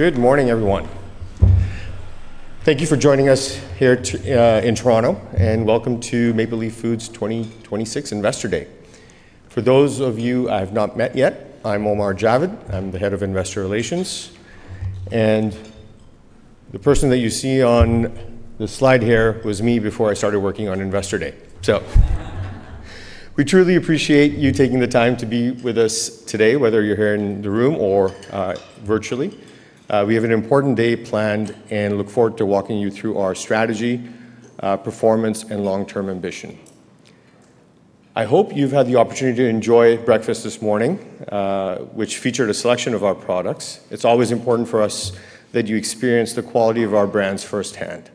Good morning, everyone. Thank you for joining us here in Toronto, and welcome to Maple Leaf Foods' 2026 Investor Day. For those of you I have not met yet, I'm Omar Javed. I'm the head of Investor Relations, and the person that you see on the slide here was me before I started working on Investor Day, so. We truly appreciate you taking the time to be with us today, whether you're here in the room or virtually. We have an important day planned and look forward to walking you through our strategy, performance, and long-term ambition. I hope you've had the opportunity to enjoy breakfast this morning, which featured a selection of our products. It's always important for us that you experience the quality of our brands firsthand.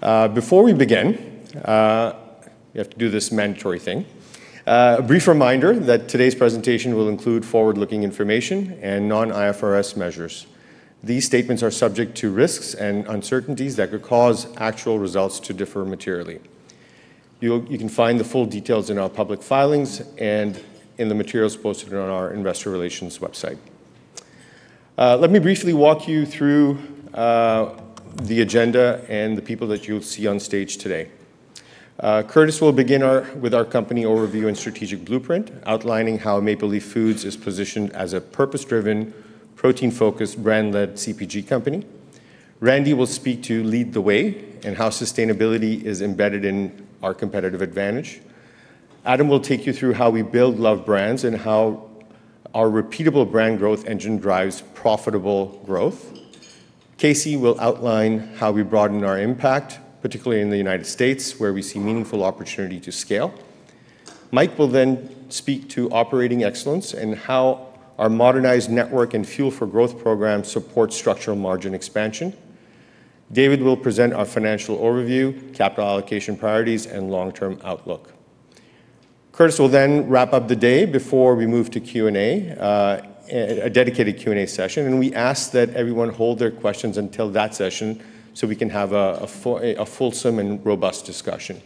Before we begin, we have to do this mandatory thing. A brief reminder that today's presentation will include forward-looking information and non-IFRS measures. These statements are subject to risks and uncertainties that could cause actual results to differ materially. You can find the full details in our public filings and in the materials posted on our investor relations website. Let me briefly walk you through the agenda and the people that you'll see on stage today. Curtis will begin with our company overview and strategic blueprint, outlining how Maple Leaf Foods is positioned as a purpose-driven, protein-focused, brand-led CPG company. Randy will speak to Lead the Way and how sustainability is embedded in our competitive advantage. Adam will take you through how we build loved brands and how our repeatable brand growth engine drives profitable growth. Casey will outline how we broaden our impact, particularly in the United States, where we see meaningful opportunity to scale. Mike will then speak to operating excellence and how our modernized network and Fuel for Growth program supports structural margin expansion. David will present our financial overview, capital allocation priorities, and long-term outlook. Curtis will then wrap up the day before we move to Q&A, a dedicated Q&A session, and we ask that everyone hold their questions until that session, so we can have a fulsome and robust discussion.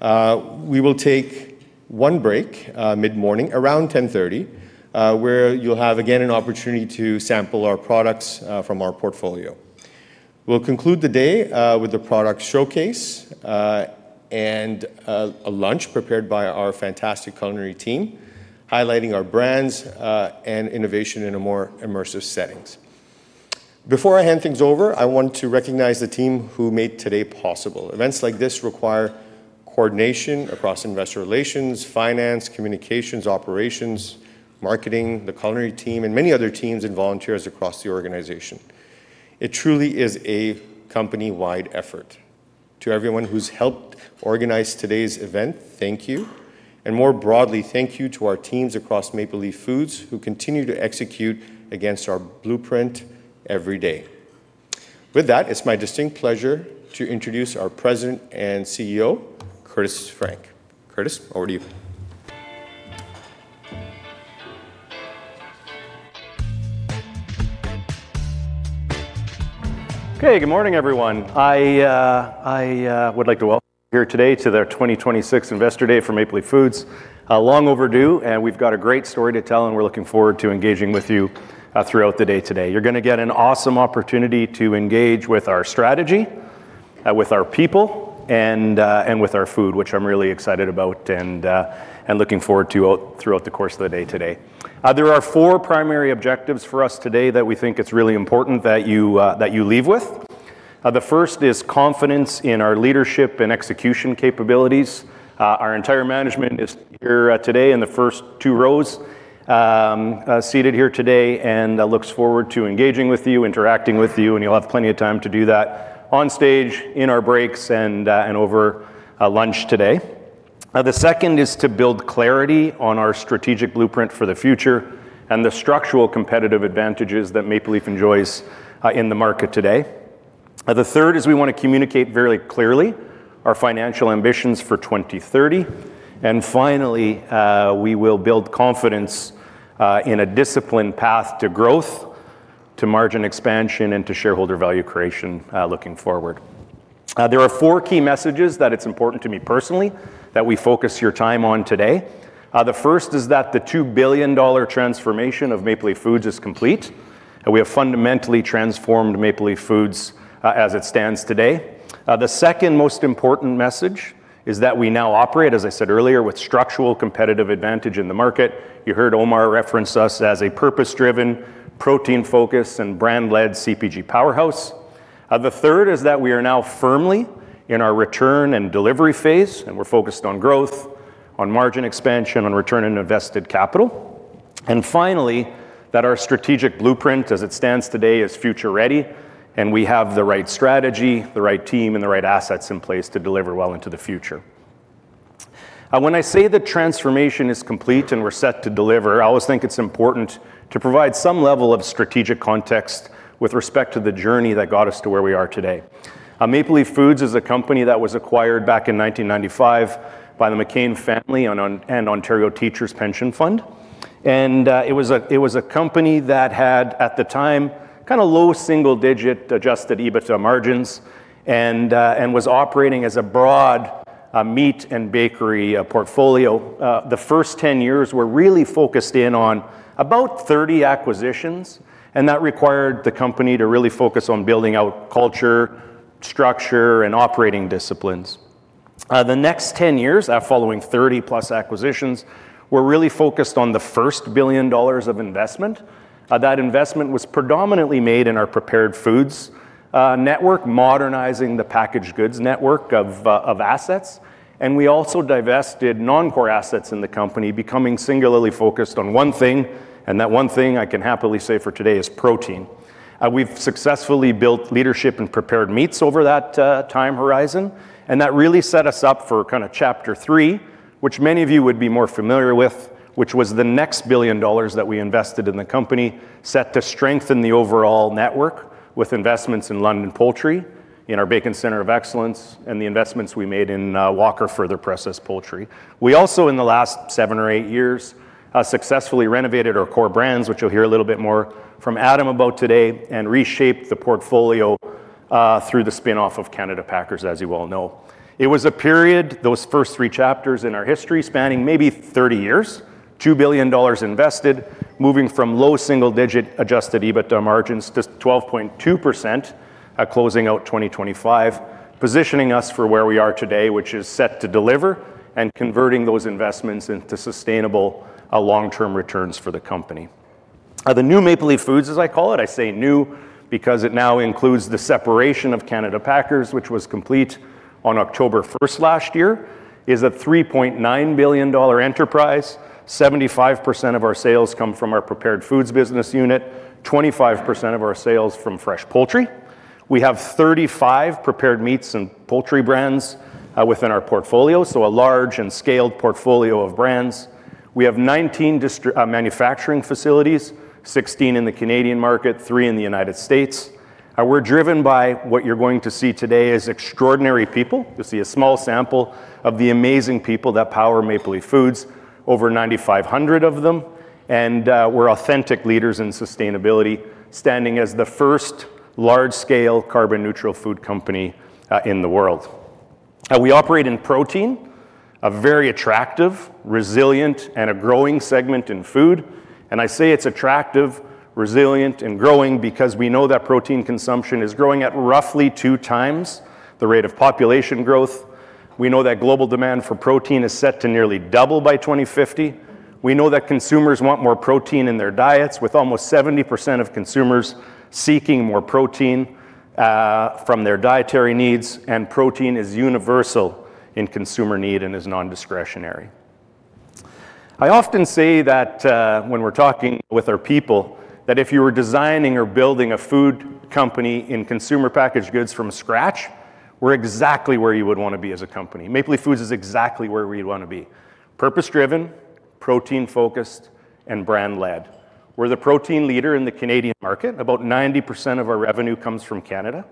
We will take one break mid-morning, around 10:30 A.M., where you'll have again an opportunity to sample our products from our portfolio. We'll conclude the day with a product showcase and a lunch prepared by our fantastic culinary team, highlighting our brands and innovation in a more immersive setting. Before I hand things over, I want to recognize the team who made today possible. Events like this require coordination across investor relations, finance, communications, operations, marketing, the culinary team, and many other teams and volunteers across the organization. It truly is a company-wide effort. To everyone who's helped organize today's event, thank you. More broadly, thank you to our teams across Maple Leaf Foods who continue to execute against our blueprint every day. With that, it's my distinct pleasure to introduce our President and CEO, Curtis Frank. Curtis, over to you. Okay, good morning, everyone. I would like to welcome you here today to the 2026 Investor Day for Maple Leaf Foods. Long overdue, and we've got a great story to tell, and we're looking forward to engaging with you throughout the day today. You're gonna get an awesome opportunity to engage with our strategy, with our people, and with our food, which I'm really excited about and looking forward to throughout the course of the day today. There are four primary objectives for us today that we think it's really important that you leave with. The first is confidence in our leadership and execution capabilities. Our entire management is here today in the first two rows, seated here today and looks forward to engaging with you, interacting with you, and you'll have plenty of time to do that on stage, in our breaks, and over lunch today. The second is to build clarity on our strategic blueprint for the future and the structural competitive advantages that Maple Leaf enjoys in the market today. The third is we wanna communicate very clearly our financial ambitions for 2030. Finally, we will build confidence in a disciplined path to growth, to margin expansion, and to shareholder value creation looking forward. There are four key messages that it's important to me personally that we focus your time on today. The first is that the 2 billion dollar transformation of Maple Leaf Foods is complete, and we have fundamentally transformed Maple Leaf Foods as it stands today. The second most important message is that we now operate, as I said earlier, with structural competitive advantage in the market. You heard Omar reference us as a purpose-driven, protein-focused, and brand-led CPG powerhouse. The third is that we are now firmly in our return and delivery phase, and we're focused on growth, on margin expansion, on return on invested capital. Finally, that our strategic blueprint as it stands today is future-ready, and we have the right strategy, the right team, and the right assets in place to deliver well into the future. When I say the transformation is complete and we're set to deliver, I always think it's important to provide some level of strategic context with respect to the journey that got us to where we are today. Maple Leaf Foods is a company that was acquired back in 1995 by the McCain family and Ontario Teachers' Pension Plan. It was a company that had, at the time, kinda low single-digit adjusted EBITDA margins and was operating as a broadline meat and bakery portfolio. The first 10 years were really focused in on about 30 acquisitions, and that required the company to really focus on building out culture, structure, and operating disciplines. The next 10 years, that following 30-plus acquisitions, were really focused on the first 1 billion dollars of investment. That investment was predominantly made in our prepared foods network, modernizing the packaged goods network of assets. We also divested non-core assets in the company, becoming singularly focused on one thing, and that one thing I can happily say for today is protein. We've successfully built leadership in prepared meats over that time horizon, and that really set us up for kinda chapter three, which many of you would be more familiar with, which was the next 1 billion dollars that we invested in the company, set to strengthen the overall network with investments in London Poultry, in our Bacon Center of Excellence, and the investments we made in Walker for their processed poultry. We also in the last seven or eight years, successfully renovated our core brands, which you'll hear a little bit more from Adam about today, and reshaped the portfolio, through the spin-off of Canada Packers, as you well know. It was a period, those first three chapters in our history, spanning maybe 30 years, 2 billion dollars invested, moving from low single-digit adjusted EBITDA margins to 12.2%, closing out 2025, positioning us for where we are today, which is set to deliver and converting those investments into sustainable, long-term returns for the company. The new Maple Leaf Foods, as I call it, I say new because it now includes the separation of Canada Packers, which was complete on October 1 last year, is a 3.9 billion dollar enterprise. 75% of our sales come from our prepared foods business unit, 25% of our sales from fresh poultry. We have 35 prepared meats and poultry brands within our portfolio, so a large and scaled portfolio of brands. We have 19 manufacturing facilities, 16 in the Canadian market, three in the United States. We're driven by what you're going to see today is extraordinary people. You'll see a small sample of the amazing people that power Maple Leaf Foods, over 9,500 of them. We're authentic leaders in sustainability, standing as the first large-scale carbon-neutral food company in the world. We operate in protein, a very attractive, resilient, and a growing segment in food. I say it's attractive, resilient, and growing because we know that protein consumption is growing at roughly two times the rate of population growth. We know that global demand for protein is set to nearly double by 2050. We know that consumers want more protein in their diets, with almost 70% of consumers seeking more protein from their dietary needs, and protein is universal in consumer need and is non-discretionary. I often say that when we're talking with our people, that if you were designing or building a food company in consumer packaged goods from scratch, we're exactly where you would wanna be as a company. Maple Leaf Foods is exactly where we'd wanna be, purpose-driven, protein-focused, and brand-led. We're the protein leader in the Canadian market. About 90% of our revenue comes from Canada.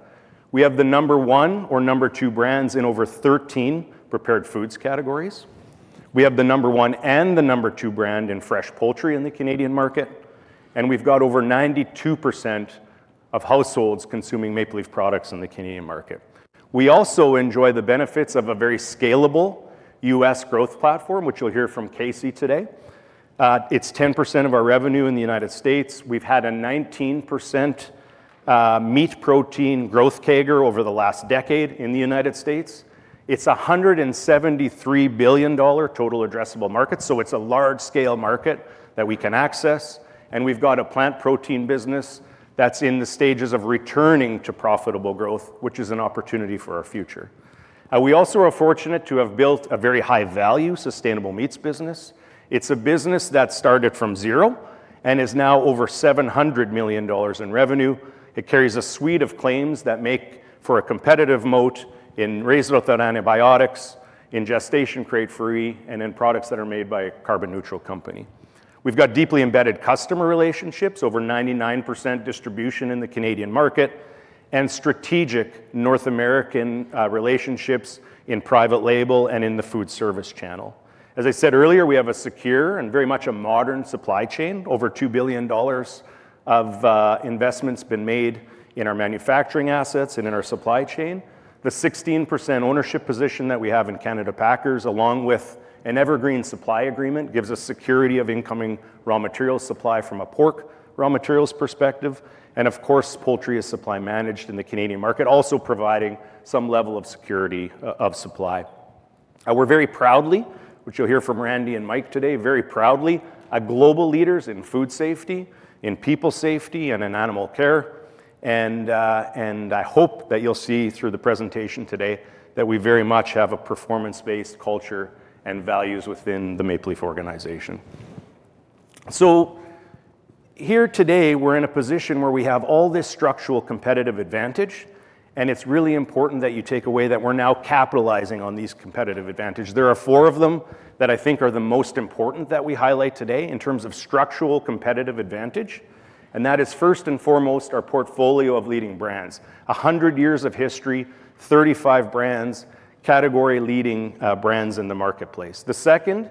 We have the number one or number two brands in over 13 prepared foods categories. We have the number one and the number two brand in fresh poultry in the Canadian market. We've got over 92% of households consuming Maple Leaf products in the Canadian market. We also enjoy the benefits of a very scalable U.S. growth platform, which you'll hear from Casey today. It's 10% of our revenue in the United States. We've had a 19%, meat protein growth CAGR over the last decade in the United States. It's a $173 billion total addressable market, so it's a large-scale market that we can access. We've got a plant protein business that's in the stages of returning to profitable growth, which is an opportunity for our future. We also are fortunate to have built a very high-value sustainable meats business. It's a business that started from zero and is now over 700 million dollars in revenue. It carries a suite of claims that make for a competitive moat in raised without antibiotics, in gestation crate-free, and in products that are made by a carbon-neutral company. We've got deeply embedded customer relationships, over 99% distribution in the Canadian market, and strategic North American relationships in private label and in the food service channel. As I said earlier, we have a secure and very much a modern supply chain. Over 2 billion dollars of investment's been made in our manufacturing assets and in our supply chain. The 16% ownership position that we have in Canada Packers, along with an evergreen supply agreement, gives us security of incoming raw material supply from a pork raw materials perspective. Of course, poultry is supply managed in the Canadian market, also providing some level of security of supply. We're very proudly, which you'll hear from Randy and Mike today, very proudly global leaders in food safety, in people safety, and in animal care. I hope that you'll see through the presentation today that we very much have a performance-based culture and values within the Maple Leaf organization. Here today, we're in a position where we have all this structural competitive advantage, and it's really important that you take away that we're now capitalizing on these competitive advantage. There are four of them that I think are the most important that we highlight today in terms of structural competitive advantage, and that is first and foremost our portfolio of leading brands. 100 years of history, 35 brands, category-leading brands in the marketplace. The second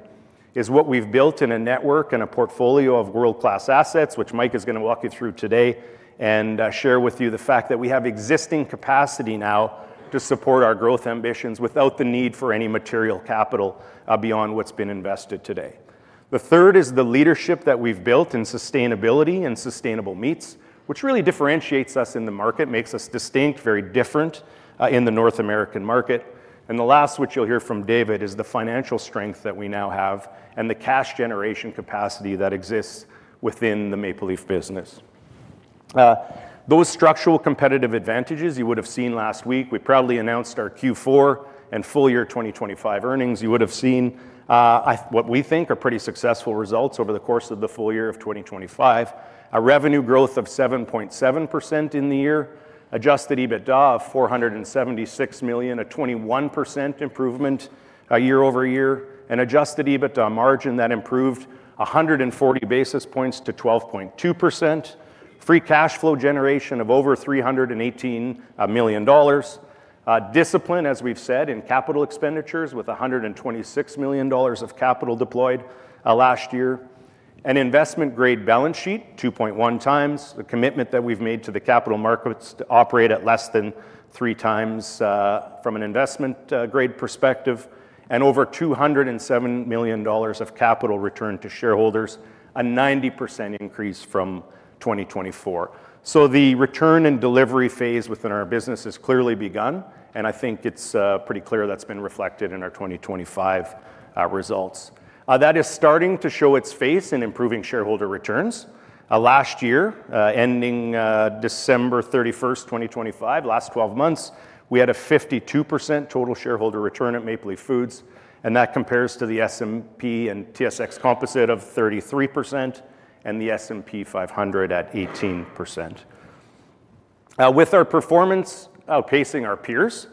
is what we've built in a network and a portfolio of world-class assets, which Mike is gonna walk you through today, and share with you the fact that we have existing capacity now to support our growth ambitions without the need for any material capital beyond what's been invested today. The third is the leadership that we've built in sustainability and sustainable meats, which really differentiates us in the market, makes us distinct, very different in the North American market. The last, which you'll hear from David, is the financial strength that we now have and the cash generation capacity that exists within the Maple Leaf business. Those structural competitive advantages you would have seen last week. We proudly announced our Q4 and full year 2025 earnings. You would have seen, I, what we think are pretty successful results over the course of the full year of 2025. Revenue growth of 7.7% in the year, adjusted EBITDA of 476 million, a 21% improvement year-over-year, an adjusted EBITDA margin that improved 140 basis points to 12.2%, free cash flow generation of over 318 million dollars, discipline, as we've said, in capital expenditures with 126 million dollars of capital deployed last year, an investment-grade balance sheet 2.1x, the commitment that we've made to the capital markets to operate at less than 3x from an investment-grade perspective, and over 207 million dollars of capital returned to shareholders, a 90% increase from 2024. The return and delivery phase within our business has clearly begun, and I think it's pretty clear that's been reflected in our 2025 results. That is starting to show its face in improving shareholder returns. Last year ending December 31, 2025, last 12 months, we had a 52% total shareholder return at Maple Leaf Foods, and that compares to the S&P/TSX Composite of 33% and the S&P 500 at 18%. With our performance outpacing our peers,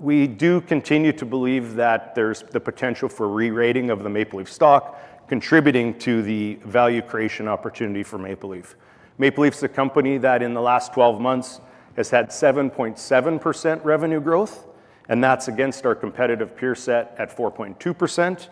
we do continue to believe that there's the potential for re-rating of the Maple Leaf stock, contributing to the value creation opportunity for Maple Leaf. Maple Leaf's the company that in the last 12 months has had 7.7% revenue growth, and that's against our competitive peer set at 4.2%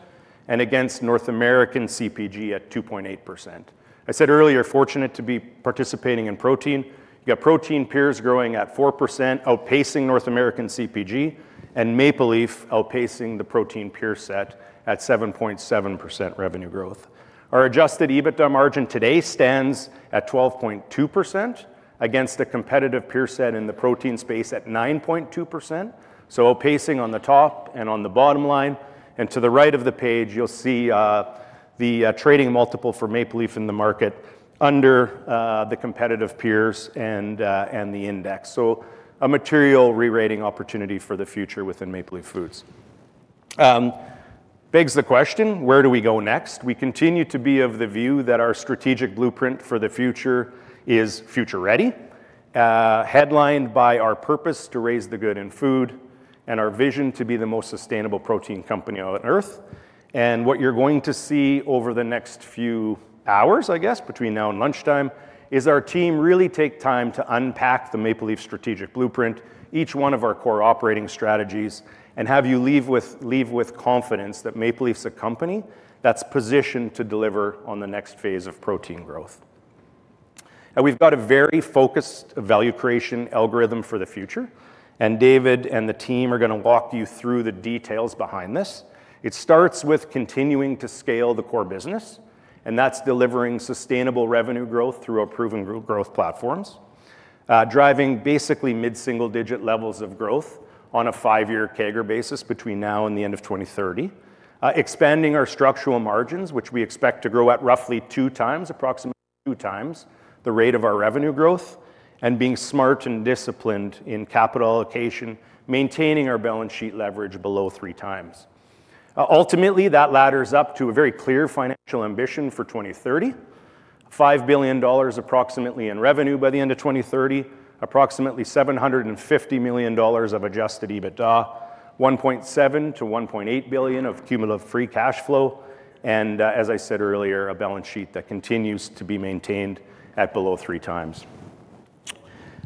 and against North American CPG at 2.8%. I said earlier, fortunate to be participating in protein. You got protein peers growing at 4%, outpacing North American CPG, and Maple Leaf outpacing the protein peer set at 7.7% revenue growth. Our adjusted EBITDA margin today stands at 12.2% against a competitive peer set in the protein space at 9.2%, so pacing on the top and on the bottom line. To the right of the page, you'll see the trading multiple for Maple Leaf in the market under the competitive peers and the index. A material re-rating opportunity for the future within Maple Leaf Foods. Begs the question: Where do we go next? We continue to be of the view that our strategic blueprint for the future is future-ready, headlined by our purpose to raise the good in food and our vision to be the most sustainable protein company on Earth. What you're going to see over the next few hours, I guess, between now and lunchtime, is our team really take time to unpack the Maple Leaf strategic blueprint, each one of our core operating strategies, and have you leave with confidence that Maple Leaf's a company that's positioned to deliver on the next phase of protein growth. We've got a very focused value creation algorithm for the future, and David and the team are gonna walk you through the details behind this. It starts with continuing to scale the core business, and that's delivering sustainable revenue growth through our proven growth platforms, driving basically mid-single digit levels of growth on a five-year CAGR basis between now and the end of 2030, expanding our structural margins, which we expect to grow at roughly two times, approximately two times the rate of our revenue growth, and being smart and disciplined in capital allocation, maintaining our balance sheet leverage below 3x. Ultimately, that ladders up to a very clear financial ambition for 2030, approximately 5 billion dollars in revenue by the end of 2030, approximately 750 million dollars of adjusted EBITDA, 1.7 billion-1.8 billion of cumulative free cash flow, and, as I said earlier, a balance sheet that continues to be maintained at below 3x.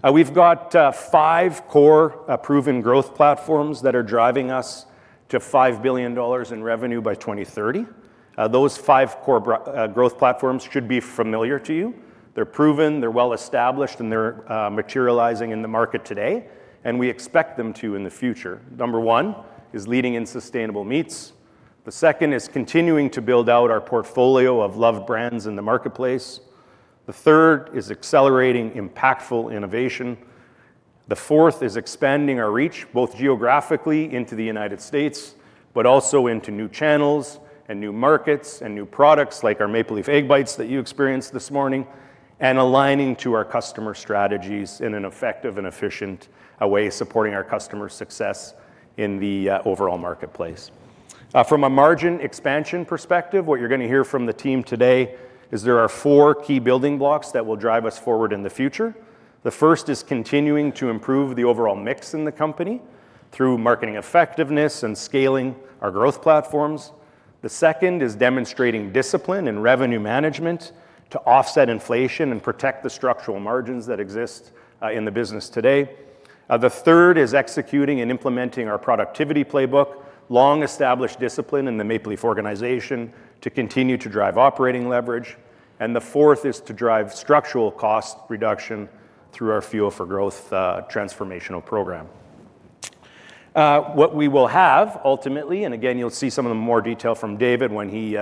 We've got five core proven growth platforms that are driving us to 5 billion dollars in revenue by 2030. Those five core growth platforms should be familiar to you. They're proven, they're well established, and they're materializing in the market today, and we expect them to in the future. Number one is leading in sustainable meats. The second is continuing to build out our portfolio of loved brands in the marketplace. The third is accelerating impactful innovation. The fourth is expanding our reach, both geographically into the United States, but also into new channels and new markets and new products like our Maple Leaf Egg Bites that you experienced this morning, and aligning to our customer strategies in an effective and efficient way, supporting our customer success in the overall marketplace. From a margin expansion perspective, what you're gonna hear from the team today is there are four key building blocks that will drive us forward in the future. The first is continuing to improve the overall mix in the company through marketing effectiveness and scaling our growth platforms. The second is demonstrating discipline in revenue management. To offset inflation and protect the structural margins that exist in the business today. The third is executing and implementing our productivity playbook, long-established discipline in the Maple Leaf organization to continue to drive operating leverage. The fourth is to drive structural cost reduction through our Fuel for Growth transformational program. What we will have ultimately, and again, you'll see some of the more detail from David when he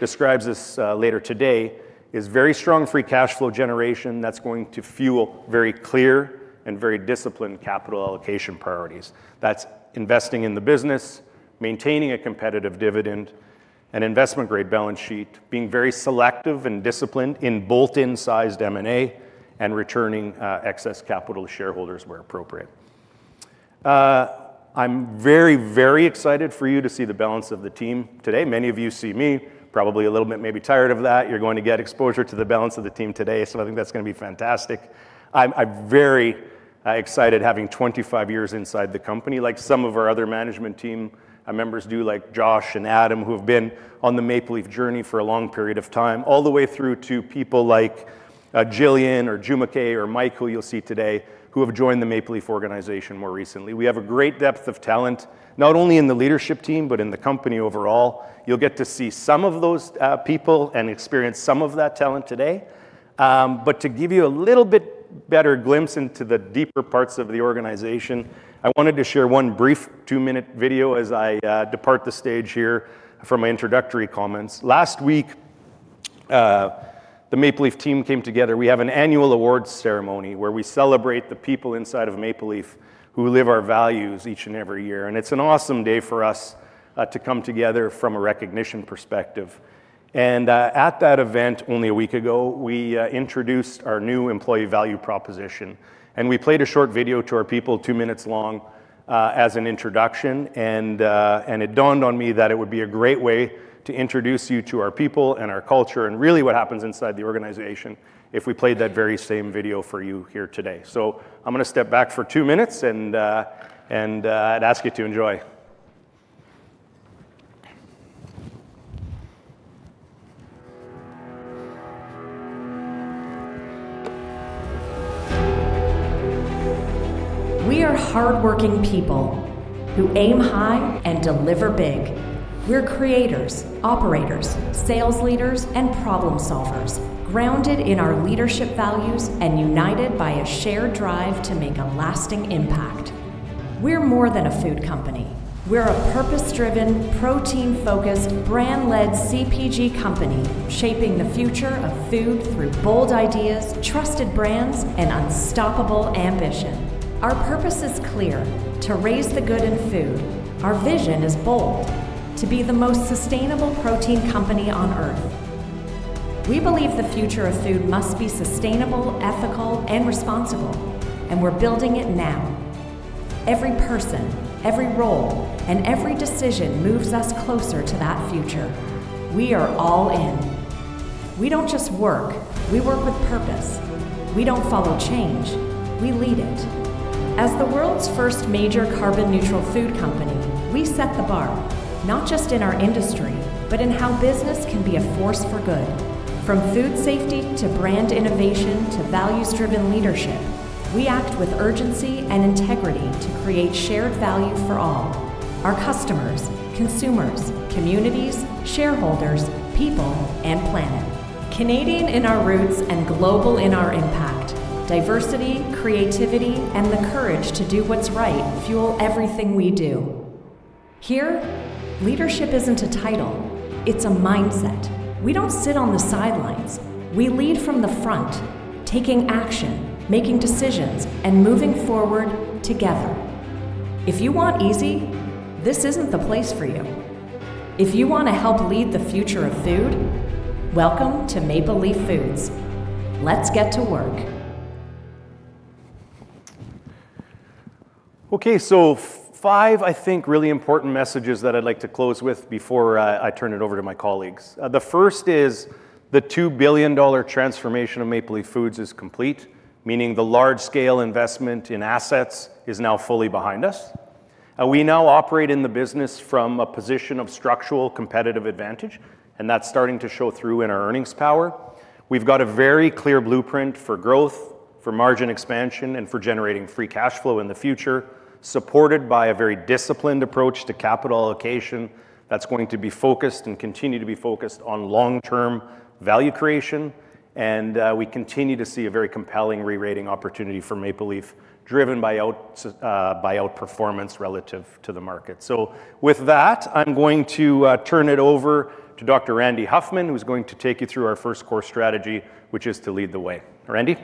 describes this later today, is very strong free cash flow generation that's going to fuel very clear and very disciplined capital allocation priorities. That's investing in the business, maintaining a competitive dividend, an investment-grade balance sheet, being very selective and disciplined in bolt-in sized M&A, and returning excess capital to shareholders where appropriate. I'm very, very excited for you to see the balance of the team today. Many of you see me probably a little bit maybe tired of that. You're going to get exposure to the balance of the team today, so I think that's gonna be fantastic. I'm very excited having 25 years inside the company, like some of our other management team members do, like Josh and Adam, who have been on the Maple Leaf journey for a long period of time, all the way through to people like Jillian or Jumoke or Mike, who you'll see today, who have joined the Maple Leaf organization more recently. We have a great depth of talent, not only in the leadership team, but in the company overall. You'll get to see some of those people and experience some of that talent today. To give you a little bit better glimpse into the deeper parts of the organization, I wanted to share one brief two-minute video as I depart the stage here for my introductory comments. Last week, the Maple Leaf team came together. We have an annual awards ceremony where we celebrate the people inside of Maple Leaf who live our values each and every year, and it's an awesome day for us to come together from a recognition perspective. At that event only a week ago, we introduced our new employee value proposition, and we played a short video to our people two minutes long as an introduction. It dawned on me that it would be a great way to introduce you to our people and our culture and really what happens inside the organization if we played that very same video for you here today. I'm gonna step back for two minutes, and I'd ask you to enjoy. We are hardworking people who aim high and deliver big. We're creators, operators, sales leaders, and problem-solvers, grounded in our leadership values and united by a shared drive to make a lasting impact. We're more than a food company. We're a purpose-driven, protein-focused, brand-led CPG company, shaping the future of food through bold ideas, trusted brands, and unstoppable ambition. Our purpose is clear, to raise the good in food. Our vision is bold, to be the most sustainable protein company on Earth. We believe the future of food must be sustainable, ethical, and responsible, and we're building it now. Every person, every role, and every decision moves us closer to that future. We are all in. We don't just work. We work with purpose. We don't follow change. We lead it. As the world's first major carbon-neutral food company, we set the bar, not just in our industry, but in how business can be a force for good. From food safety to brand innovation to values-driven leadership, we act with urgency and integrity to create shared value for all, our customers, consumers, communities, shareholders, people, and planet. Canadian in our roots and global in our impact, diversity, creativity, and the courage to do what's right fuel everything we do. Here, leadership isn't a title, it's a mindset. We don't sit on the sidelines. We lead from the front, taking action, making decisions, and moving forward together. If you want easy, this isn't the place for you. If you want to help lead the future of food, welcome to Maple Leaf Foods. Let's get to work. Okay, five, I think, really important messages that I'd like to close with before I turn it over to my colleagues. The first is the 2 billion dollar transformation of Maple Leaf Foods is complete, meaning the large-scale investment in assets is now fully behind us. We now operate in the business from a position of structural competitive advantage, and that's starting to show through in our earnings power. We've got a very clear blueprint for growth, for margin expansion, and for generating free cash flow in the future, supported by a very disciplined approach to capital allocation that's going to be focused and continue to be focused on long-term value creation, and we continue to see a very compelling re-rating opportunity for Maple Leaf, driven by outperformance relative to the market. With that, I'm going to turn it over to Dr. Randy Huffman, who's going to take you through our first core strategy, which is to Lead the Way. Randy?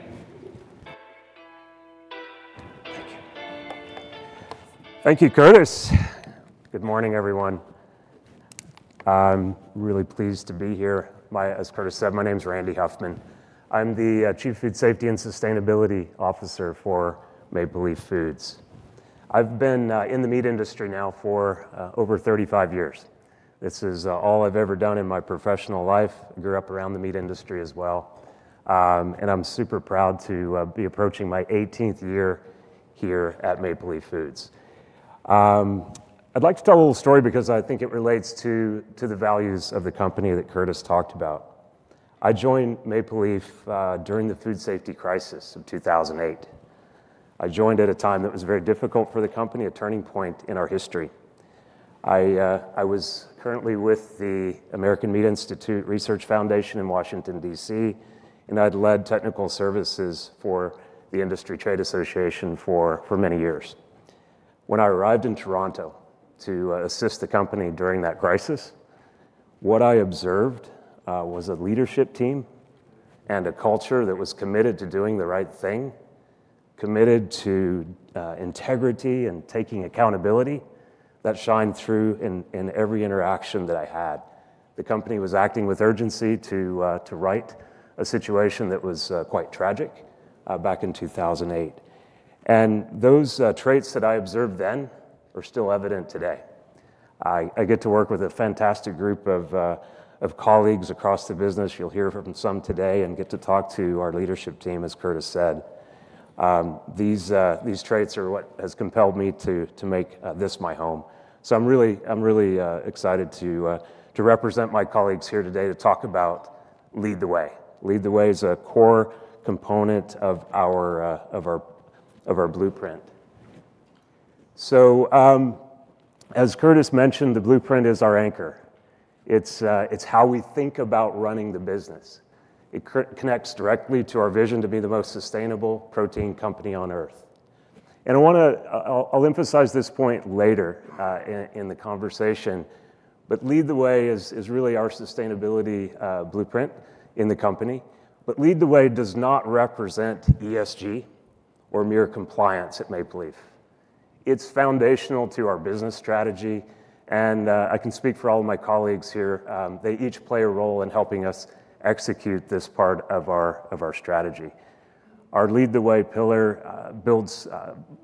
Thank you. Thank you, Curtis. Good morning, everyone. I'm really pleased to be here. As Curtis said, my name's Randy Huffman. I'm the Chief Food Safety and Sustainability Officer for Maple Leaf Foods. I've been in the meat industry now for over 35 years. This is all I've ever done in my professional life. Grew up around the meat industry as well. I'm super proud to be approaching my 18th year here at Maple Leaf Foods. I'd like to tell a little story because I think it relates to the values of the company that Curtis talked about. I joined Maple Leaf during the food safety crisis of 2008. I joined at a time that was very difficult for the company, a turning point in our history. I was currently with the American Meat Institute Foundation in Washington, D.C., and I'd led technical services for the Industry Trade Association for many years. When I arrived in Toronto to assist the company during that crisis, what I observed was a leadership team and a culture that was committed to doing the right thing, committed to integrity and taking accountability that shined through in every interaction that I had. The company was acting with urgency to right a situation that was quite tragic back in 2008. Those traits that I observed then are still evident today. I get to work with a fantastic group of colleagues across the business. You'll hear from some today and get to talk to our leadership team, as Curtis said. These traits are what has compelled me to make this my home. I'm really excited to represent my colleagues here today to talk about Lead the Way. Lead the Way is a core component of our blueprint. As Curtis mentioned, the blueprint is our anchor. It's how we think about running the business. It connects directly to our vision to be the most sustainable protein company on Earth. I wanna I'll emphasize this point later in the conversation. Lead the Way is really our sustainability blueprint in the company. Lead the Way does not represent ESG or mere compliance at Maple Leaf. It's foundational to our business strategy, and I can speak for all of my colleagues here, they each play a role in helping us execute this part of our strategy. Our Lead the Way pillar builds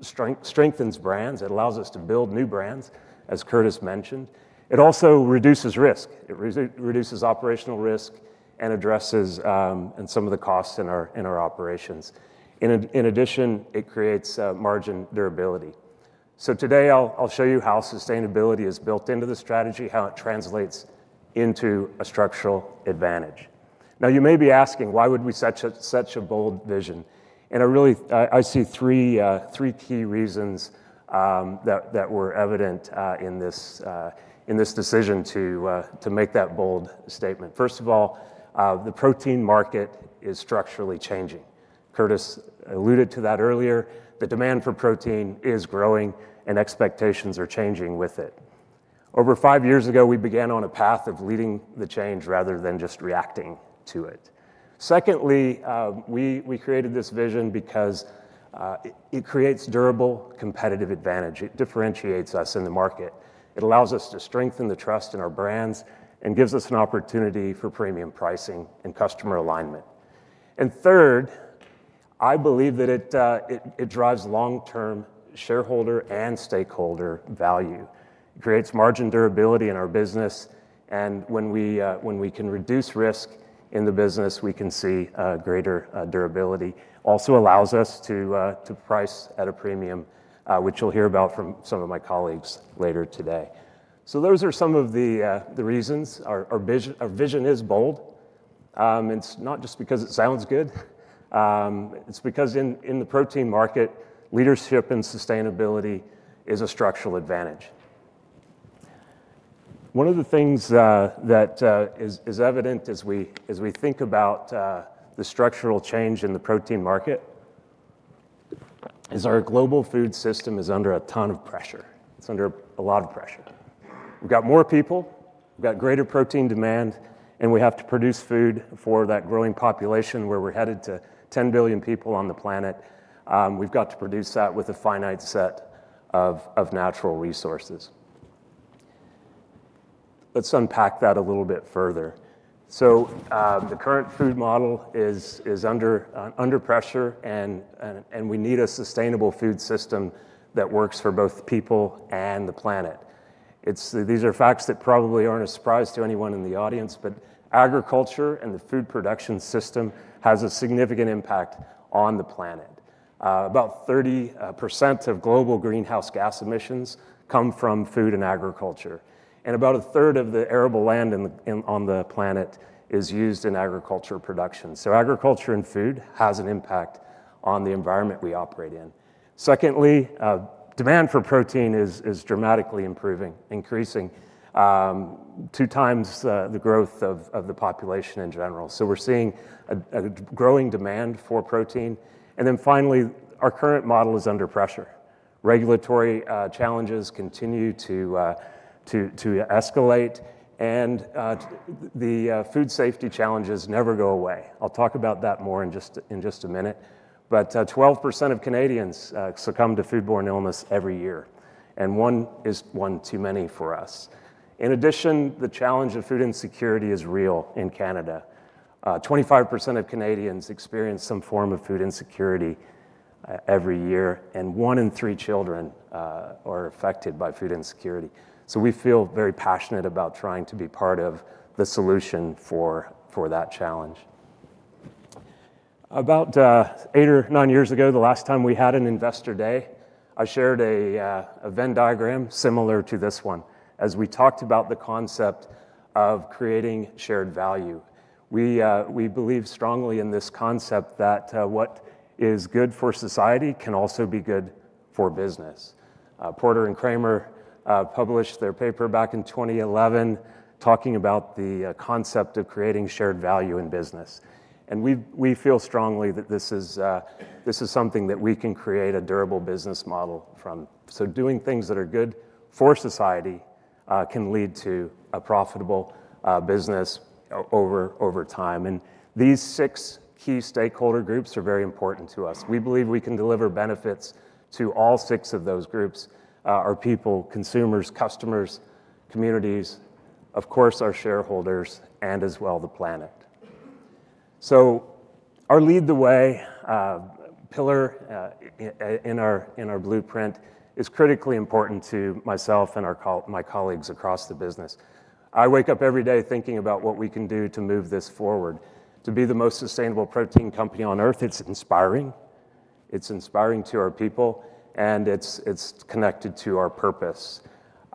strengthens brands. It allows us to build new brands, as Curtis mentioned. It also reduces risk. It reduces operational risk and addresses and some of the costs in our operations. In addition, it creates margin durability. Today I'll show you how sustainability is built into the strategy, how it translates into a structural advantage. Now, you may be asking, "Why would we set such a bold vision?" I really see three key reasons that were evident in this decision to make that bold statement. First of all, the protein market is structurally changing. Curtis alluded to that earlier. The demand for protein is growing, and expectations are changing with it. Over five years ago, we began on a path of leading the change rather than just reacting to it. Secondly, we created this vision because it creates durable competitive advantage. It differentiates us in the market. It allows us to strengthen the trust in our brands and gives us an opportunity for premium pricing and customer alignment. Third, I believe that it drives long-term shareholder and stakeholder value. It creates margin durability in our business, and when we can reduce risk in the business, we can see greater durability. Also allows us to price at a premium, which you'll hear about from some of my colleagues later today. Those are some of the reasons. Our vision is bold. It's not just because it sounds good. It's because in the protein market, leadership and sustainability is a structural advantage. One of the things that is evident as we think about the structural change in the protein market is our global food system is under a ton of pressure. It's under a lot of pressure. We've got more people, we've got greater protein demand, and we have to produce food for that growing population, where we're headed to 10 billion people on the planet. We've got to produce that with a finite set of natural resources. Let's unpack that a little bit further. The current food model is under pressure, and we need a sustainable food system that works for both people and the planet. These are facts that probably aren't a surprise to anyone in the audience, but agriculture and the food production system has a significant impact on the planet. About 30% of global greenhouse gas emissions come from food and agriculture, and about a third of the arable land on the planet is used in agriculture production. Agriculture and food has an impact on the environment we operate in. Secondly, demand for protein is dramatically improving, increasing two times the growth of the population in general. We're seeing a growing demand for protein. Then finally, our current model is under pressure. Regulatory challenges continue to escalate, and the food safety challenges never go away. I'll talk about that more in just a minute. 12% of Canadians succumb to foodborne illness every year, and one is one too many for us. In addition, the challenge of food insecurity is real in Canada. Twenty-five percent of Canadians experience some form of food insecurity every year, and one in three children are affected by food insecurity. We feel very passionate about trying to be part of the solution for that challenge. About eight or nine years ago, the last time we had an investor day, I shared a Venn diagram similar to this one as we talked about the concept of Creating Shared Value. We believe strongly in this concept that what is good for society can also be good for business. Porter and Kramer published their paper back in 2011 talking about the concept of creating shared value in business. We feel strongly that this is something that we can create a durable business model from. Doing things that are good for society can lead to a profitable business over time. These six key stakeholder groups are very important to us. We believe we can deliver benefits to all six of those groups, our people, consumers, customers, communities, of course our shareholders, and as well the planet. Our Lead the Way pillar in our Blueprint is critically important to myself and my colleagues across the business. I wake up every day thinking about what we can do to move this forward. To be the most sustainable protein company on Earth, it's inspiring. It's inspiring to our people, and it's connected to our purpose.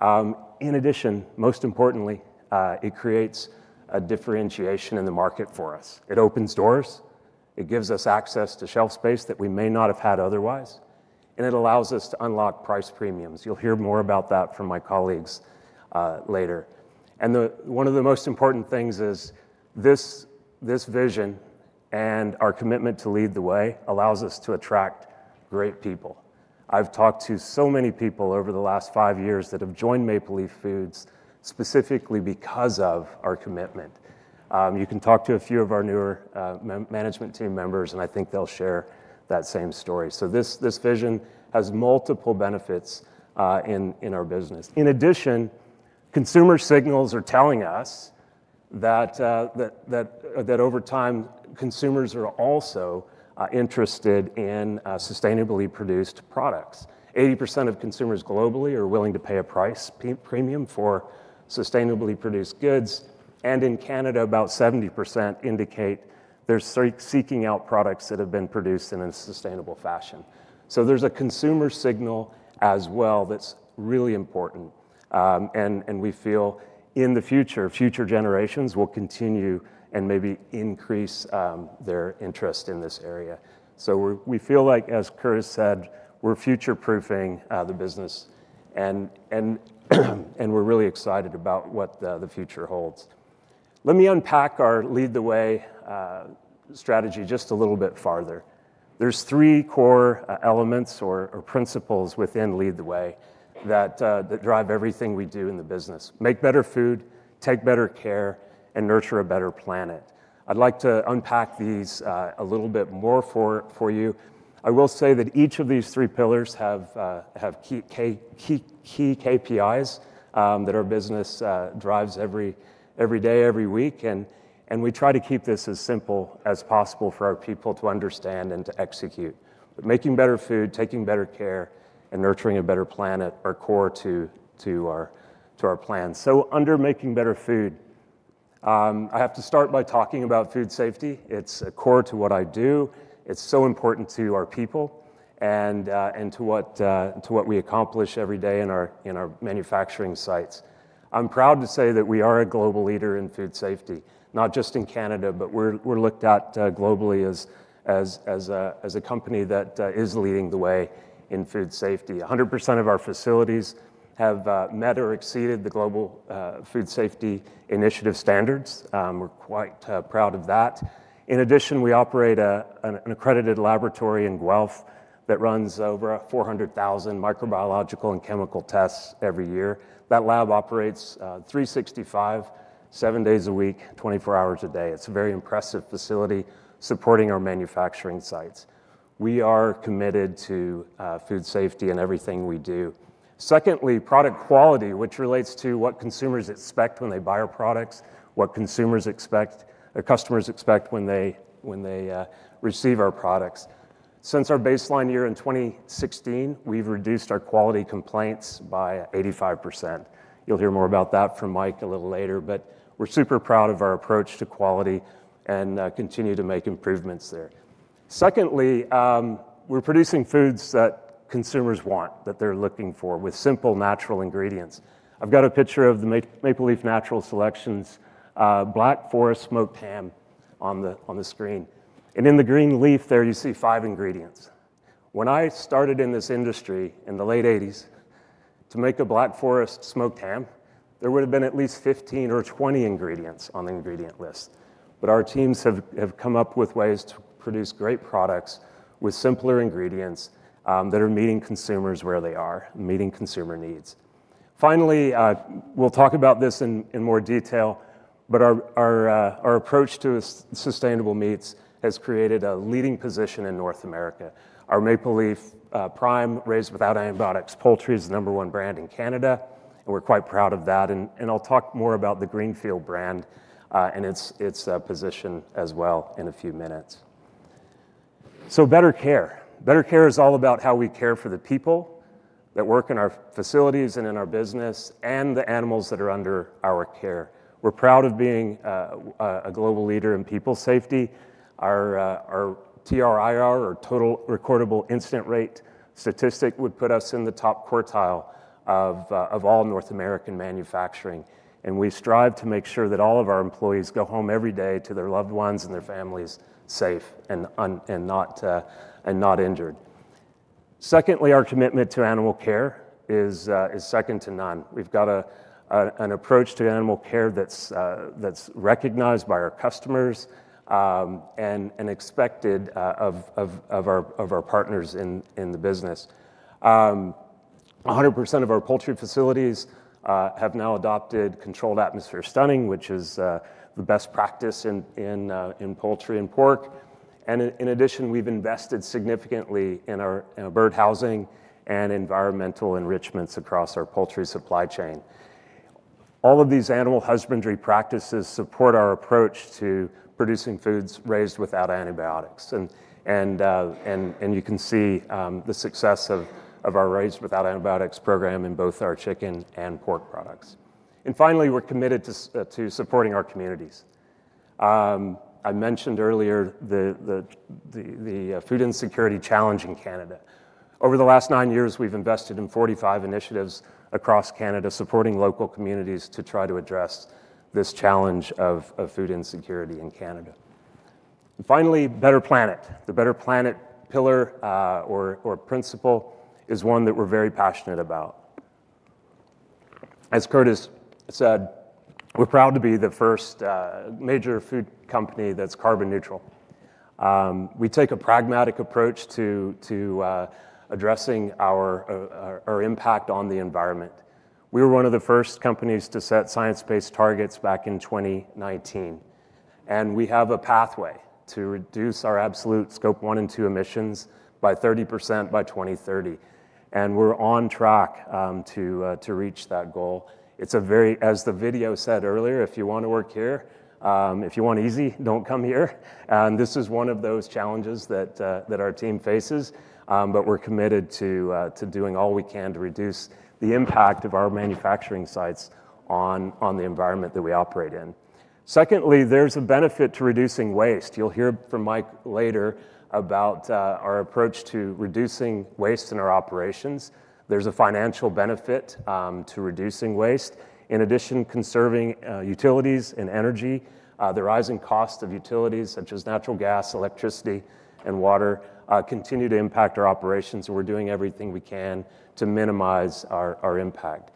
In addition, most importantly, it creates a differentiation in the market for us. It opens doors, it gives us access to shelf space that we may not have had otherwise, and it allows us to unlock price premiums. You'll hear more about that from my colleagues, later. One of the most important things is this vision and our commitment to Lead the Way allows us to attract great people. I've talked to so many people over the last five years that have joined Maple Leaf Foods specifically because of our commitment. You can talk to a few of our newer management team members, and I think they'll share that same story. This vision has multiple benefits in our business. In addition, consumer signals are telling us that over time, consumers are also interested in sustainably produced products. 80% of consumers globally are willing to pay a price premium for sustainably produced goods, and in Canada, about 70% indicate they're seeking out products that have been produced in a sustainable fashion. There's a consumer signal as well that's really important. We feel in the future generations will continue and maybe increase their interest in this area. We feel like, as Curtis said, we're future-proofing the business and we're really excited about what the future holds. Let me unpack our Lead the Way strategy just a little bit farther. There's three core elements or principles within Lead the Way that drive everything we do in the business: make better food, take better care, and nurture a better planet. I'd like to unpack these a little bit more for you. I will say that each of these three pillars have key KPIs that our business drives every day, every week, and we try to keep this as simple as possible for our people to understand and to execute. Making better food, taking better care, and nurturing a better planet are core to our plan. Under making better food, I have to start by talking about food safety. It's core to what I do. It's so important to our people and to what we accomplish every day in our manufacturing sites. I'm proud to say that we are a global leader in food safety, not just in Canada, but we're looked at globally as a company that is leading the way in food safety. 100% of our facilities have met or exceeded the Global Food Safety Initiative standards. We're quite proud of that. In addition, we operate an accredited laboratory in Guelph that runs over 400,000 microbiological and chemical tests every year. That lab operates 365, seven days a week, 24 hours a day. It's a very impressive facility supporting our manufacturing sites. We are committed to food safety in everything we do. Secondly, product quality, which relates to what consumers expect when they buy our products, what consumers expect or customers expect when they receive our products. Since our baseline year in 2016, we've reduced our quality complaints by 85%. You'll hear more about that from Mike a little later, but we're super proud of our approach to quality and continue to make improvements there. Secondly, we're producing foods that consumers want, that they're looking for, with simple, natural ingredients. I've got a picture of the Maple Leaf Natural Selections Black Forest smoked ham on the screen. In the green leaf there, you see five ingredients. When I started in this industry in the late 1980s, to make a Black Forest smoked ham, there would have been at least 15 or 20 ingredients on the ingredient list. Our teams have come up with ways to produce great products with simpler ingredients that are meeting consumers where they are, meeting consumer needs. Finally, we'll talk about this in more detail, but our approach to sustainable meats has created a leading position in North America. Our Maple Leaf Prime Raised Without Antibiotics poultry is the number one brand in Canada, and we're quite proud of that. I'll talk more about the Greenfield brand and its position as well in a few minutes. Better care. Better care is all about how we care for the people that work in our facilities and in our business and the animals that are under our care. We're proud of being a global leader in people safety. Our TRIR or Total Recordable Incident Rate statistic would put us in the top quartile of all North American manufacturing. We strive to make sure that all of our employees go home every day to their loved ones and their families safe and not injured. Secondly, our commitment to animal care is second to none. We've got an approach to animal care that's recognized by our customers and expected of our partners in the business. 100% of our poultry facilities have now adopted controlled atmosphere stunning, which is the best practice in poultry and pork. In addition, we've invested significantly in our bird housing and environmental enrichments across our poultry supply chain. All of these animal husbandry practices support our approach to producing foods raised without antibiotics. You can see the success of our Raised Without Antibiotics program in both our chicken and pork products. Finally, we're committed to supporting our communities. I mentioned earlier the food insecurity challenge in Canada. Over the last nine years, we've invested in 45 initiatives across Canada supporting local communities to try to address this challenge of food insecurity in Canada. Finally, better planet. The better planet pillar or principle is one that we're very passionate about. As Curtis said, we're proud to be the first major food company that's carbon neutral. We take a pragmatic approach to addressing our impact on the environment. We were one of the first companies to set science-based targets back in 2019, and we have a pathway to reduce our absolute Scope 1 and 2 emissions by 30% by 2030. We're on track to reach that goal. It's as the video said earlier, if you want to work here, if you want easy, don't come here. This is one of those challenges that our team faces. We're committed to doing all we can to reduce the impact of our manufacturing sites on the environment that we operate in. Secondly, there's a benefit to reducing waste. You'll hear from Mike later about our approach to reducing waste in our operations. There's a financial benefit to reducing waste. In addition, conserving utilities and energy. The rising cost of utilities such as natural gas, electricity, and water continue to impact our operations, and we're doing everything we can to minimize our impact.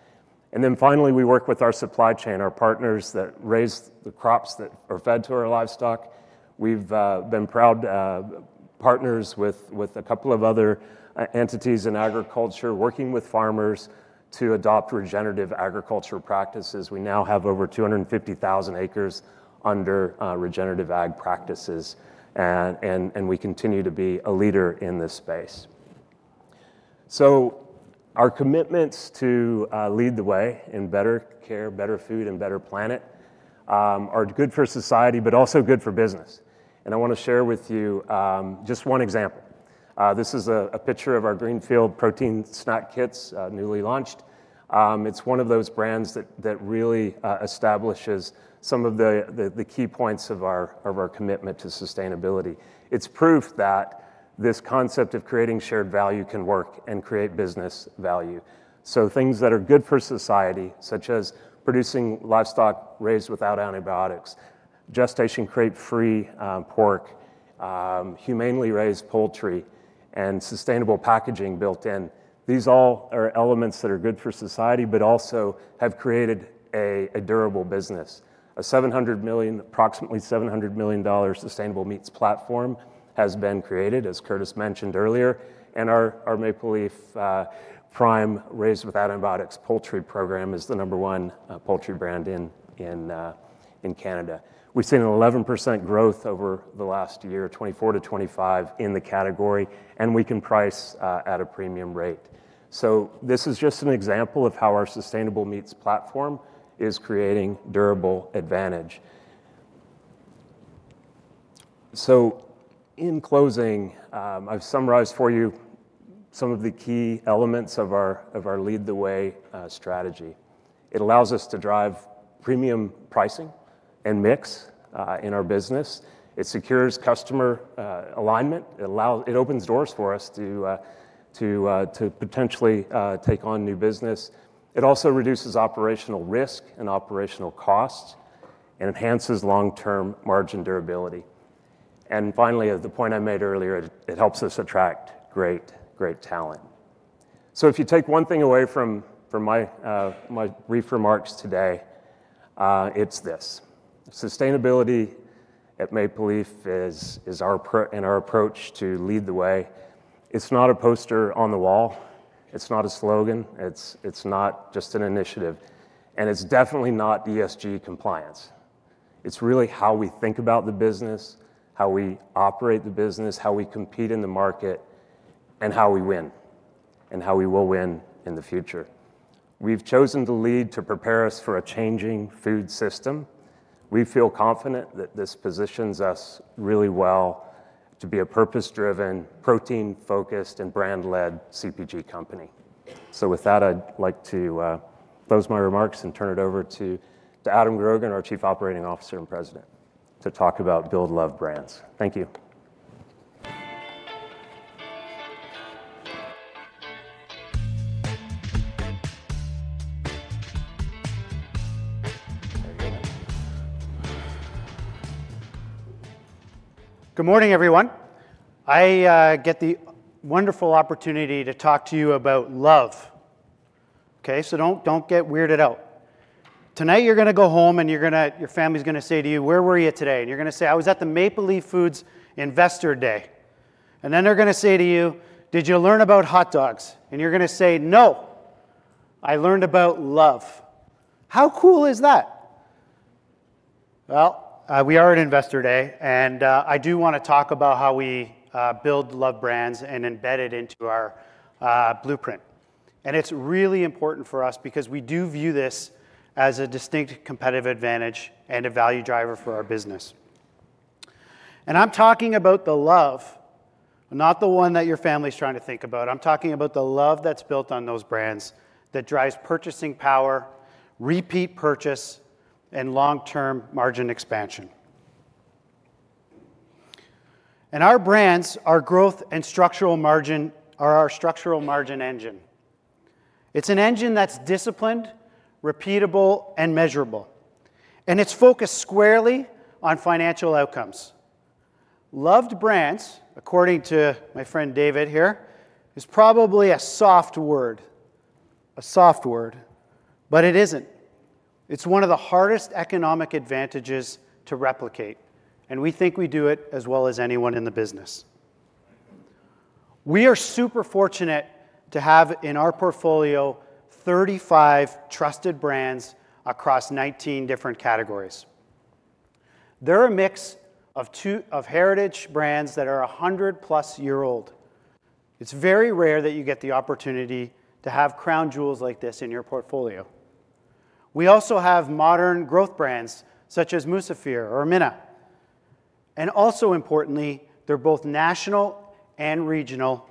Finally, we work with our supply chain, our partners that raise the crops that are fed to our livestock. We've been proud partners with a couple of other entities in agriculture, working with farmers to adopt regenerative agriculture practices. We now have over 250,000 acres under regenerative ag practices. We continue to be a leader in this space. Our commitments to Lead the Way in better care, better food, and better planet are good for society but also good for business. I want to share with you just one example. This is a picture of our Greenfield protein snack kits, newly launched. It's one of those brands that really establishes some of the key points of our commitment to sustainability. It's proof that this concept of Creating Shared Value can work and create business value. Things that are good for society, such as producing livestock raised without antibiotics, gestation crate-free pork, humanely raised poultry, and sustainable packaging built in. These all are elements that are good for society but also have created a durable business. Approximately 700 million dollars sustainable meats platform has been created, as Curtis mentioned earlier. Our Maple Leaf Prime Raised Without Antibiotics poultry program is the number one poultry brand in Canada. We've seen an 11% growth over the last year, 2024-2025, in the category, and we can price at a premium rate. This is just an example of how our sustainable meats platform is creating durable advantage. In closing, I've summarized for you some of the key elements of our Lead the Way strategy. It allows us to drive premium pricing and mix in our business. It secures customer alignment. It opens doors for us to potentially take on new business. It also reduces operational risk and operational costs and enhances long-term margin durability. Finally, the point I made earlier, it helps us attract great talent. If you take one thing away from my brief remarks today, it's this. Sustainability at Maple Leaf is our approach to Lead the Way. It's not a poster on the wall. It's not a slogan. It's not just an initiative. It's definitely not ESG compliance. It's really how we think about the business, how we operate the business, how we compete in the market, and how we win. How we will win in the future. We've chosen to lead to prepare us for a changing food system. We feel confident that this positions us really well to be a purpose-driven, protein-focused, and brand-led CPG company. With that, I'd like to close my remarks and turn it over to Adam Grogan, our Chief Operating Officer and President, to talk about Build Love Brands. Thank you. Good morning, everyone. I get the wonderful opportunity to talk to you about love. Okay? Don't get weirded out. Tonight, you're gonna go home, and your family's gonna say to you, "Where were you today?" You're gonna say, "I was at the Maple Leaf Foods Investor Day." Then they're gonna say to you, "Did you learn about hot dogs?" You're gonna say, "No, I learned about love." How cool is that? Well, we are at Investor Day, and I do wanna talk about how we build love brands and embed it into our Blueprint. It's really important for us because we do view this as a distinct competitive advantage and a value driver for our business. I'm talking about the love, not the one that your family's trying to think about. I'm talking about the love that's built on those brands that drives purchasing power, repeat purchase, and long-term margin expansion. Our brands are growth and structural margin engine. It's an engine that's disciplined, repeatable, and measurable, and it's focused squarely on financial outcomes. Loved brands, according to my friend David here, is probably a soft word. A soft word. It isn't. It's one of the hardest economic advantages to replicate, and we think we do it as well as anyone in the business. We are super fortunate to have in our portfolio 35 trusted brands across 19 different categories. They're a mix of heritage brands that are 100+-year-old. It's very rare that you get the opportunity to have crown jewels like this in your portfolio. We also have modern growth brands such as Musafir or Mina. Also importantly, they're both national and regional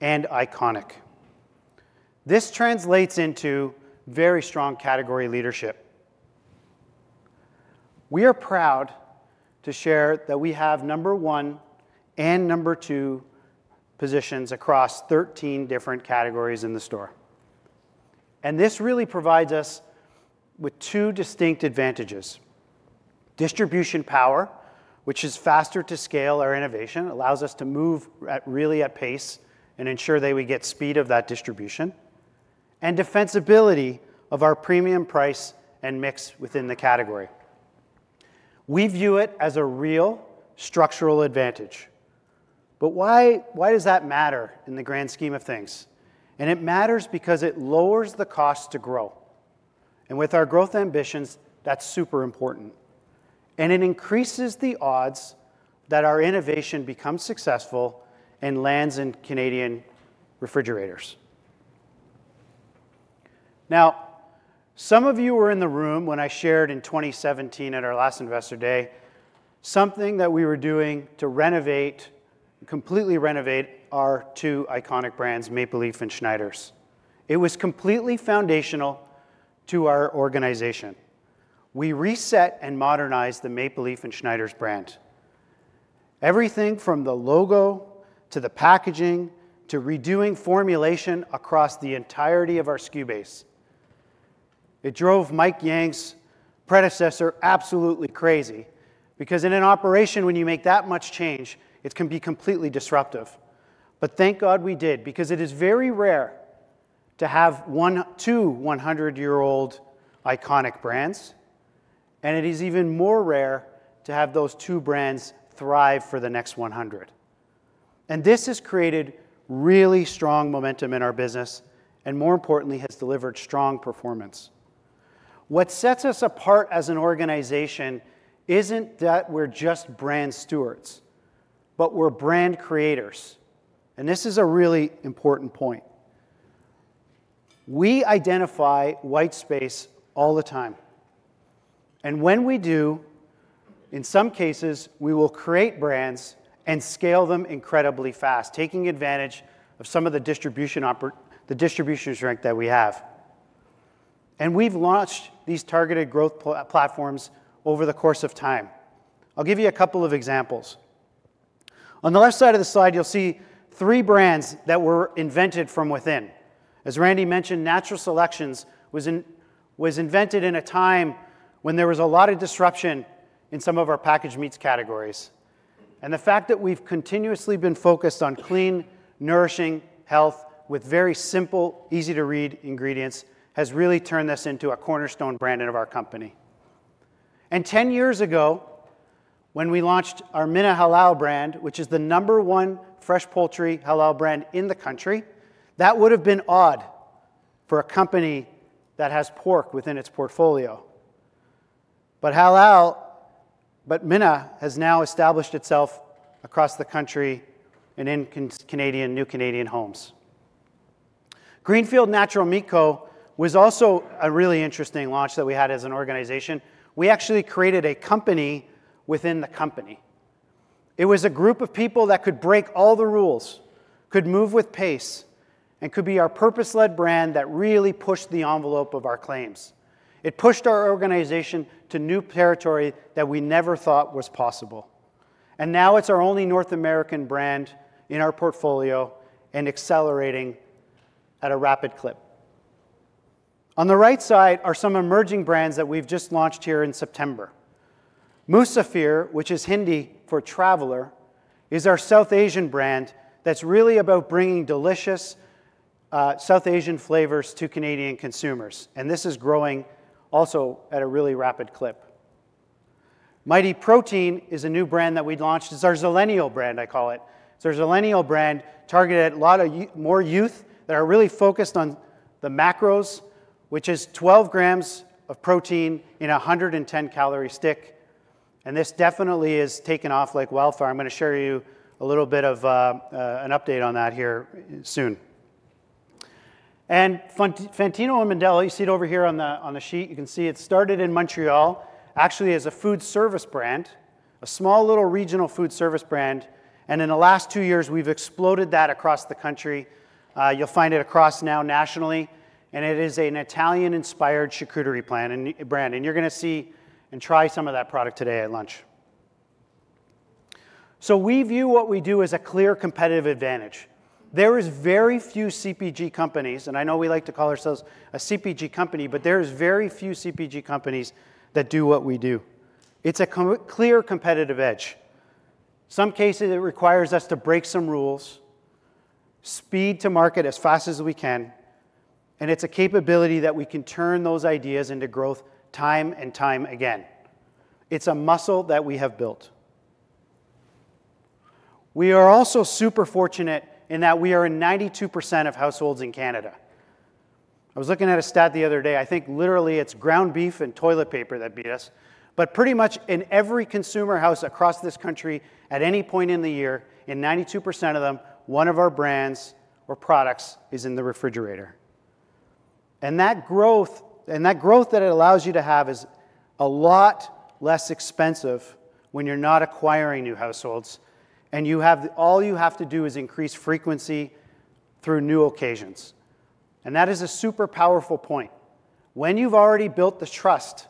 and iconic. This translates into very strong category leadership. We are proud to share that we have number one and number two positions across 13 different categories in the store. This really provides us with two distinct advantages, distribution power, which is faster to scale our innovation, allows us to move at a real pace and ensure that we get speed of that distribution, and defensibility of our premium price and mix within the category. We view it as a real structural advantage. Why does that matter in the grand scheme of things? It matters because it lowers the cost to grow. With our growth ambitions, that's super important. It increases the odds that our innovation becomes successful and lands in Canadian refrigerators. Some of you were in the room when I shared in 2017 at our last Investor Day something that we were doing to renovate, completely renovate our two iconic brands, Maple Leaf and Schneiders. It was completely foundational to our organization. We reset and modernized the Maple Leaf and Schneiders brand. Everything from the logo, to the packaging, to redoing formulation across the entirety of our SKU base. It drove Mike Yang's predecessor absolutely crazy because in an operation when you make that much change, it can be completely disruptive. But thank God we did because it is very rare to have one, two 100-year-old iconic brands, and it is even more rare to have those two brands thrive for the next 100. This has created really strong momentum in our business and, more importantly, has delivered strong performance. What sets us apart as an organization isn't that we're just brand stewards, but we're brand creators, and this is a really important point. We identify white space all the time, and when we do, in some cases, we will create brands and scale them incredibly fast, taking advantage of some of the distribution strength that we have. We've launched these targeted growth platforms over the course of time. I'll give you a couple of examples. On the left side of the slide, you'll see three brands that were invented from within. As Randy mentioned, Natural Selections was invented in a time when there was a lot of disruption in some of our packaged meats categories. The fact that we've continuously been focused on clean, nourishing health with very simple, easy-to-read ingredients has really turned this into a cornerstone brand of our company. Ten years ago, when we launched our Mina Halal brand, which is the number one fresh poultry halal brand in the country, that would've been odd for a company that has pork within its portfolio. Halal, Mina has now established itself across the country and in Canadian, new Canadian homes. Greenfield Natural Meat Co. was also a really interesting launch that we had as an organization. We actually created a company within the company. It was a group of people that could break all the rules, could move with pace, and could be our purpose-led brand that really pushed the envelope of our claims. It pushed our organization to new territory that we never thought was possible. Now it's our only North American brand in our portfolio and accelerating at a rapid clip. On the right side are some emerging brands that we've just launched here in September. Musafir, which is Hindi for traveler, is our South Asian brand that's really about bringing delicious, South Asian flavors to Canadian consumers, and this is growing also at a really rapid clip. Mighty Protein is a new brand that we launched. It's our Zillennial brand, I call it, targeted at a lot of you more youth that are really focused on the macros, which is 12 grams of protein in a 110-calorie stick. This definitely has taken off like wildfire. I'm gonna share you a little bit of an update on that here soon. Fantino & Mondello, you see it over here on the sheet. You can see it started in Montreal actually as a food service brand, a small little regional food service brand, and in the last two years, we've exploded that across the country. You'll find it across now nationally, and it is an Italian-inspired charcuterie brand. You're gonna see and try some of that product today at lunch. We view what we do as a clear competitive advantage. There is very few CPG companies, and I know we like to call ourselves a CPG company, but there's very few CPG companies that do what we do. It's a clear competitive edge. Some cases, it requires us to break some rules, speed to market as fast as we can, and it's a capability that we can turn those ideas into growth time and time again. It's a muscle that we have built. We are also super fortunate in that we are in 92% of households in Canada. I was looking at a stat the other day. I think literally it's ground beef and toilet paper that beat us. Pretty much in every consumer house across this country at any point in the year, in 92% of them, one of our brands or products is in the refrigerator. That growth that it allows you to have is a lot less expensive when you're not acquiring new households and all you have to do is increase frequency through new occasions. That is a super powerful point. When you've already built the trust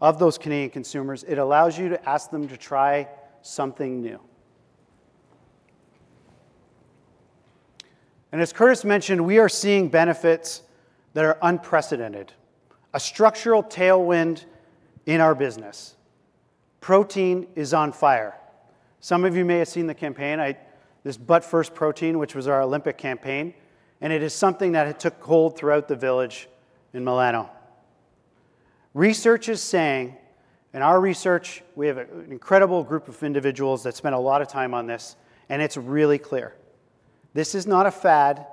of those Canadian consumers, it allows you to ask them to try something new. As Curtis mentioned, we are seeing benefits that are unprecedented, a structural tailwind in our business. Protein is on fire. Some of you may have seen the campaign. This But First Protein, which was our Olympic campaign, and it is something that had took hold throughout the village in Milan. Research is saying, and our research, we have an incredible group of individuals that spend a lot of time on this, and it's really clear. This is not a fad.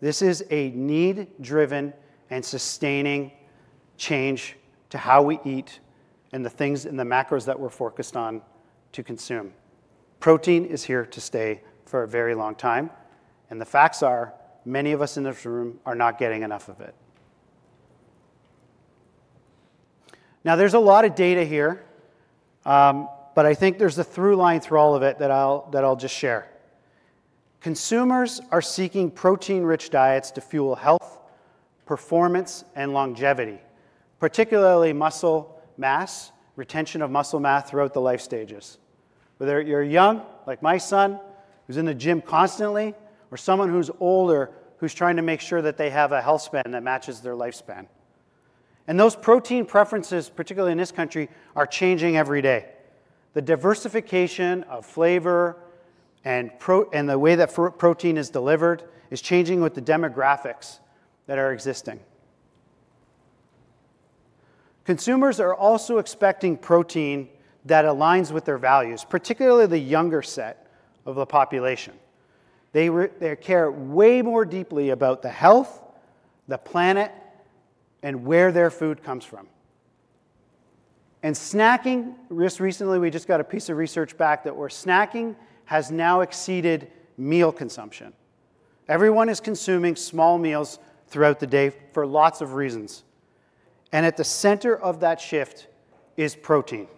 This is a need-driven and sustaining change to how we eat and the things and the macros that we're focused on to consume. Protein is here to stay for a very long time, and the facts are many of us in this room are not getting enough of it. Now, there's a lot of data here, but I think there's a through line through all of it that I'll just share. Consumers are seeking protein-rich diets to fuel health, performance, and longevity, particularly muscle mass, retention of muscle mass throughout the life stages, whether you're young like my son who's in the gym constantly or someone who's older who's trying to make sure that they have a health span that matches their lifespan. Those protein preferences, particularly in this country, are changing every day. The diversification of flavor and protein and the way that protein is delivered is changing with the demographics that are existing. Consumers are also expecting protein that aligns with their values, particularly the younger set of the population. They care way more deeply about the health, the planet, and where their food comes from. Snacking, just recently we just got a piece of research back that snacking has now exceeded meal consumption. Everyone is consuming small meals throughout the day for lots of reasons, and at the center of that shift is protein.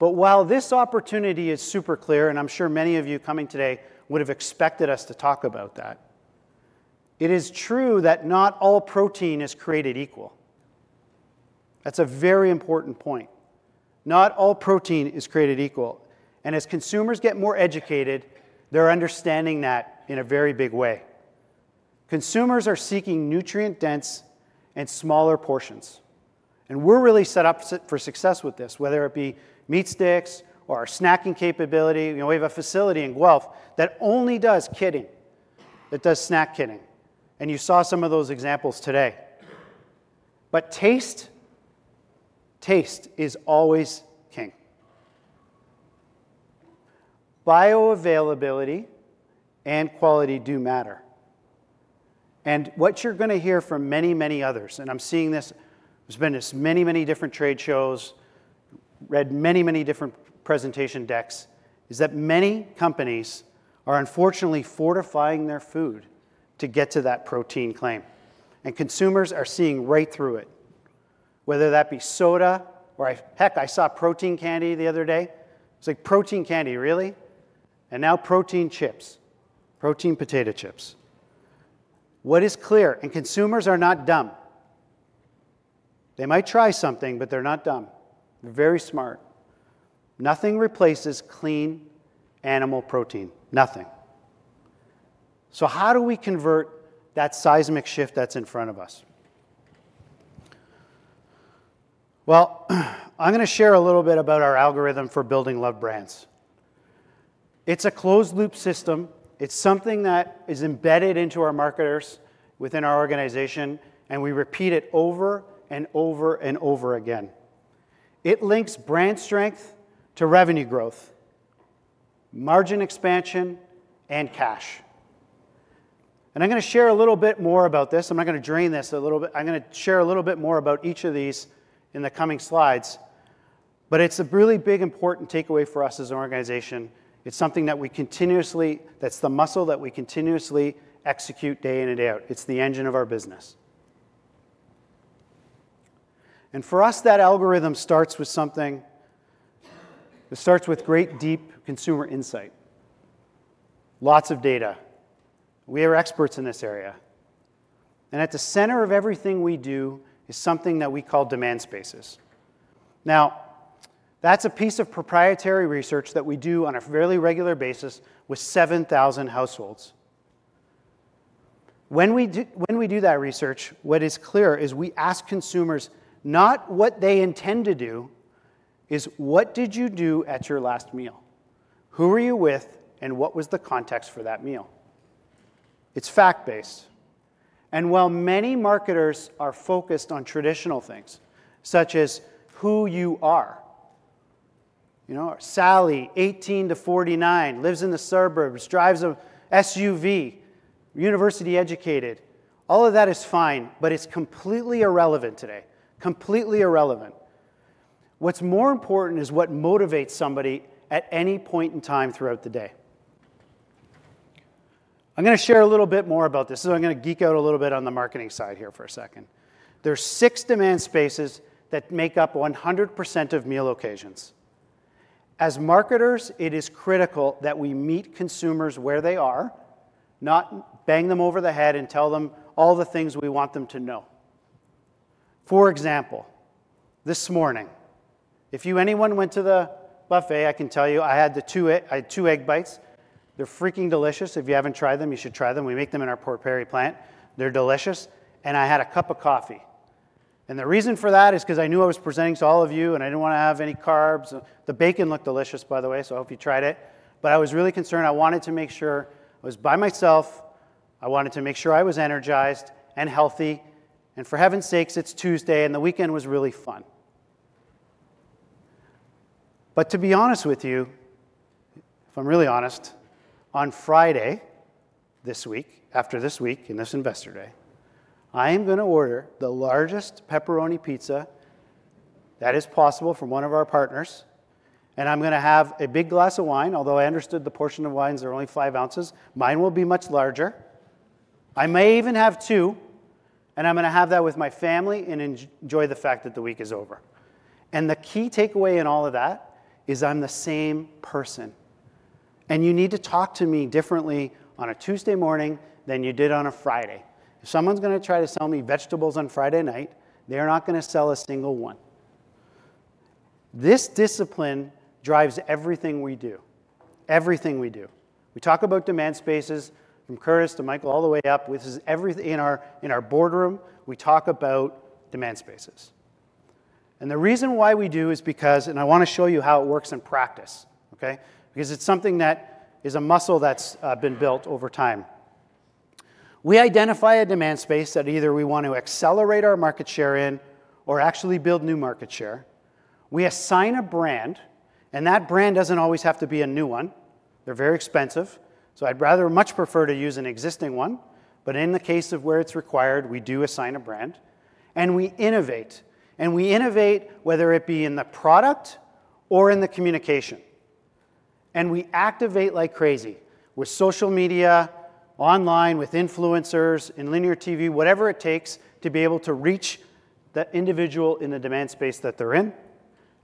While this opportunity is super clear, and I'm sure many of you coming today would have expected us to talk about that, it is true that not all protein is created equal. That's a very important point. Not all protein is created equal, and as consumers get more educated, they're understanding that in a very big way. Consumers are seeking nutrient-dense and smaller portions, and we're really set up for success with this, whether it be meat sticks or our snacking capability. You know, we have a facility in Guelph that only does kitting, that does snack kitting, and you saw some of those examples today. Taste, taste is always king. Bioavailability and quality do matter. What you're gonna hear from many, many others, and I'm seeing this, I've been to many, many different trade shows, read many, many different presentation decks, is that many companies are unfortunately fortifying their food to get to that protein claim, and consumers are seeing right through it, whether that be soda or heck, I saw protein candy the other day. It's like, protein candy, really? Now protein chips. Protein potato chips. What is clear, consumers are not dumb. They might try something, but they're not dumb. They're very smart. Nothing replaces clean animal protein. Nothing. How do we convert that seismic shift that's in front of us? Well, I'm gonna share a little bit about our algorithm for building love brands. It's a closed loop system. It's something that is embedded into our marketers within our organization, and we repeat it over and over and over again. It links brand strength to revenue growth, margin expansion, and cash. I'm gonna share a little bit more about this. I'm not gonna drone this a little bit. I'm gonna share a little bit more about each of these in the coming slides, but it's a really big important takeaway for us as an organization. That's the muscle that we continuously execute day in and day out. It's the engine of our business. For us, that algorithm starts with something, it starts with great deep consumer insight. Lots of data. We are experts in this area. At the center of everything we do is something that we call demand spaces. Now, that's a piece of proprietary research that we do on a fairly regular basis with 7,000 households. When we do that research, what is clear is we ask consumers not what they intend to do, but what did you do at your last meal? Who were you with, and what was the context for that meal? It's fact-based. While many marketers are focused on traditional things, such as who you are. You know, Sally, 18-49, lives in the suburbs, drives a SUV, university-educated. All of that is fine, but it's completely irrelevant today. Completely irrelevant. What's more important is what motivates somebody at any point in time throughout the day. I'm gonna share a little bit more about this, so I'm gonna geek out a little bit on the marketing side here for a second. There are six demand spaces that make up 100% of meal occasions. As marketers, it is critical that we meet consumers where they are, not bang them over the head and tell them all the things we want them to know. For example, this morning, if anyone went to the buffet, I can tell you I had two egg bites. They're freaking delicious. If you haven't tried them, you should try them. We make them in our Port Perry plant. They're delicious. I had a cup of coffee. The reason for that is 'cause I knew I was presenting to all of you and I didn't wanna have any carbs. The bacon looked delicious, by the way, so I hope you tried it. I was really concerned. I wanted to make sure I was by myself. I wanted to make sure I was energized and healthy. For heaven's sakes, it's Tuesday, and the weekend was really fun. To be honest with you, if I'm really honest, on Friday this week, after this week and this investor day, I am gonna order the largest pepperoni pizza that is possible from one of our partners, and I'm gonna have a big glass of wine. Although I understood the portion of wine's are only five ounces, mine will be much larger. I may even have two, and I'm gonna have that with my family and enjoy the fact that the week is over. The key takeaway in all of that is I'm the same person, and you need to talk to me differently on a Tuesday morning than you did on a Friday. If someone's gonna try to sell me vegetables on Friday night, they're not gonna sell a single one. This discipline drives everything we do. Everything we do. We talk about demand spaces from Curtis to Mike all the way up. In our boardroom, we talk about demand spaces. The reason why we do is because, and I wanna show you how it works in practice, okay? Because it's something that is a muscle that's been built over time. We identify a demand space that either we want to accelerate our market share in or actually build new market share. We assign a brand, and that brand doesn't always have to be a new one. They're very expensive, so I'd rather much prefer to use an existing one. In the case of where it's required, we do assign a brand, and we innovate. We innovate, whether it be in the product or in the communication. We activate like crazy with social media, online, with influencers, in linear TV, whatever it takes to be able to reach the individual in the demand space that they're in,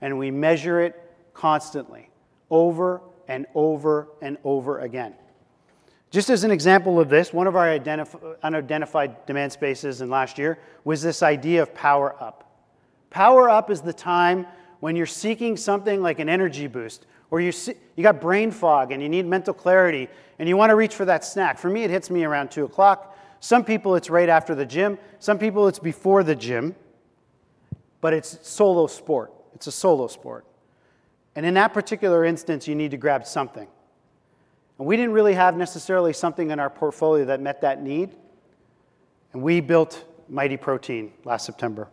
and we measure it constantly, over and over and over again. Just as an example of this, one of our unidentified demand spaces in last year was this idea of power up. Power up is the time when you're seeking something like an energy boost, or you got brain fog and you need mental clarity, and you wanna reach for that snack. For me, it hits me around two o'clock. Some people, it's right after the gym. Some people, it's before the gym. But it's solo sport. It's a solo sport. In that particular instance, you need to grab something. We didn't really have necessarily something in our portfolio that met that need. We built Mighty Protein last September.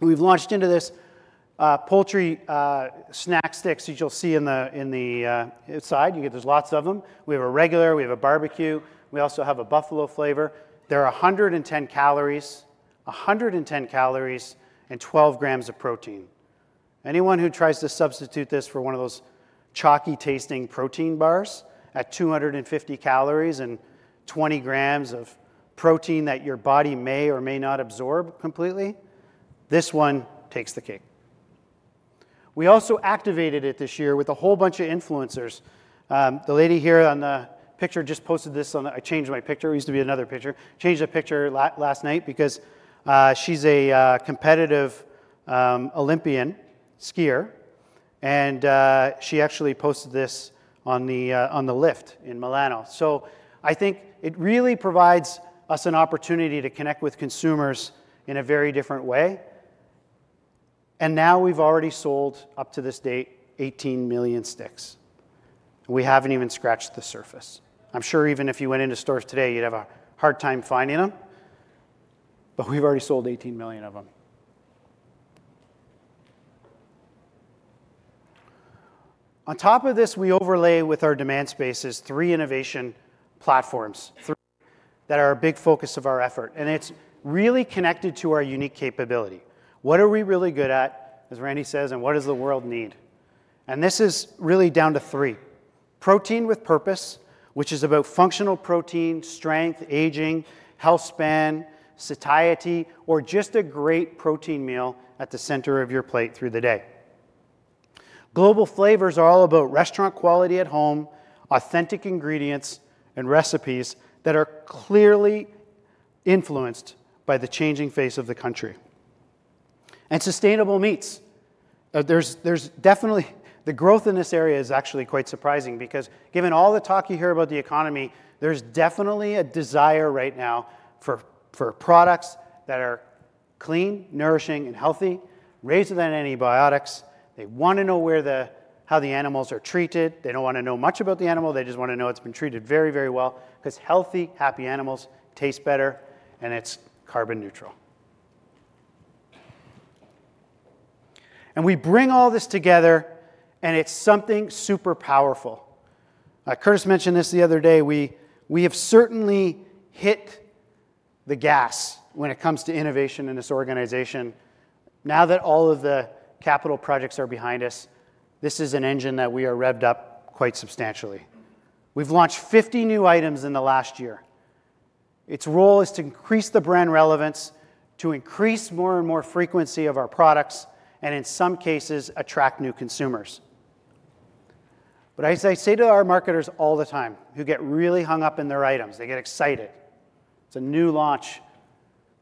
We've launched into this poultry snack sticks, as you'll see in the side. You get there's lots of them. We have a regular, we have a barbecue, we also have a buffalo flavor. They're 110 calories. 110 calories and 12 grams of protein. Anyone who tries to substitute this for one of those chalky-tasting protein bars at 250 calories and 20 grams of protein that your body may or may not absorb completely, this one takes the cake. We also activated it this year with a whole bunch of influencers. The lady here on the picture just posted this on. I changed my picture, it used to be another picture. Changed the picture last night because she's a competitive Olympian skier and she actually posted this on the lift in Milano. I think it really provides us an opportunity to connect with consumers in a very different way. Now we've already sold up to this date 18 million sticks, and we haven't even scratched the surface. I'm sure even if you went into stores today, you'd have a hard time finding 'em, but we've already sold 18 million of 'em. On top of this, we overlay with our demand spaces three innovation platforms. Three that are a big focus of our effort, and it's really connected to our unique capability. What are we really good at, as Randy says, and what does the world need? This is really down to three: protein with purpose, which is about functional protein, strength, aging, health span, satiety, or just a great protein meal at the center of your plate through the day. Global flavors are all about restaurant quality at home, authentic ingredients and recipes that are clearly influenced by the changing face of the country. Sustainable meats. There's definitely the growth in this area is actually quite surprising because given all the talk you hear about the economy, there's definitely a desire right now for products that are clean, nourishing, and healthy, raised without antibiotics. They wanna know where the, how the animals are treated. They don't wanna know much about the animal. They just wanna know it's been treated very, very well 'cause healthy, happy animals taste better and it's carbon neutral. We bring all this together, and it's something super powerful. Curtis mentioned this the other day. We have certainly hit the gas when it comes to innovation in this organization. Now that all of the capital projects are behind us, this is an engine that we are revved up quite substantially. We've launched 50 new items in the last year. Its role is to increase the brand relevance, to increase more and more frequency of our products, and in some cases, attract new consumers. But as I say to our marketers all the time who get really hung up in their items, they get excited, it's a new launch.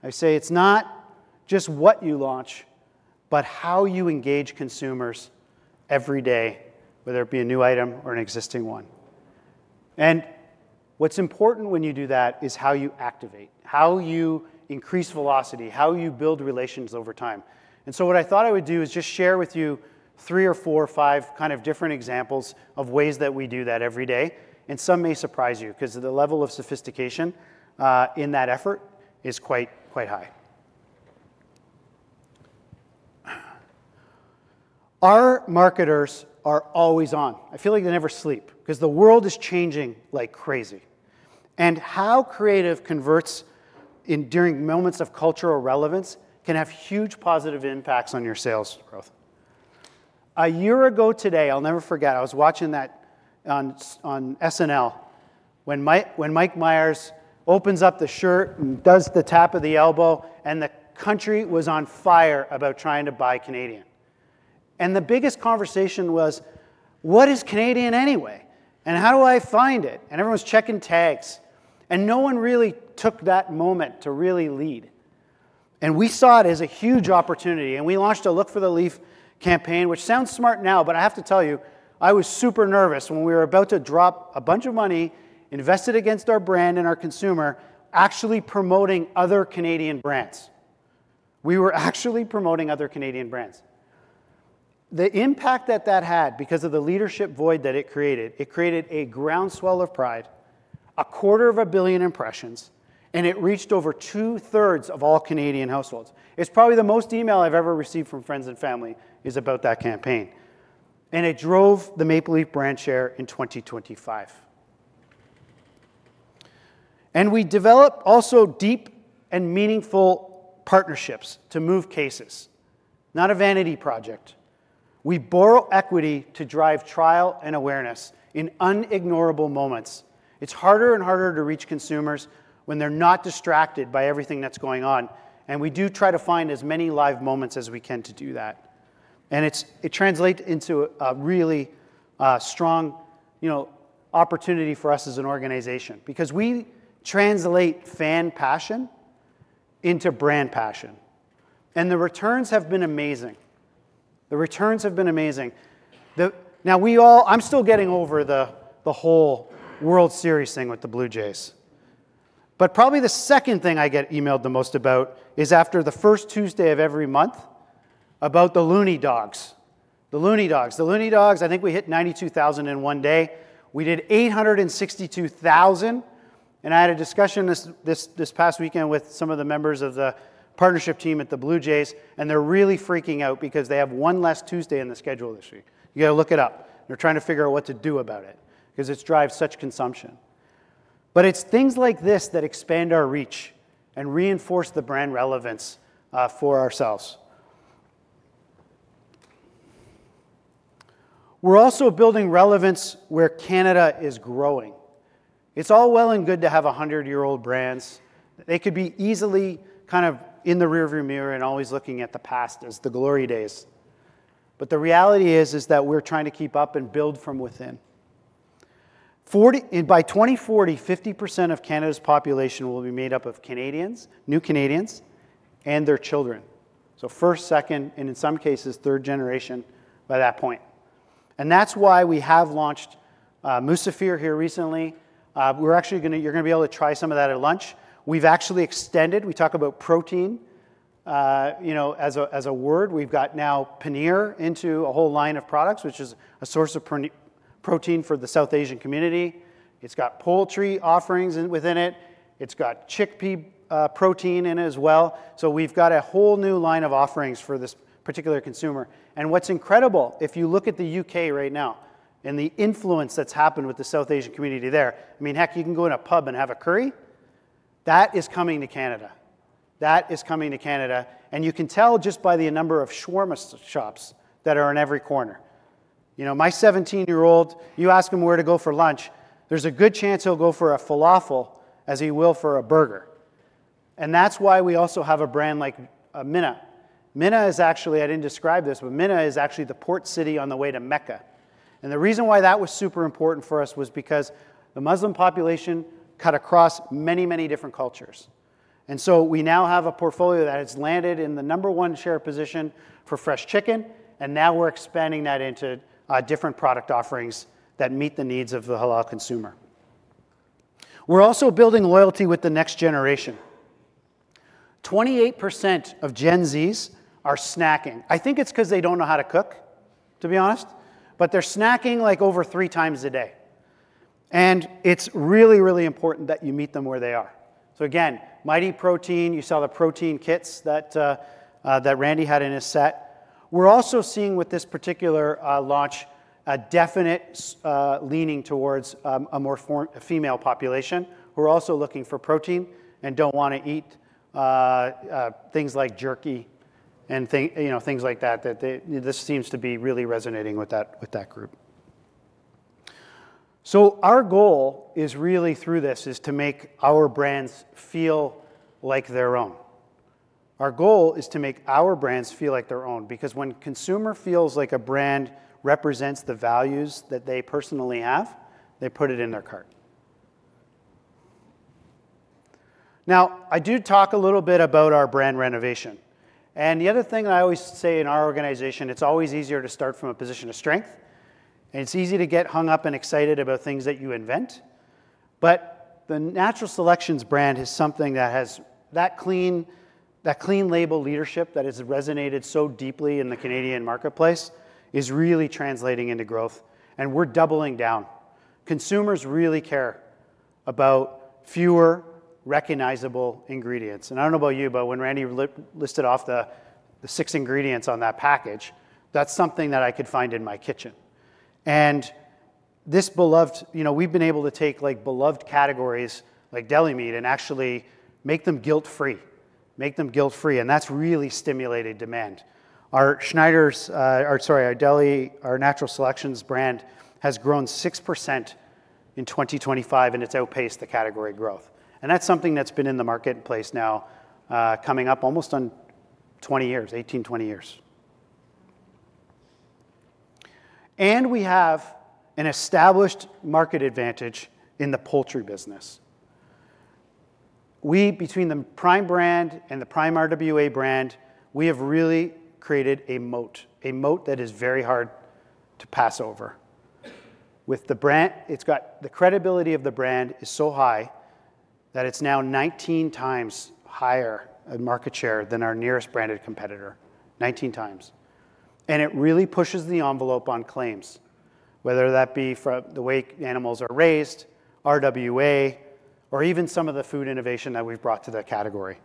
I say, "It's not just what you launch, but how you engage consumers every day, whether it be a new item or an existing one." What's important when you do that is how you activate, how you increase velocity, how you build relations over time. What I thought I would do is just share with you three or four or five kind of different examples of ways that we do that every day, and some may surprise you 'cause the level of sophistication in that effort is quite high. Our marketers are always on. I feel like they never sleep 'cause the world is changing like crazy. How creative converts enduring moments of cultural relevance can have huge positive impacts on your sales growth. A year ago today, I'll never forget, I was watching that on SNL when Mike Myers opens up the shirt and does the tap of the elbow, and the country was on fire about trying to buy Canadian. The biggest conversation was, "What is Canadian anyway? And how do I find it?" Everyone's checking tags, and no one really took that moment to really lead. We saw it as a huge opportunity, and we launched a Look for the Leaf campaign, which sounds smart now, but I have to tell you, I was super nervous when we were about to drop a bunch of money, invest it against our brand and our consumer, actually promoting other Canadian brands. We were actually promoting other Canadian brands. The impact that had, because of the leadership void that it created, it created a groundswell of pride, 250 million impressions, and it reached over two-thirds of all Canadian households. It's probably the most email I've ever received from friends and family is about that campaign, and it drove the Maple Leaf brand share in 2025. We developed also deep and meaningful partnerships to move cases, not a vanity project. We borrow equity to drive trial and awareness in unignorable moments. It's harder and harder to reach consumers when they're not distracted by everything that's going on, and we do try to find as many live moments as we can to do that. It translates into a really strong, you know, opportunity for us as an organization because we translate fan passion into brand passion, and the returns have been amazing. I'm still getting over the whole World Series thing with the Blue Jays. Probably the second thing I get emailed the most about is after the first Tuesday of every month. About the Loonie Dogs. The Loonie Dogs, I think we hit 92,000 in one day. We did 862,000, and I had a discussion this past weekend with some of the members of the partnership team at the Blue Jays, and they're really freaking out because they have one less Tuesday in the schedule this year. You gotta look it up. They're trying to figure out what to do about it 'cause it drives such consumption. It's things like this that expand our reach and reinforce the brand relevance for ourselves. We're also building relevance where Canada is growing. It's all well and good to have 100-year-old brands. They could be easily kind of in the rearview mirror and always looking at the past as the glory days. The reality is that we're trying to keep up and build from within. By 2040, 50% of Canada's population will be made up of Canadians, new Canadians, and their children. So first, second, and in some cases third generation by that point. That's why we have launched Musafir here recently. We're actually gonna, you're gonna be able to try some of that at lunch. We've actually extended. We talk about protein, you know, as a word. We've got paneer now into a whole line of products, which is a source of protein for the South Asian community. It's got poultry offerings within it. It's got chickpea protein in it as well. So we've got a whole new line of offerings for this particular consumer. What's incredible, if you look at the U.K. right now and the influence that's happened with the South Asian community there, I mean, heck, you can go in a pub and have a curry. That is coming to Canada. That is coming to Canada, and you can tell just by the number of shawarma shops that are on every corner. You know, my 17-year-old, you ask him where to go for lunch, there's a good chance he'll go for a falafel as he will for a burger. That's why we also have a brand like Mina. Mina is actually, I didn't describe this, but Mina is actually the port city on the way to Mecca. The reason why that was super important for us was because the Muslim population cut across many, many different cultures. We now have a portfolio that has landed in the number one share position for fresh chicken, and now we're expanding that into different product offerings that meet the needs of the halal consumer. We're also building loyalty with the next generation. 28% of Gen Z's are snacking. I think it's 'cause they don't know how to cook, to be honest, but they're snacking, like, over three times a day. It's really, really important that you meet them where they are. Again, Mighty Protein. You saw the protein kits that Randy had in his set. We're also seeing with this particular launch a definite leaning towards a more female population. We're also looking for protein and don't wanna eat things like jerky and things, you know, things like that that they this seems to be really resonating with that group. Our goal is really through this is to make our brands feel like their own. Our goal is to make our brands feel like their own because when consumer feels like a brand represents the values that they personally have, they put it in their cart. Now, I do talk a little bit about our brand renovation. The other thing I always say in our organization, it's always easier to start from a position of strength, and it's easy to get hung up and excited about things that you invent. The Natural Selections brand is something that has that clean label leadership that has resonated so deeply in the Canadian marketplace, is really translating into growth, and we're doubling down. Consumers really care about fewer recognizable ingredients. I don't know about you, but when Randy listed off the six ingredients on that package, that's something that I could find in my kitchen. This beloved, you know, we've been able to take, like, beloved categories like deli meat and actually make them guilt-free, and that's really stimulated demand. Our Schneiders, our deli, our Natural Selections brand has grown 6% in 2025, and it's outpaced the category growth. That's something that's been in the marketplace now, coming up almost on 20 years. We have an established market advantage in the poultry business. We, between the Prime brand and the Prime RWA brand, have really created a moat that is very hard to pass over. The credibility of the brand is so high that it's now 19x higher a market share than our nearest branded competitor. 19x. It really pushes the envelope on claims, whether that be from the way animals are raised, RWA, or even some of the food innovation that we've brought to that category.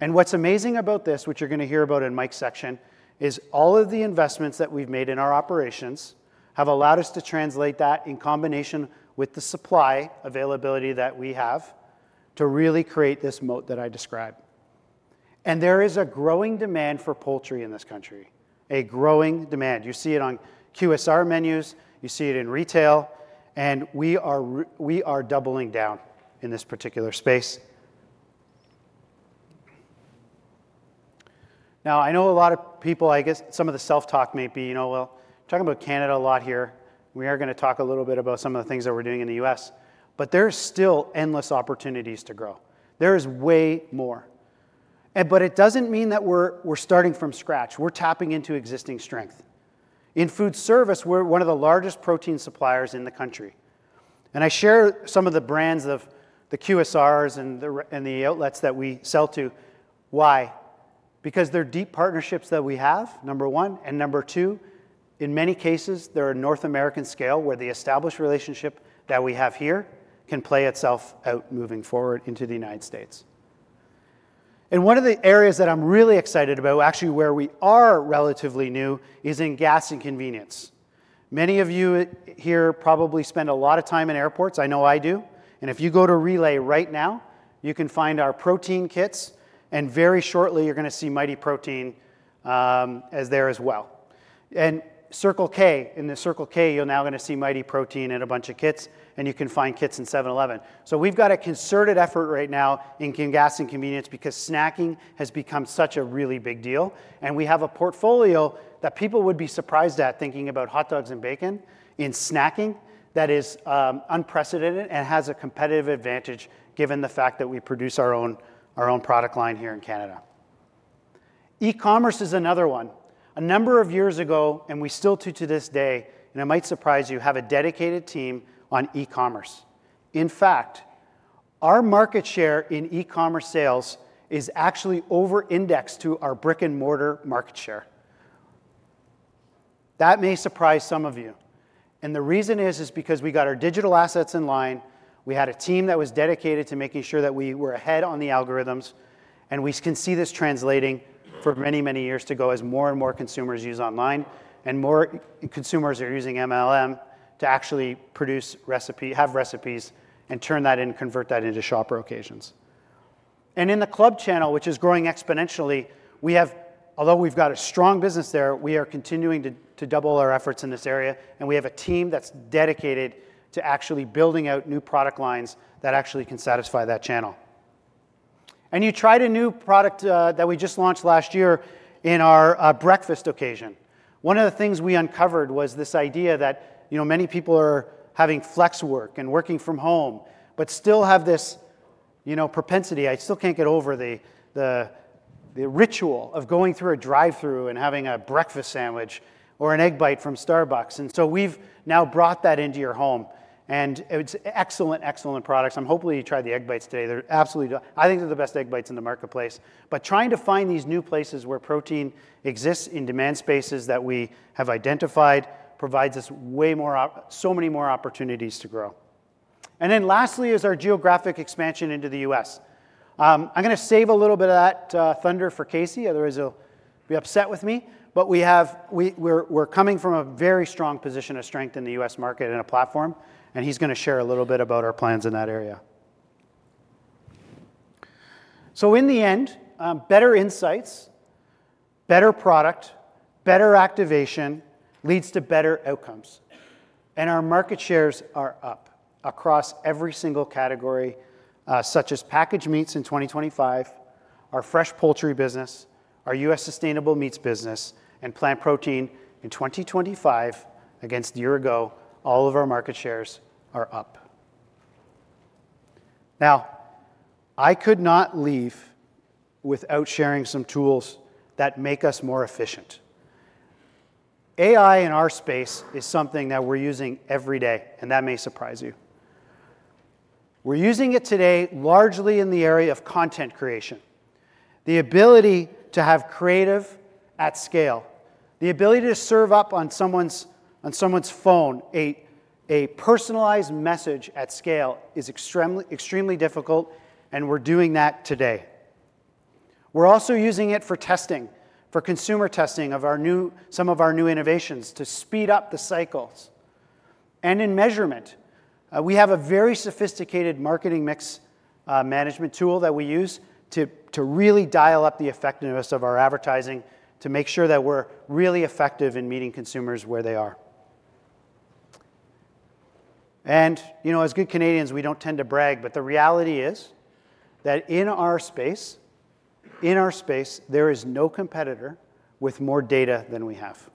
What's amazing about this, which you're gonna hear about in Mike's section, is all of the investments that we've made in our operations have allowed us to translate that in combination with the supply availability that we have to really create this moat that I describe. There is a growing demand for poultry in this country, a growing demand. You see it on QSR menus, you see it in retail, and we are doubling down in this particular space. Now, I know a lot of people, I guess some of the self-talk may be, you know, well, talking about Canada a lot here. We are gonna talk a little bit about some of the things that we're doing in the U.S., but there's still endless opportunities to grow. There is way more. It doesn't mean that we're starting from scratch. We're tapping into existing strength. In food service, we're one of the largest protein suppliers in the country. I share some of the brands of the QSRs and the outlets that we sell to. Why? Because they're deep partnerships that we have, number one, and number two, in many cases, they're a North American scale where the established relationship that we have here can play itself out moving forward into the United States. One of the areas that I'm really excited about, actually where we are relatively new, is in gas and convenience. Many of you here probably spend a lot of time in airports. I know I do. If you go to Relay right now, you can find our protein kits, and very shortly you're gonna see Mighty Protein as there as well. Circle K, in the Circle K, you're now gonna see Mighty Protein in a bunch of kits, and you can find kits in 7-Eleven. We've got a concerted effort right now in gas and convenience because snacking has become such a really big deal, and we have a portfolio that people would be surprised at thinking about hot dogs and bacon in snacking that is unprecedented and has a competitive advantage given the fact that we produce our own product line here in Canada. E-commerce is another one. A number of years ago, we still do to this day, and it might surprise you, have a dedicated team on e-commerce. In fact, our market share in e-commerce sales is actually over-indexed to our brick-and-mortar market share. That may surprise some of you. The reason is because we got our digital assets in line, we had a team that was dedicated to making sure that we were ahead on the algorithms, and we can see this translating for many, many years to go as more and more consumers use online and more consumers are using MLM to actually have recipes and turn that and convert that into shopper occasions. In the club channel, which is growing exponentially, we have, although we've got a strong business there, we are continuing to double our efforts in this area, and we have a team that's dedicated to actually building out new product lines that actually can satisfy that channel. You tried a new product that we just launched last year in our breakfast occasion. One of the things we uncovered was this idea that, you know, many people are having flex work and working from home, but still have this, you know, propensity. I still can't get over the ritual of going through a drive-thru and having a breakfast sandwich or an Egg Bites from Starbucks. We've now brought that into your home, and it's excellent products. Hopefully you tried the Egg Bites today. They're absolutely I think they're the best Egg Bites in the marketplace. Trying to find these new places where protein exists in demand spaces that we have identified provides us way more so many more opportunities to grow. Then lastly is our geographic expansion into the U.S. I'm gonna save a little bit of that thunder for Casey, otherwise he'll be upset with me. We're coming from a very strong position of strength in the U.S. market and a platform, and he's gonna share a little bit about our plans in that area. In the end, better insights, better product, better activation leads to better outcomes. Our market shares are up across every single category, such as packaged meats in 2025, our fresh poultry business, our U.S. sustainable meats business, and plant protein in 2025 against a year ago, all of our market shares are up. Now, I could not leave without sharing some tools that make us more efficient. AI in our space is something that we're using every day, and that may surprise you. We're using it today largely in the area of content creation, the ability to have creative at scale. The ability to serve up on someone's phone a personalized message at scale is extremely difficult, and we're doing that today. We're also using it for testing, for consumer testing of some of our new innovations to speed up the cycles. In measurement, we have a very sophisticated marketing mix management tool that we use to really dial up the effectiveness of our advertising to make sure that we're really effective in meeting consumers where they are. You know, as good Canadians, we don't tend to brag, but the reality is that in our space, there is no competitor with more data than we have.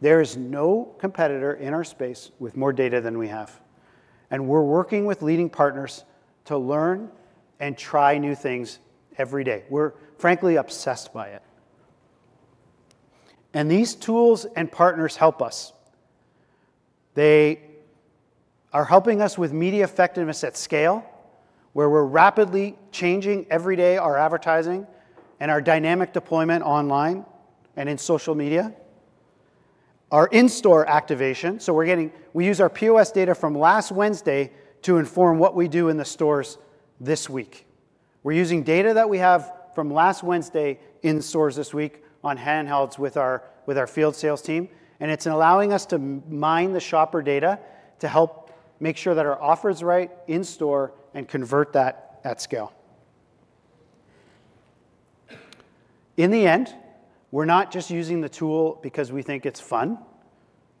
We're working with leading partners to learn and try new things every day. We're frankly obsessed by it. These tools and partners help us. They are helping us with media effectiveness at scale, where we're rapidly changing every day our advertising and our dynamic deployment online and in social media. Our in-store activation, we use our POS data from last Wednesday to inform what we do in the stores this week. We're using data that we have from last Wednesday in stores this week on handhelds with our field sales team, and it's allowing us to mine the shopper data to help make sure that our offer's right in store and convert that at scale. In the end, we're not just using the tool because we think it's fun,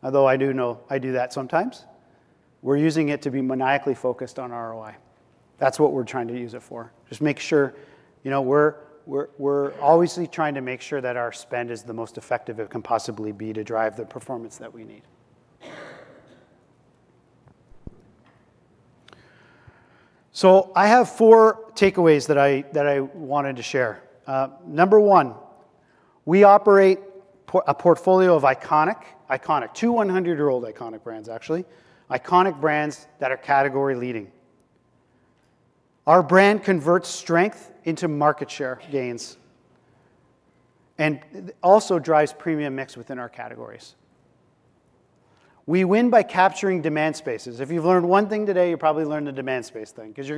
although I do know I do that sometimes. We're using it to be maniacally focused on ROI. That's what we're trying to use it for. Just make sure we're obviously trying to make sure that our spend is the most effective it can possibly be to drive the performance that we need. I have four takeaways that I wanted to share. Number one, we operate a portfolio of iconic two 100-year-old iconic brands actually. Iconic brands that are category leading. Our brand converts strength into market share gains and also drives premium mix within our categories. We win by capturing demand spaces. If you've learned one thing today, you probably learned the demand space thing because you're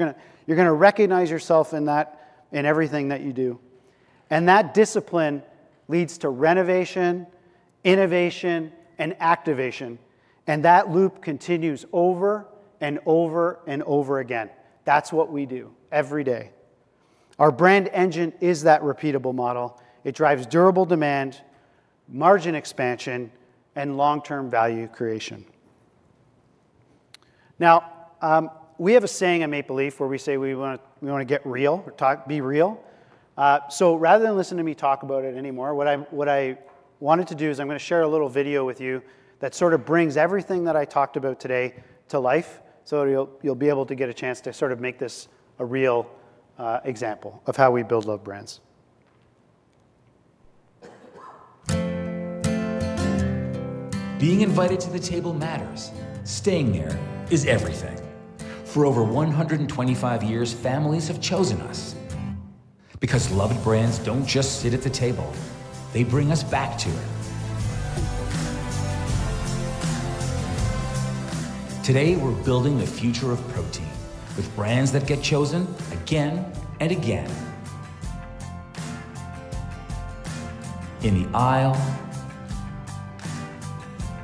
gonna recognize yourself in that in everything that you do. That discipline leads to renovation, innovation, and activation, and that loop continues over and over and over again. That's what we do every day. Our brand engine is that repeatable model. It drives durable demand, margin expansion, and long-term value creation. Now, we have a saying at Maple Leaf where we say we wanna be real. Rather than listen to me talk about it anymore, what I wanted to do is I'm gonna share a little video with you that sort of brings everything that I talked about today to life. You'll be able to get a chance to sort of make this a real example of how we build loved brands. Being invited to the table matters. Staying there is everything. For over 125 years, families have chosen us because loved brands don't just sit at the table, they bring us back to it. Today, we're building the future of protein with brands that get chosen again and again. In the aisle,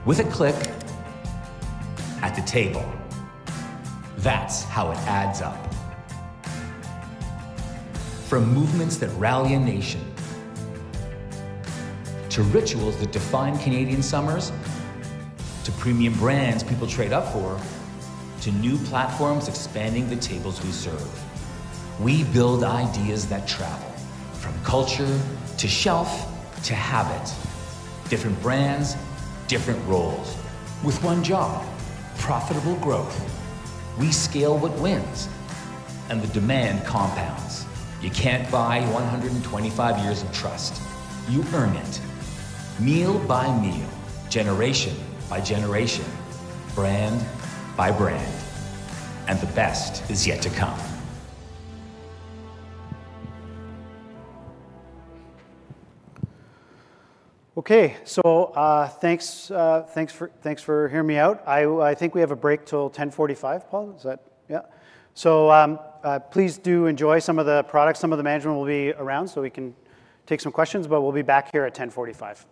with a click, at the table. That's how it adds up. From movements that rally a nation, to rituals that define Canadian summers, to premium brands people trade up for, to new platforms expanding the tables we serve. We build ideas that travel from culture to shelf to habit. Different brands, different roles with one job: profitable growth. We scale what wins and the demand compounds. You can't buy 125 years of trust. You earn it meal by meal, generation by generation, brand by brand, and the best is yet to come. Okay. Thanks for hearing me out. I think we have a break till 10:45 A.M. Paul, is that? Yeah. Please do enjoy some of the products. Some of the management will be around, so we can take some questions, but we'll be back here at 10:45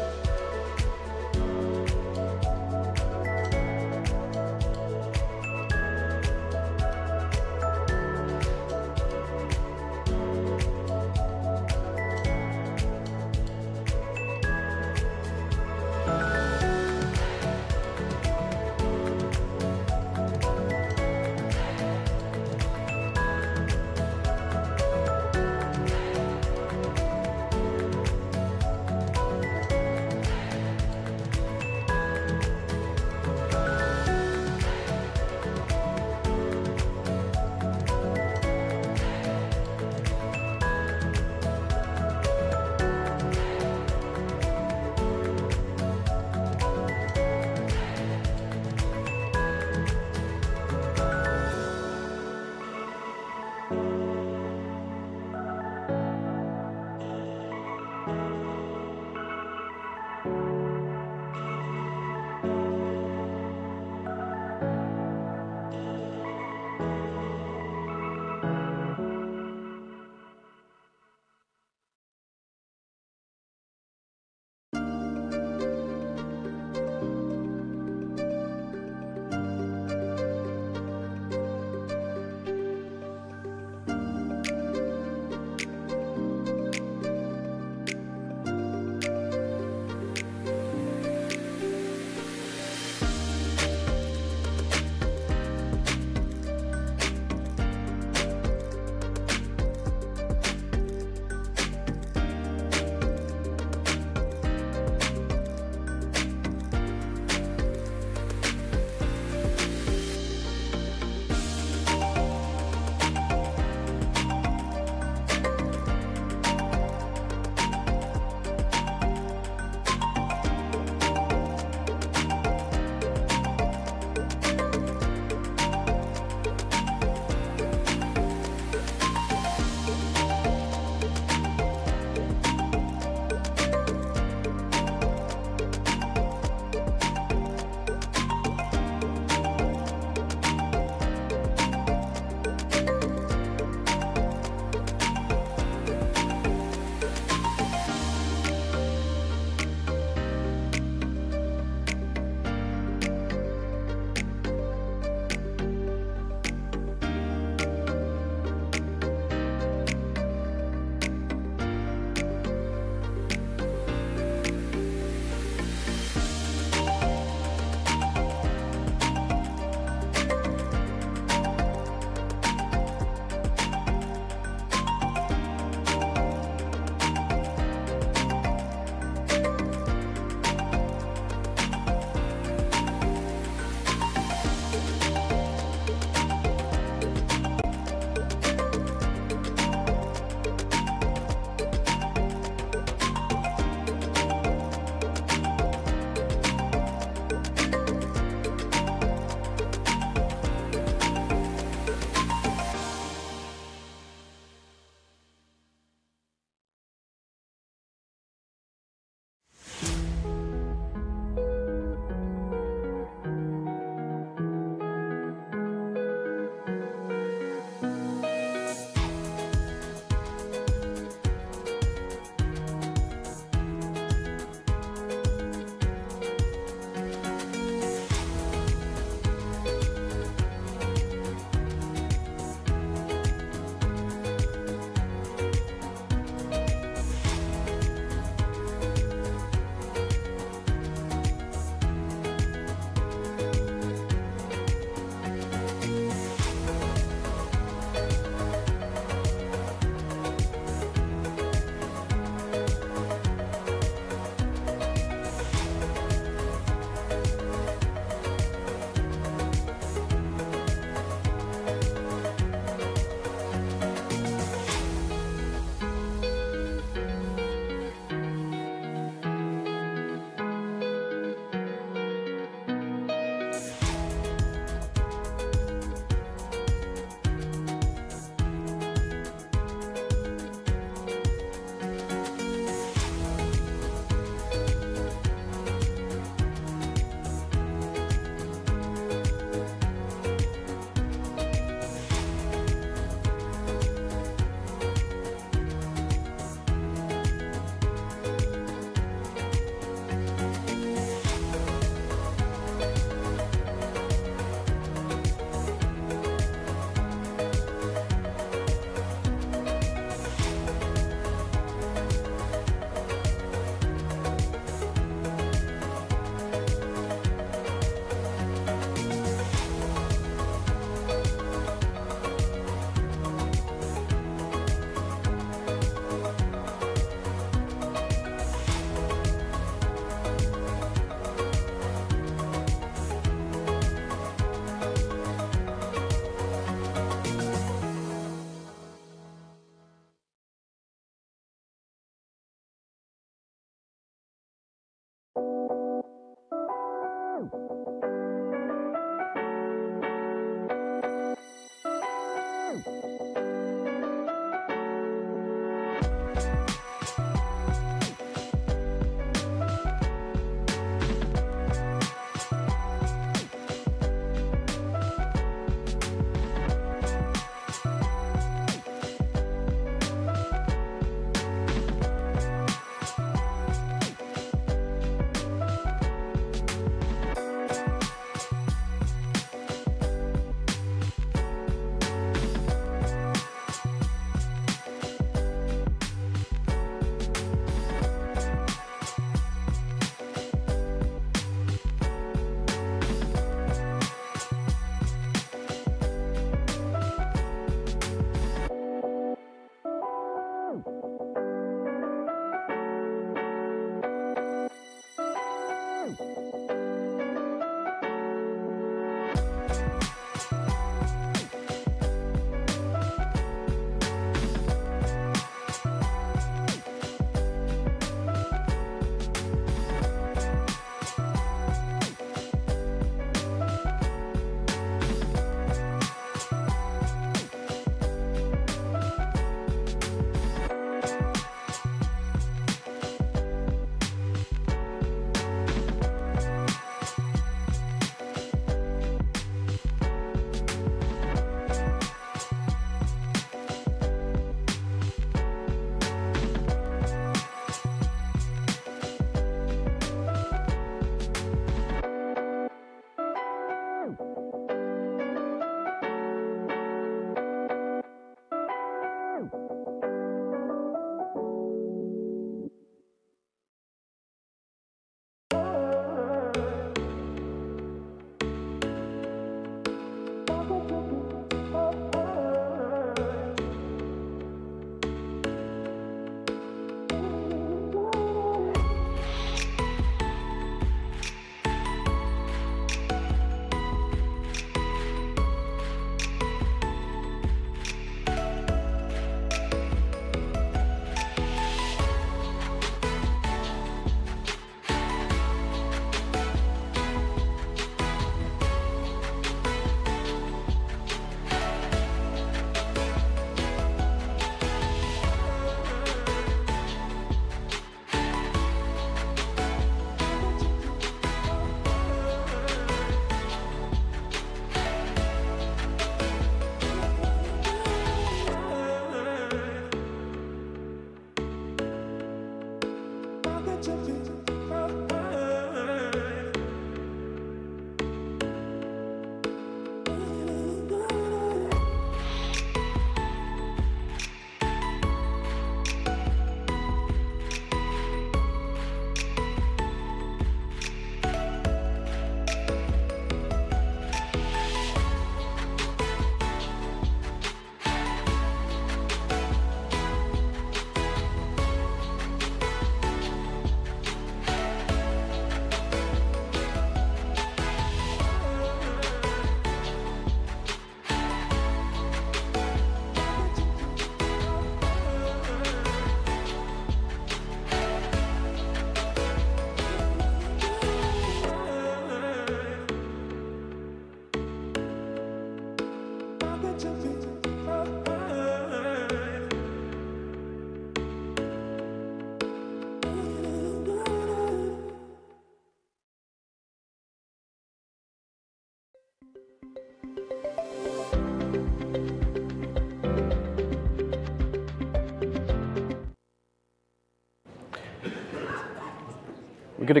A.M. We good to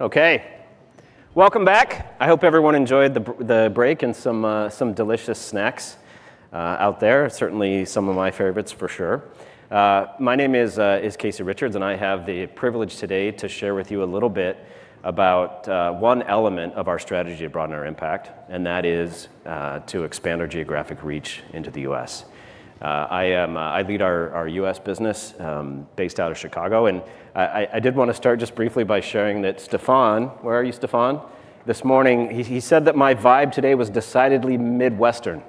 go? Okay. Welcome back. I hope everyone enjoyed the break and some delicious snacks out there. Certainly some of my favorites, for sure. My name is Casey Richards, and I have the privilege today to share with you a little bit about one element of our strategy to broaden our impact, and that is to expand our geographic reach into the U.S. I lead our U.S. Business based out of Chicago, and I did wanna start just briefly by sharing that Stefan, where are you, Stefan? This morning he said that my vibe today was decidedly Midwestern.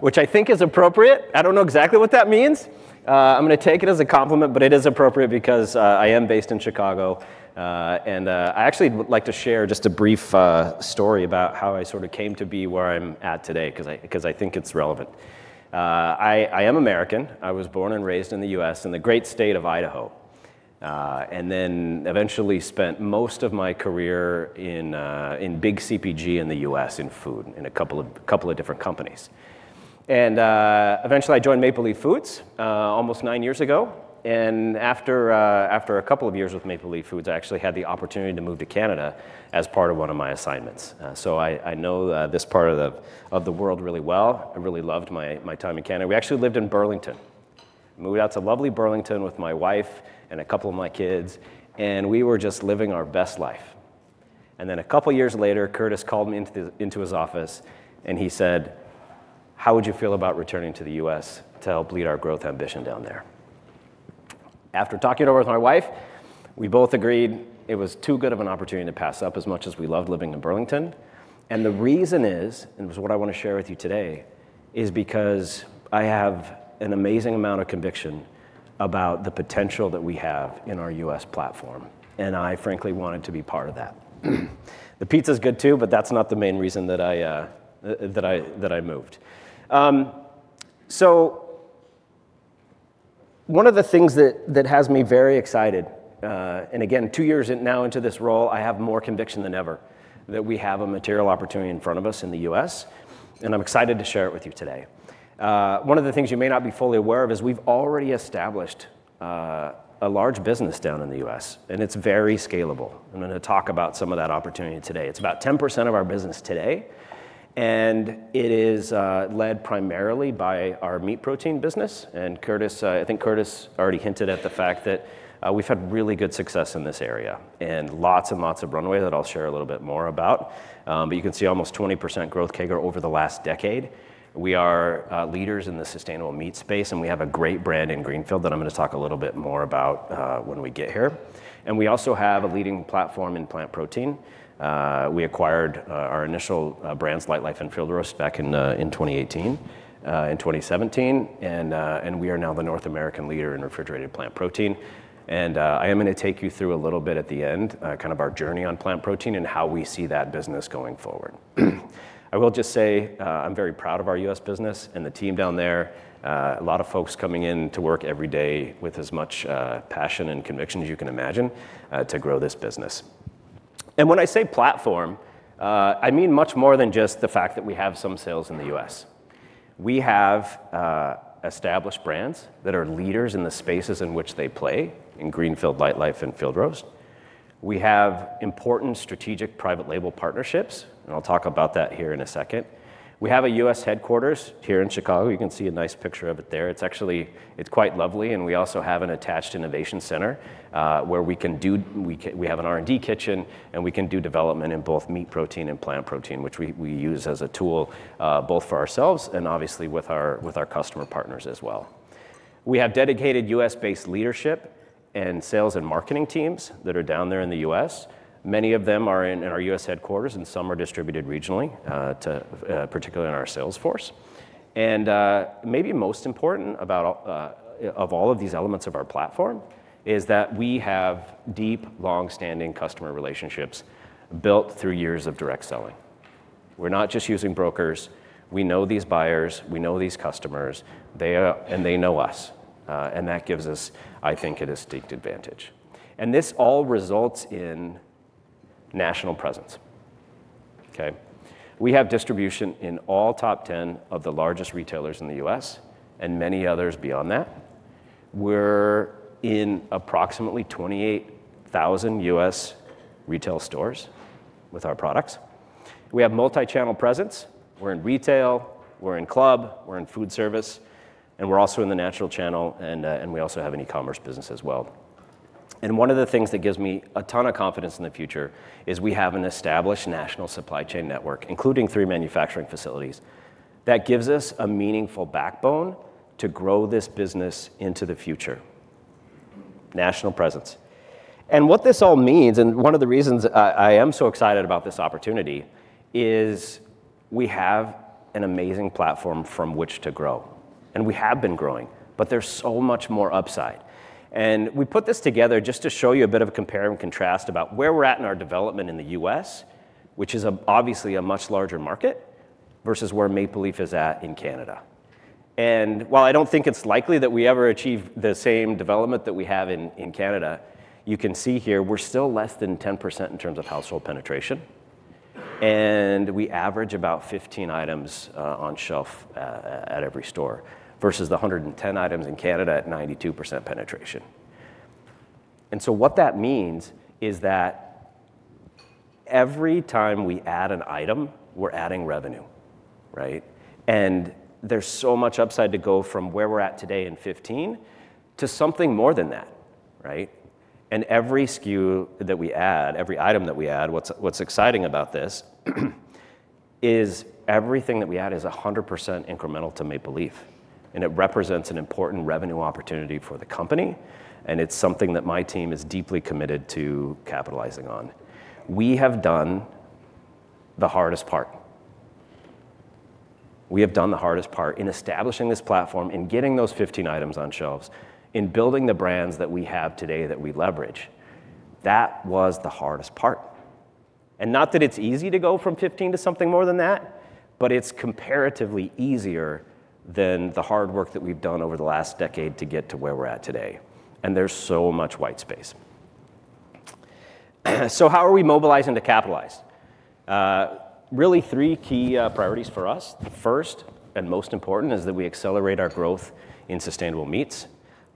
Which I think is appropriate. I don't know exactly what that means. I'm gonna take it as a compliment, but it is appropriate because I am based in Chicago. I actually would like to share just a brief story about how I sort of came to be where I'm at today 'cause I think it's relevant. I am American. I was born and raised in the U.S., in the great state of Idaho. I eventually spent most of my career in big CPG in the U.S., in food, in a couple of different companies. I eventually joined Maple Leaf Foods almost nine years ago, and after a couple of years with Maple Leaf Foods, I actually had the opportunity to move to Canada as part of one of my assignments. I know this part of the world really well. I really loved my time in Canada. We actually lived in Burlington. Moved out to lovely Burlington with my wife and a couple of my kids, and we were just living our best life. A couple years later, Curtis called me into his office and he said, "How would you feel about returning to the U.S. to help lead our growth ambition down there?" After talking it over with my wife, we both agreed it was too good of an opportunity to pass up, as much as we loved living in Burlington. The reason is, and this is what I wanna share with you today, is because I have an amazing amount of conviction about the potential that we have in our U.S. platform, and I frankly wanted to be part of that. The pizza's good too, but that's not the main reason that I moved. One of the things that has me very excited, and again, two years in now into this role, I have more conviction than ever that we have a material opportunity in front of us in the U.S., and I'm excited to share it with you today. One of the things you may not be fully aware of is we've already established a large business down in the U.S., and it's very scalable. I'm gonna talk about some of that opportunity today. It's about 10% of our business today, and it is led primarily by our meat protein business. Curtis, I think Curtis already hinted at the fact that we've had really good success in this area and lots and lots of runway that I'll share a little bit more about. You can see almost 20% growth CAGR over the last decade. We are leaders in the sustainable meat space, and we have a great brand in Greenfield that I'm gonna talk a little bit more about when we get here. We also have a leading platform in plant protein. We acquired our initial brands, Lightlife and Field Roast, back in 2017. We are now the North American leader in refrigerated plant protein. I am gonna take you through a little bit at the end, kind of our journey on plant protein and how we see that business going forward. I will just say, I'm very proud of our U.S. Business and the team down there. A lot of folks coming in to work every day with as much passion and conviction as you can imagine to grow this business. When I say platform, I mean much more than just the fact that we have some sales in the U.S. We have established brands that are leaders in the spaces in which they play, in Greenfield, Lightlife, and Field Roast. We have important strategic private label partnerships, and I'll talk about that here in a second. We have a U.S. headquarters here in Chicago. You can see a nice picture of it there. It's actually quite lovely, and we also have an attached innovation center where we have an R&D kitchen, and we can do development in both meat protein and plant protein, which we use as a tool both for ourselves and obviously with our customer partners as well. We have dedicated U.S.-based leadership and sales and marketing teams that are down there in the U.S. Many of them are in our U.S. headquarters, and some are distributed regionally to particularly in our sales force. Maybe most important about of all of these elements of our platform is that we have deep, long-standing customer relationships built through years of direct selling. We're not just using brokers. We know these buyers, we know these customers. They know us. That gives us, I think, a distinct advantage. This all results in national presence. We have distribution in all top 10 of the largest retailers in the U.S. and many others beyond that. We're in approximately 28,000 U.S. retail stores with our products. We have multi-channel presence. We're in retail, we're in club, we're in food service, and we're also in the natural channel, and we also have an e-commerce business as well. One of the things that gives me a ton of confidence in the future is we have an established national supply chain network, including three manufacturing facilities, that gives us a meaningful backbone to grow this business into the future. National presence. What this all means, and one of the reasons I am so excited about this opportunity, is we have an amazing platform from which to grow, and we have been growing, but there's so much more upside. We put this together just to show you a bit of a compare and contrast about where we're at in our development in the U.S., which is obviously a much larger market, versus where Maple Leaf is at in Canada. While I don't think it's likely that we ever achieve the same development that we have in Canada, you can see here we're still less than 10% in terms of household penetration, and we average about 15 items on shelf at every store, versus the 110 items in Canada at 92% penetration. What that means is that every time we add an item, we're adding revenue, right? There's so much upside to go from where we're at today in 15 to something more than that, right? Every SKU that we add, every item that we add, what's exciting about this is everything that we add is 100% incremental to Maple Leaf, and it represents an important revenue opportunity for the company, and it's something that my team is deeply committed to capitalizing on. We have done the hardest part. We have done the hardest part in establishing this platform, in getting those 15 items on shelves, in building the brands that we have today that we leverage. That was the hardest part. Not that it's easy to go from 15 to something more than that, but it's comparatively easier than the hard work that we've done over the last decade to get to where we're at today, and there's so much white space. How are we mobilizing to capitalize? Really three key priorities for us. First, and most important, is that we accelerate our growth in sustainable meats,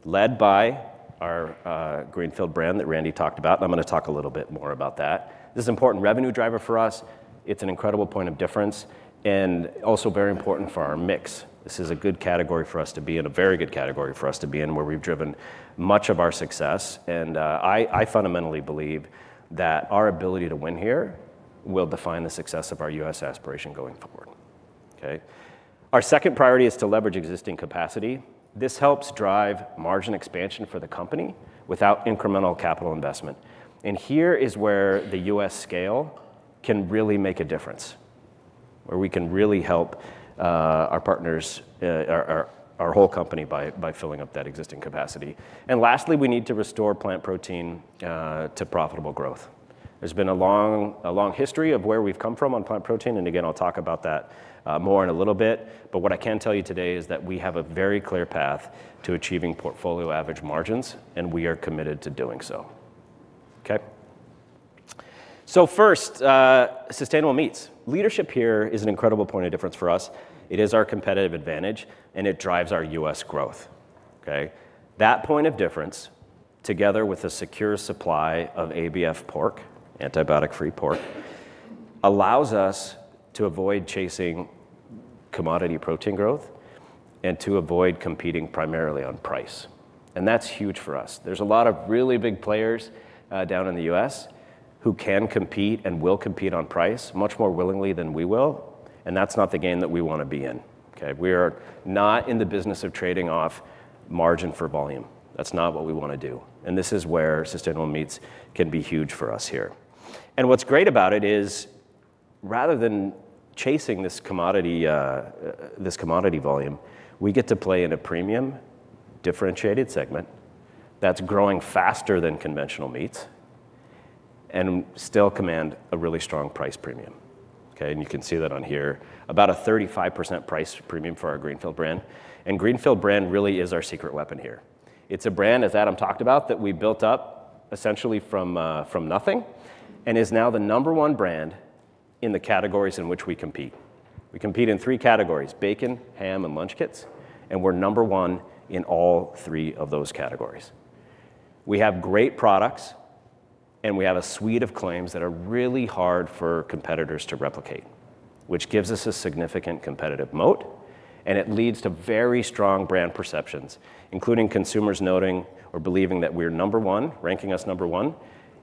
led by our Greenfield brand that Randy talked about, and I'm gonna talk a little bit more about that. This is an important revenue driver for us. It's an incredible point of difference and also very important for our mix. This is a good category for us to be in, a very good category for us to be in, where we've driven much of our success. I fundamentally believe that our ability to win here will define the success of our U.S. aspiration going forward. Okay. Our second priority is to leverage existing capacity. This helps drive margin expansion for the company without incremental capital investment. Here is where the U.S. Scale can really make a difference, where we can really help our partners, our whole company by filling up that existing capacity. Lastly, we need to restore plant protein to profitable growth. There's been a long history of where we've come from on plant protein, and again, I'll talk about that more in a little bit. What I can tell you today is that we have a very clear path to achieving portfolio average margins, and we are committed to doing so. Okay. First, sustainable meats. Leadership here is an incredible point of difference for us. It is our competitive advantage, and it drives our U.S. growth, okay? That point of difference, together with a secure supply of ABF pork, antibiotic-free pork, allows us to avoid chasing commodity protein growth and to avoid competing primarily on price. That's huge for us. There's a lot of really big players down in the U.S. who can compete and will compete on price much more willingly than we will, and that's not the game that we wanna be in, okay? We are not in the business of trading off margin for volume. That's not what we wanna do. This is where sustainable meats can be huge for us here. What's great about it is rather than chasing this commodity volume, we get to play in a premium, differentiated segment that's growing faster than conventional meats and still command a really strong price premium. Okay, you can see that on here. About a 35% price premium for our Greenfield brand. Greenfield brand really is our secret weapon here. It's a brand, as Adam talked about, that we built up essentially from nothing, and is now the number one brand in the categories in which we compete. We compete in three categories, bacon, ham, and lunch kits, and we're number one in all three of those categories. We have great products, and we have a suite of claims that are really hard for competitors to replicate, which gives us a significant competitive moat, and it leads to very strong brand perceptions, including consumers noting or believing that we're number one, ranking us number one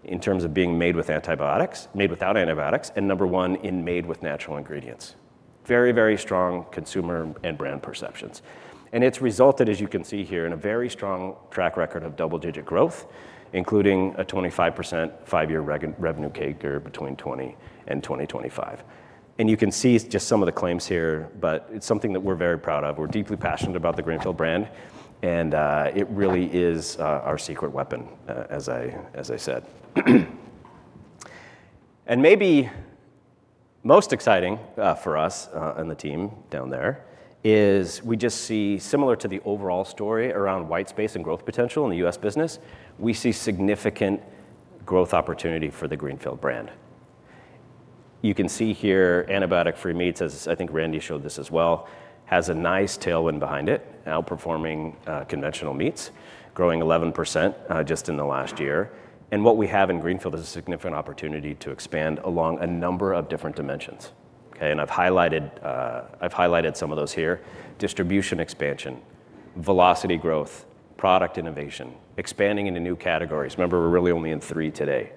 in terms of being made with antibiotics, made without antibiotics, and number one in made with natural ingredients. Very, very strong consumer and brand perceptions. It's resulted, as you can see here, in a very strong track record of double-digit growth, including a 25% five-year revenue CAGR between 2020 and 2025. You can see just some of the claims here, but it's something that we're very proud of. We're deeply passionate about the Greenfield brand, and it really is our secret weapon, as I said. Maybe most exciting, for us, and the team down there is we just see similar to the overall story around white space and growth potential in the U.S. business, we see significant growth opportunity for the Greenfield brand. You can see here antibiotic-free meats, as I think Randy showed this as well, has a nice tailwind behind it, outperforming, conventional meats, growing 11%, just in the last year. What we have in Greenfield is a significant opportunity to expand along a number of different dimensions. Okay. I've highlighted some of those here. Distribution expansion, velocity growth, product innovation, expanding into new categories. Remember, we're really only in three today.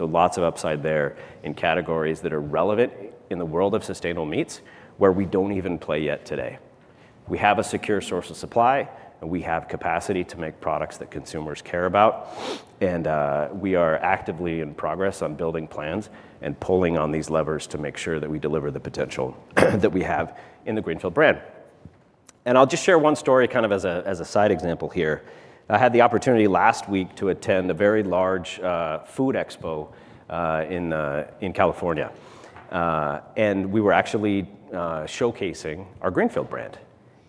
Lots of upside there in categories that are relevant in the world of sustainable meats, where we don't even play yet today. We have a secure source of supply, and we have capacity to make products that consumers care about. We are actively in progress on building plans and pulling on these levers to make sure that we deliver the potential that we have in the Greenfield brand. I'll just share one story kind of as a side example here. I had the opportunity last week to attend a very large food expo in California. We were actually showcasing our Greenfield brand.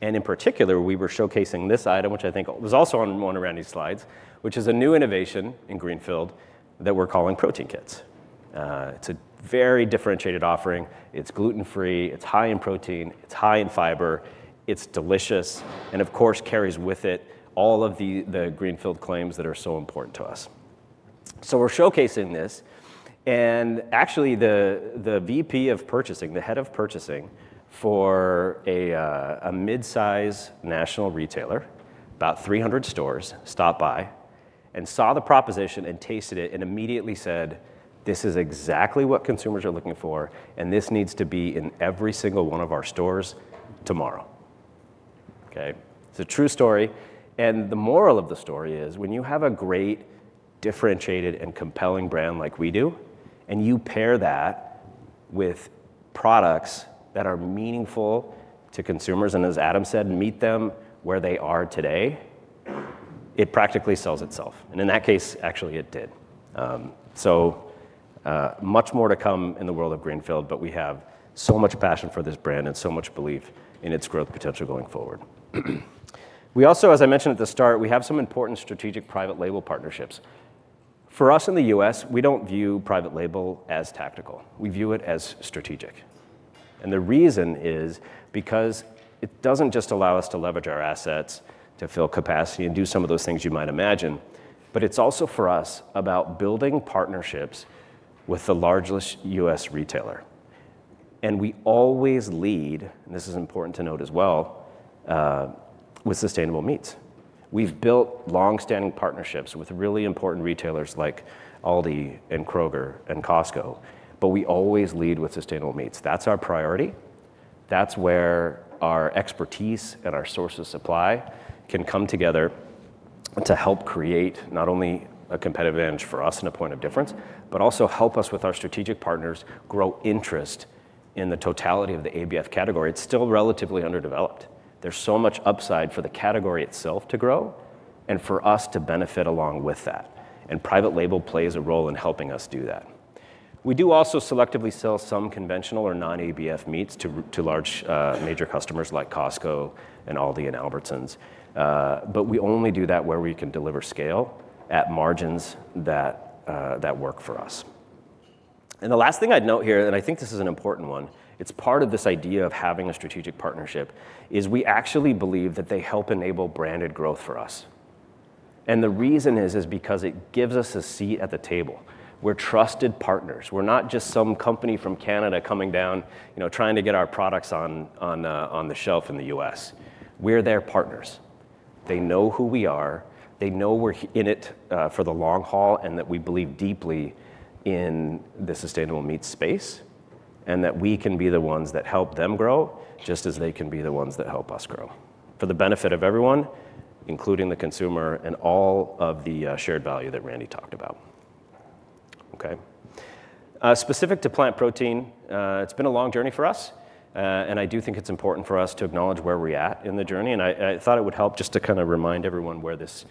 In particular, we were showcasing this item, which I think was also on one of Randy's slides, which is a new innovation in Greenfield that we're calling protein kits. It's a very differentiated offering. It's gluten-free, it's high in protein, it's high in fiber, it's delicious, and of course, carries with it all of the Greenfield claims that are so important to us. We're showcasing this, and actually the VP of purchasing, the head of purchasing for a mid-size national retailer, about 300 stores, stopped by and saw the proposition and tasted it and immediately said, "This is exactly what consumers are looking for, and this needs to be in every single one of our stores tomorrow." Okay? It's a true story, and the moral of the story is when you have a great differentiated and compelling brand like we do, and you pair that with products that are meaningful to consumers, and as Adam said, meet them where they are today, it practically sells itself. In that case, actually it did. Much more to come in the world of Greenfield, but we have so much passion for this brand and so much belief in its growth potential going forward. We also, as I mentioned at the start, we have some important strategic private label partnerships. For us in the U.S., we don't view private label as tactical. We view it as strategic. The reason is because it doesn't just allow us to leverage our assets to fill capacity and do some of those things you might imagine, but it's also for us about building partnerships with the largest U.S. retailer. We always lead, and this is important to note as well, with sustainable meats. We've built longstanding partnerships with really important retailers like Aldi and Kroger and Costco, but we always lead with sustainable meats. That's our priority. That's where our expertise and our source of supply can come together to help create not only a competitive edge for us and a point of difference, but also help us with our strategic partners grow interest in the totality of the ABF category. It's still relatively underdeveloped. There's so much upside for the category itself to grow and for us to benefit along with that, and private label plays a role in helping us do that. We do also selectively sell some conventional or non-ABF meats to large major customers like Costco and Aldi and Albertsons, but we only do that where we can deliver scale at margins that work for us. The last thing I'd note here, and I think this is an important one, it's part of this idea of having a strategic partnership, is we actually believe that they help enable branded growth for us. The reason is because it gives us a seat at the table. We're trusted partners. We're not just some company from Canada coming down, you know, trying to get our products on the shelf in the U.S. We're their partners. They know who we are. They know we're in it for the long haul, and that we believe deeply in the sustainable meat space, and that we can be the ones that help them grow, just as they can be the ones that help us grow for the benefit of everyone, including the consumer and all of the shared value that Randy talked about. Okay. Specific to plant protein, it's been a long journey for us. I do think it's important for us to acknowledge where we're at in the journey, and I thought it would help just to kind of remind everyone where this,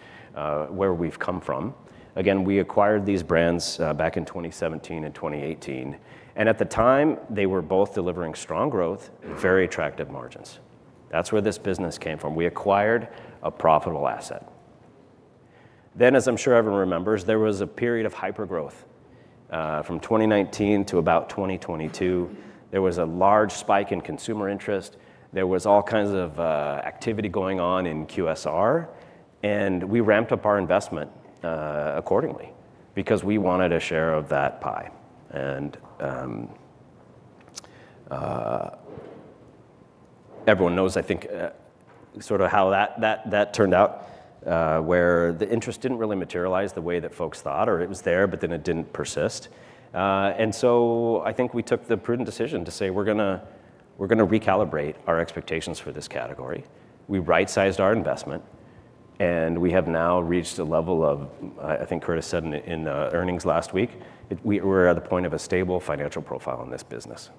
where we've come from. Again, we acquired these brands back in 2017 and 2018, and at the time, they were both delivering strong growth, and very attractive margins. That's where this business came from. We acquired a profitable asset. As I'm sure everyone remembers, there was a period of hyper growth from 2019 to about 2022. There was a large spike in consumer interest, there was all kinds of activity going on in QSR, and we ramped up our investment accordingly, because we wanted a share of that pie. Everyone knows, I think, sort of how that turned out, where the interest didn't really materialize the way that folks thought, or it was there, but then it didn't persist. I think we took the prudent decision to say, "We're gonna recalibrate our expectations for this category." We right-sized our investment, and we have now reached a level of, I think Curtis said in earnings last week, we're at the point of a stable financial profile in this business.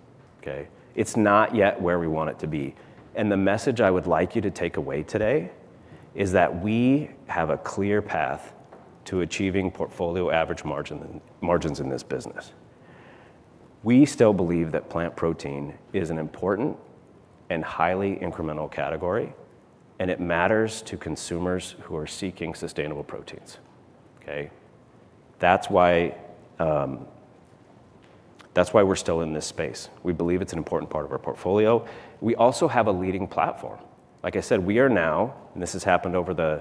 Okay? It's not yet where we want it to be, and the message I would like you to take away today is that we have a clear path to achieving portfolio average margins in this business. We still believe that plant protein is an important and highly incremental category, and it matters to consumers who are seeking sustainable proteins, okay? That's why, that's why we're still in this space. We believe it's an important part of our portfolio. We also have a leading platform. Like I said, we are now, and this has happened, I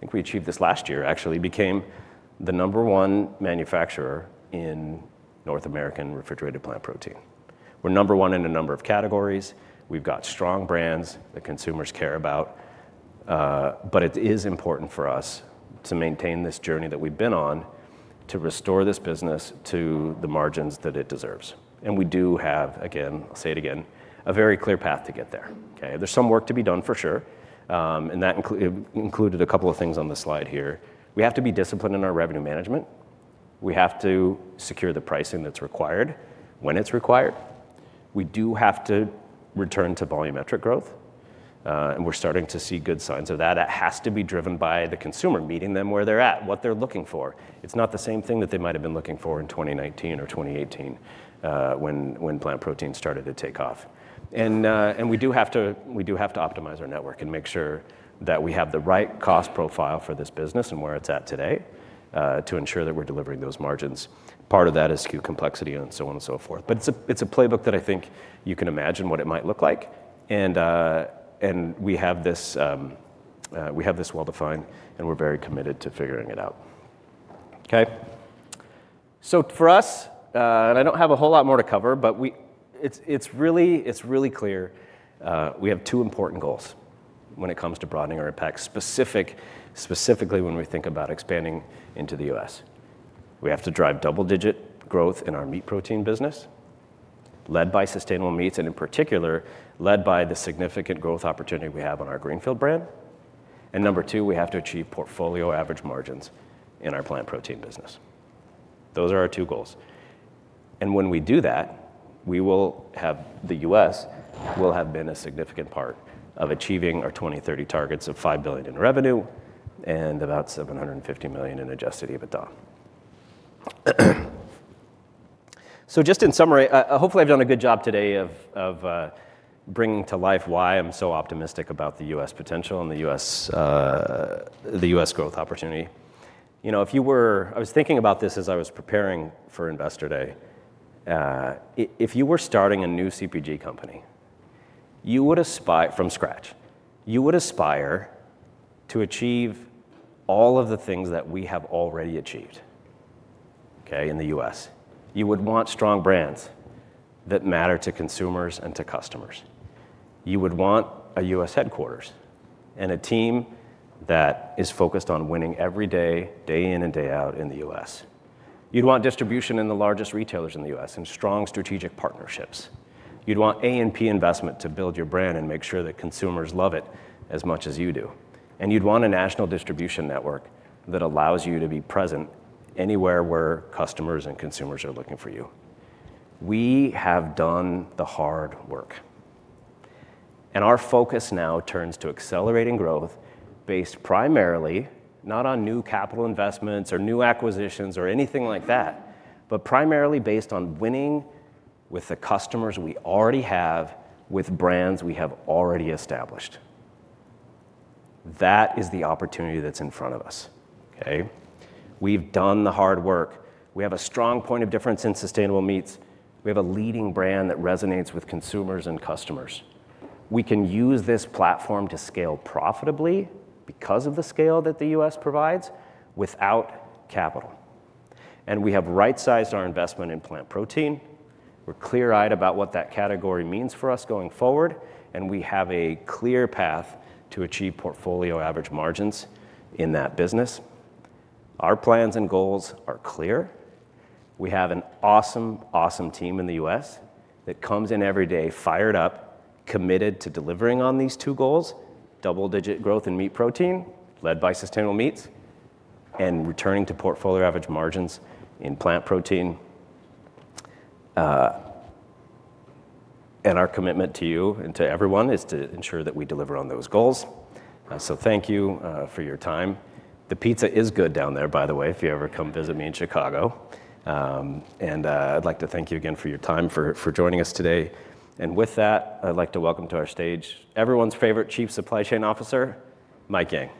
think we achieved this last year, actually became the number one manufacturer in North American refrigerated plant protein. We're number one in a number of categories. We've got strong brands that consumers care about. But it is important for us to maintain this journey that we've been on to restore this business to the margins that it deserves. We do have, again, I'll say it again, a very clear path to get there. Okay? There's some work to be done, for sure, and that included a couple of things on the slide here. We have to be disciplined in our revenue management. We have to secure the pricing that's required when it's required. We do have to return to volumetric growth, and we're starting to see good signs of that. It has to be driven by the consumer, meeting them where they're at, what they're looking for. It's not the same thing that they might have been looking for in 2019 or 2018, when plant protein started to take off. We do have to optimize our network and make sure that we have the right cost profile for this business and where it's at today, to ensure that we're delivering those margins. Part of that is SKU complexity and so on and so forth. It's a playbook that I think you can imagine what it might look like, and we have this well defined, and we're very committed to figuring it out. Okay. For us, I don't have a whole lot more to cover, but it's really clear, we have two important goals when it comes to broadening our impact, specifically when we think about expanding into the U.S. We have to drive double-digit growth in our meat protein business, led by sustainable meats, and in particular, led by the significant growth opportunity we have on our Greenfield brand. Number two, we have to achieve portfolio average margins in our plant protein business. Those are our two goals. When we do that, we will have the U.S. will have been a significant part of achieving our 2030 targets of 5 billion in revenue and about 750 million in adjusted EBITDA. Just in summary, hopefully I've done a good job today of bringing to life why I'm so optimistic about the U.S. potential and the U.S. growth opportunity. You know, I was thinking about this as I was preparing for Investor Day. If you were starting a new CPG company, from scratch, you would aspire to achieve all of the things that we have already achieved, okay, in the U.S. You would want strong brands that matter to consumers and to customers. You would want a U.S. headquarters and a team that is focused on winning every day in and day out in the U.S. You'd want distribution in the largest retailers in the U.S. and strong strategic partnerships. You'd want A&P investment to build your brand and make sure that consumers love it as much as you do. You'd want a national distribution network that allows you to be present anywhere where customers and consumers are looking for you. We have done the hard work, and our focus now turns to accelerating growth based primarily not on new capital investments or new acquisitions or anything like that, but primarily based on winning with the customers we already have, with brands we have already established. That is the opportunity that's in front of us, okay? We've done the hard work. We have a strong point of difference in sustainable meats. We have a leading brand that resonates with consumers and customers. We can use this platform to scale profitably because of the scale that the U.S. Provides without capital. We have right-sized our investment in plant protein. We're clear-eyed about what that category means for us going forward, and we have a clear path to achieve portfolio average margins in that business. Our plans and goals are clear. We have an awesome team in the U.S. that comes in every day fired up, committed to delivering on these two goals, double-digit growth in meat protein led by sustainable meats. Returning to portfolio average margins in plant protein. Our commitment to you and to everyone is to ensure that we deliver on those goals. Thank you for your time. The pizza is good down there, by the way, if you ever come visit me in Chicago. I'd like to thank you again for your time for joining us today. With that, I'd like to welcome to our stage everyone's favorite Chief Supply Chain Officer, Mike Yang.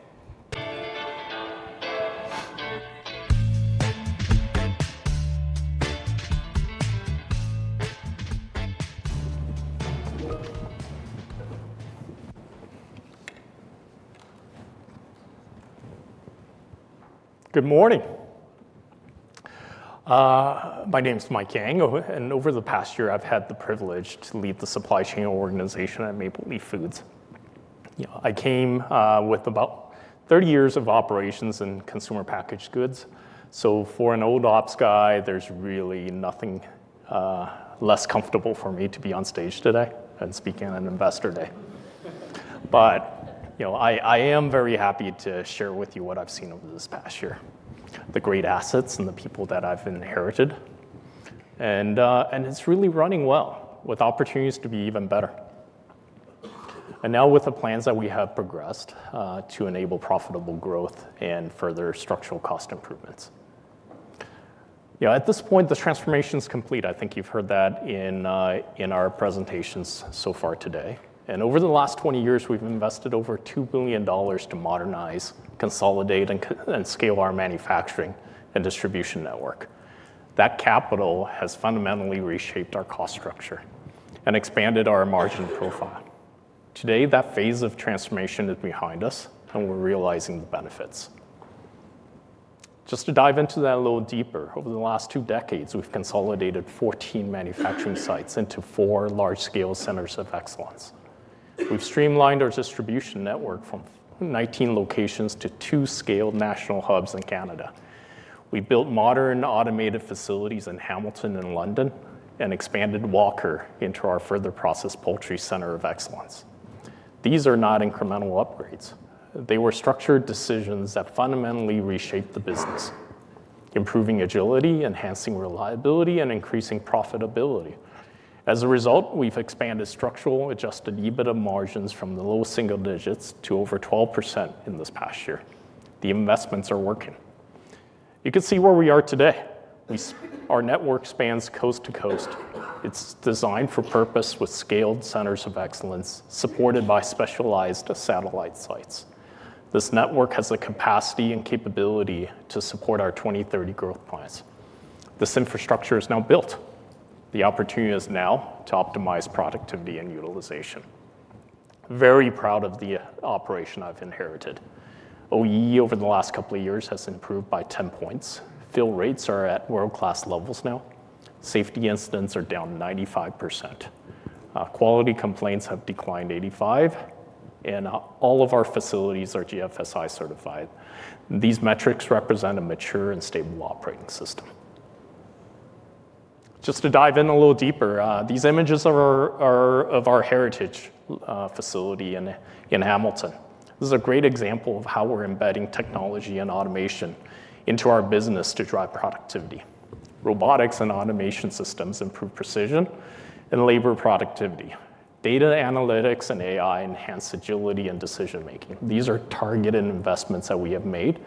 Good morning. My name's Mike Yang, and over the past year, I've had the privilege to lead the supply chain organization at Maple Leaf Foods. You know, I came with about 30 years of operations in consumer packaged goods, so for an old ops guy, there's really nothing less comfortable for me to be on stage today than speaking on investor day. You know, I am very happy to share with you what I've seen over this past year, the great assets and the people that I've inherited. It's really running well, with opportunities to be even better. Now with the plans that we have progressed to enable profitable growth and further structural cost improvements. You know, at this point, the transformation's complete. I think you've heard that in our presentations so far today. Over the last 20 years, we've invested over 2 billion dollars to modernize, consolidate, and scale our manufacturing and distribution network. That capital has fundamentally reshaped our cost structure and expanded our margin profile. Today, that phase of transformation is behind us, and we're realizing the benefits. Just to dive into that a little deeper, over the last two decades, we've consolidated 14 manufacturing sites into four large-scale centers of excellence. We've streamlined our distribution network from 19 locations to two scaled national hubs in Canada. We built modern automated facilities in Hamilton and London and expanded Walker into our further process poultry center of excellence. These are not incremental upgrades. They were structured decisions that fundamentally reshaped the business, improving agility, enhancing reliability, and increasing profitability. As a result, we've expanded structurally adjusted EBITDA margins from the low single digits to over 12% in this past year. The investments are working. You can see where we are today. Our network spans coast to coast. It's designed for purpose with scaled centers of excellence supported by specialized satellite sites. This network has the capacity and capability to support our 2030 growth plans. This infrastructure is now built. The opportunity is now to optimize productivity and utilization. Very proud of the operation I've inherited. OEE over the last couple of years has improved by 10 points. Fill rates are at world-class levels now. Safety incidents are down 95%. Quality complaints have declined 85%, and all of our facilities are GFSI certified. These metrics represent a mature and stable operating system. Just to dive in a little deeper, these images are of our heritage facility in Hamilton. This is a great example of how we're embedding technology and automation into our business to drive productivity. Robotics and automation systems improve precision and labor productivity. Data analytics and AI enhance agility and decision-making. These are targeted investments that we have made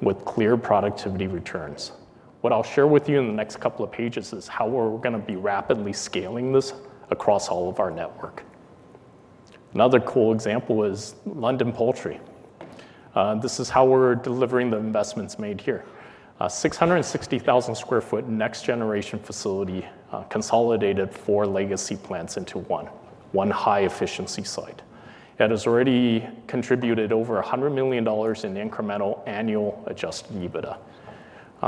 with clear productivity returns. What I'll share with you in the next couple of pages is how we're gonna be rapidly scaling this across all of our network. Another cool example is London Poultry. This is how we're delivering the investments made here. A 660,000 sq ft next generation facility consolidated four legacy plants into one. One high efficiency site. It has already contributed over 100 million dollars in incremental annual adjusted EBITDA.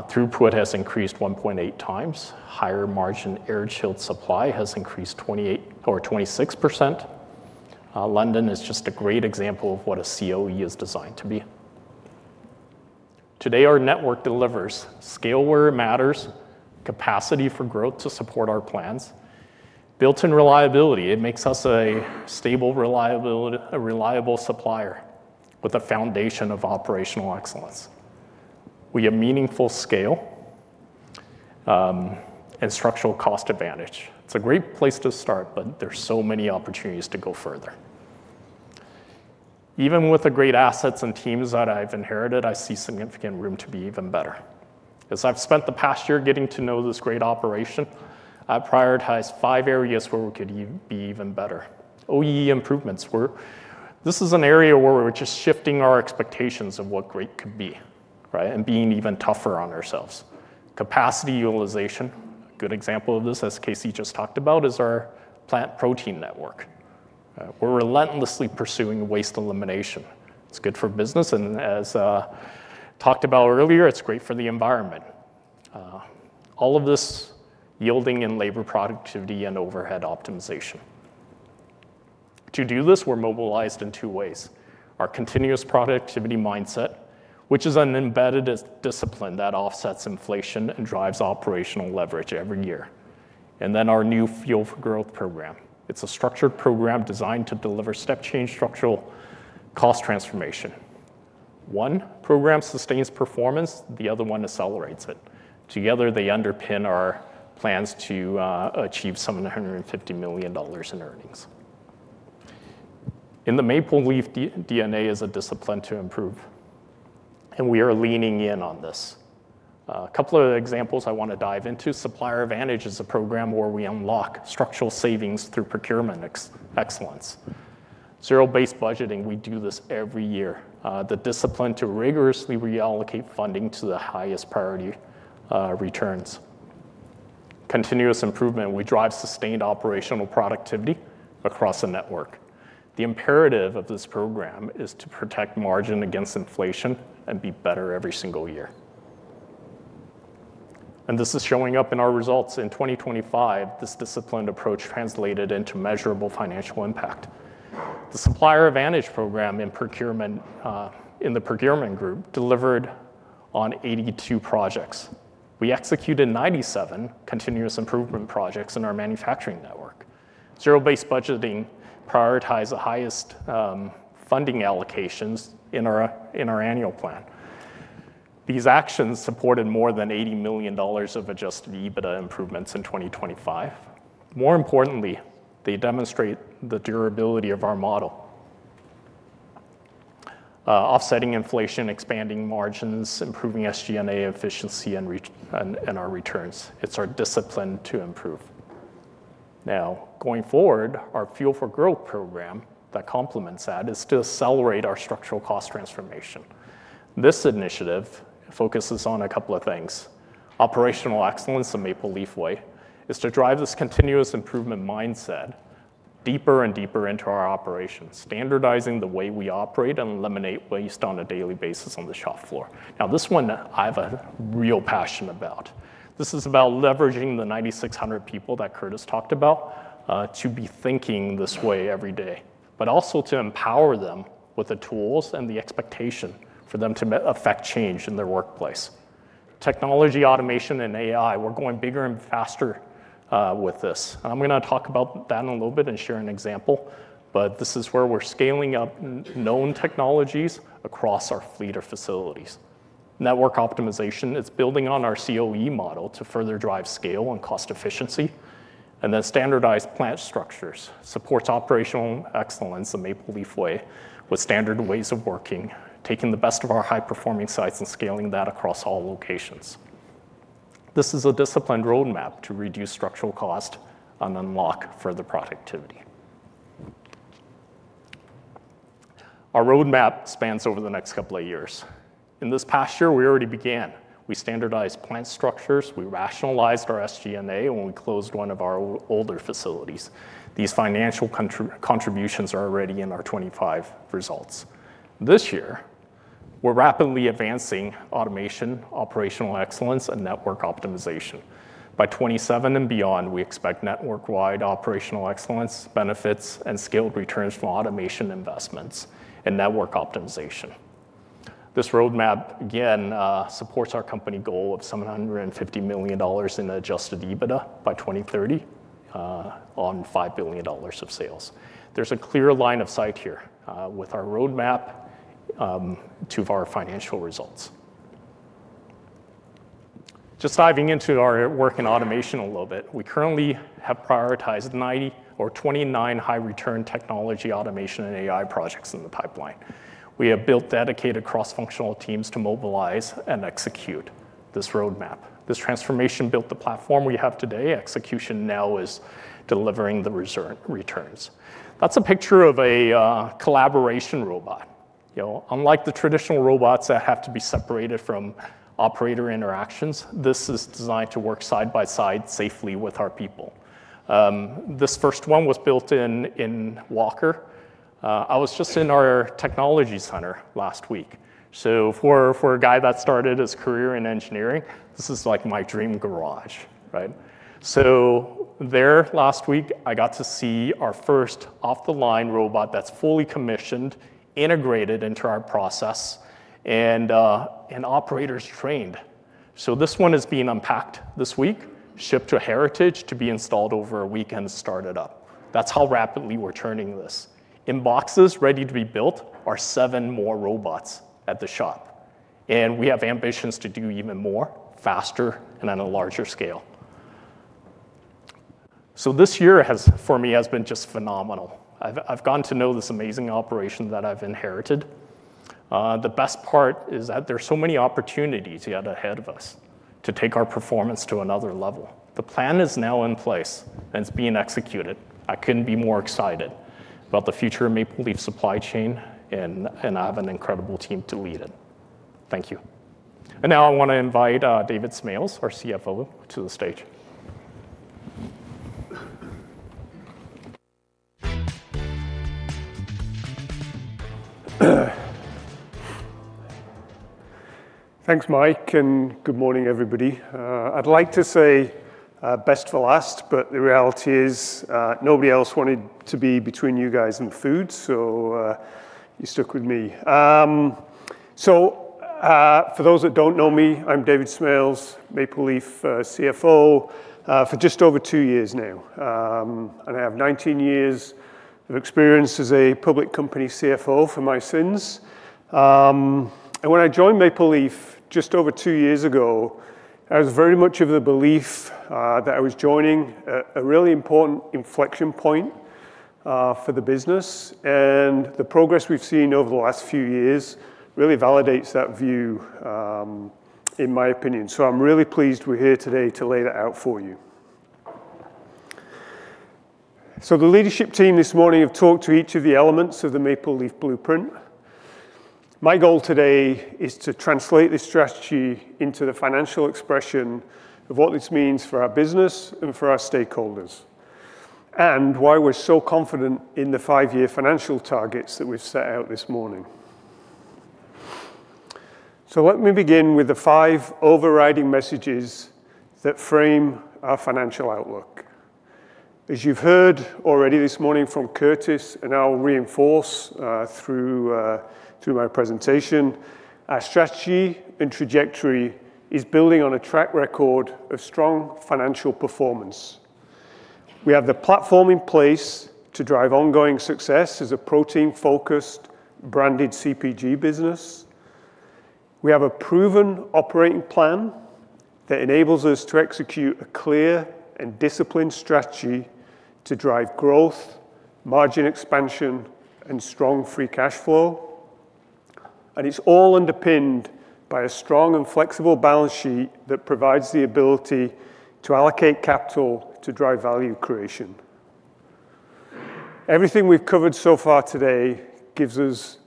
Throughput has increased 1.8x. Higher margin air-chilled supply has increased 28% or 26%. London is just a great example of what a COE is designed to be. Today, our network delivers scale where it matters, capacity for growth to support our plans, built-in reliability. It makes us a stable reliable supplier with a foundation of operational excellence. We have meaningful scale and structural cost advantage. It's a great place to start, but there's so many opportunities to go further. Even with the great assets and teams that I've inherited, I see significant room to be even better. As I've spent the past year getting to know this great operation, I've prioritized five areas where we could be even better. OEE improvements, this is an area where we're just shifting our expectations of what great could be, right? Being even tougher on ourselves. Capacity utilization. Good example of this, as Casey just talked about, is our plant protein network. We're relentlessly pursuing waste elimination. It's good for business and as talked about earlier, it's great for the environment. All of this yielding in labor productivity and overhead optimization. To do this, we're mobilized in two ways. Our continuous productivity mindset, which is an embedded discipline that offsets inflation and drives operational leverage every year. Then our new Fuel for Growth program. It's a structured program designed to deliver step change structural cost transformation. One program sustains performance, the other one accelerates it. Together, they underpin our plans to achieve some 150 million dollars in earnings. In the Maple Leaf, the DNA is a discipline to improve, and we are leaning in on this. A couple of examples I wanna dive into. Supplier Advantage is a program where we unlock structural savings through procurement excellence. Zero-based budgeting, we do this every year. The discipline to rigorously reallocate funding to the highest priority returns. Continuous improvement, we drive sustained operational productivity across the network. The imperative of this program is to protect margin against inflation and be better every single year. This is showing up in our results. In 2025, this disciplined approach translated into measurable financial impact. The Supplier Advantage program in procurement in the procurement group delivered on 82 projects. We executed 97 continuous improvement projects in our manufacturing network. Zero-based budgeting prioritize the highest funding allocations in our annual plan. These actions supported more than 80 million dollars of adjusted EBITDA improvements in 2025. More importantly, they demonstrate the durability of our model. Offsetting inflation, expanding margins, improving SG&A efficiency and our returns. It's our discipline to improve. Now, going forward, our Fuel for Growth program that complements that is to accelerate our structural cost transformation. This initiative focuses on a couple of things. Operational excellence the Maple Leaf way is to drive this continuous improvement mindset deeper and deeper into our operations, standardizing the way we operate, and eliminate waste on a daily basis on the shop floor. Now, this one I have a real passion about. This is about leveraging the 9,600 people that Curtis talked about to be thinking this way every day, but also to empower them with the tools and the expectation for them to affect change in their workplace. Technology, automation, and AI, we're going bigger and faster with this. I'm gonna talk about that in a little bit and share an example, but this is where we're scaling up known technologies across our fleet of facilities. Network optimization, it's building on our COE model to further drive scale and cost efficiency, and then standardized plant structures supports operational excellence the Maple Leaf way with standard ways of working, taking the best of our high-performing sites and scaling that across all locations. This is a disciplined roadmap to reduce structural cost and unlock further productivity. Our roadmap spans over the next couple of years. In this past year, we already began. We standardized plant structures, we rationalized our SG&A when we closed one of our older facilities. These financial contributions are already in our 2025 results. This year, we're rapidly advancing automation, operational excellence, and network optimization. By 2027 and beyond, we expect network-wide operational excellence benefits and scaled returns from automation investments and network optimization. This roadmap, again, supports our company goal of 750 million dollars in adjusted EBITDA by 2030, on 5 billion dollars of sales. There's a clear line of sight here, with our roadmap, to our financial results. Just diving into our work in automation a little bit. We currently have prioritized 29 high return technology automation and AI projects in the pipeline. We have built dedicated cross-functional teams to mobilize and execute this roadmap. This transformation built the platform we have today. Execution now is delivering the returns. That's a picture of a collaborative robot. You know, unlike the traditional robots that have to be separated from operator interactions, this is designed to work side by side safely with our people. This first one was built in Walker. I was just in our technology center last week. For a guy that started his career in engineering, this is like my dream garage, right? There last week, I got to see our first off-the-line robot that's fully commissioned, integrated into our process, and operators trained. This one is being unpacked this week, shipped to Heritage to be installed over a week and started up. That's how rapidly we're turning this. In boxes ready to be built are seven more robots at the shop, and we have ambitions to do even more, faster, and on a larger scale. This year has, for me, been just phenomenal. I've gotten to know this amazing operation that I've inherited. The best part is that there's so many opportunities yet ahead of us to take our performance to another level. The plan is now in place, and it's being executed. I couldn't be more excited about the future of Maple Leaf's supply chain, and I have an incredible team to lead it. Thank you. Now I want to invite David Smales, our CFO, to the stage. Thanks, Mike, and good morning, everybody. I'd like to say best for last, but the reality is, nobody else wanted to be between you guys and the food, so you're stuck with me. For those that don't know me, I'm David Smales, Maple Leaf CFO, for just over two years now. I have 19 years of experience as a public company CFO for my sins. When I joined Maple Leaf just over two years ago, I was very much of the belief that I was joining a really important inflection point for the business. The progress we've seen over the last few years really validates that view, in my opinion. I'm really pleased we're here today to lay that out for you. The leadership team this morning have talked to each of the elements of the Maple Leaf Blueprint. My goal today is to translate this strategy into the financial expression of what this means for our business and for our stakeholders, and why we're so confident in the five-year financial targets that we've set out this morning. Let me begin with the five overriding messages that frame our financial outlook. As you've heard already this morning from Curtis, and I'll reinforce through my presentation, our strategy and trajectory is building on a track record of strong financial performance. We have the platform in place to drive ongoing success as a protein-focused branded CPG business. We have a proven operating plan that enables us to execute a clear and disciplined strategy to drive growth, margin expansion, and strong free cash flow. It's all underpinned by a strong and flexible balance sheet that provides the ability to allocate capital to drive value creation. Everything we've covered so far today gives us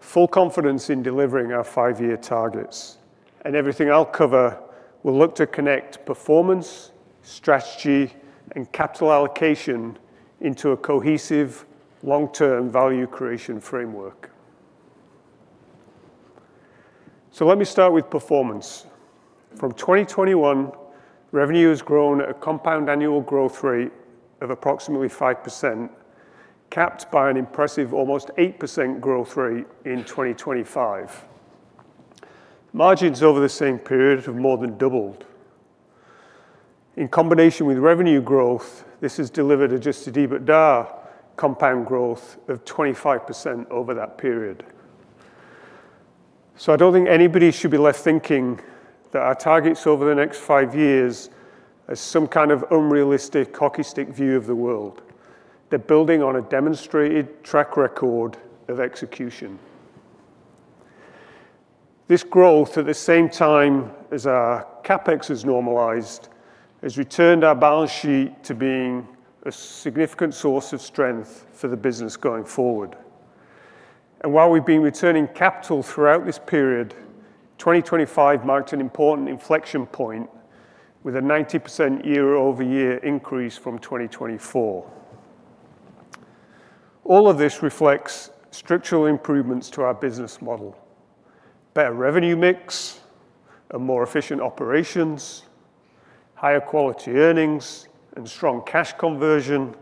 full confidence in delivering our five-year targets. Everything I'll cover will look to connect performance, strategy, and capital allocation into a cohesive long-term value creation framework. Let me start with performance. From 2021, revenue has grown at a compound annual growth rate of approximately 5%, capped by an impressive almost 8% growth rate in 2025. Margins over the same period have more than doubled. In combination with revenue growth, this has delivered adjusted EBITDA compound growth of 25% over that period. I don't think anybody should be left thinking that our targets over the next five years are some kind of unrealistic, hockey stick view of the world. They're building on a demonstrated track record of execution. This growth, at the same time as our CapEx has normalized, has returned our balance sheet to being a significant source of strength for the business going forward. While we've been returning capital throughout this period, 2025 marked an important inflection point with a 90% year-over-year increase from 2024. All of this reflects structural improvements to our business model, better revenue mix and more efficient operations, higher quality earnings and strong cash conversion,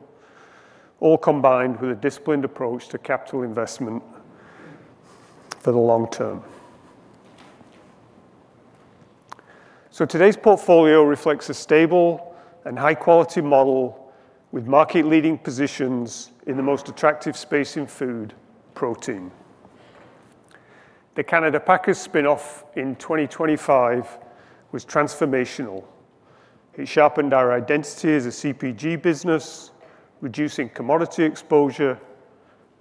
all combined with a disciplined approach to capital investment for the long term. Today's portfolio reflects a stable and high-quality model with market-leading positions in the most attractive space in food: protein. The Canada Packers spin-off in 2025 was transformational. It sharpened our identity as a CPG business, reducing commodity exposure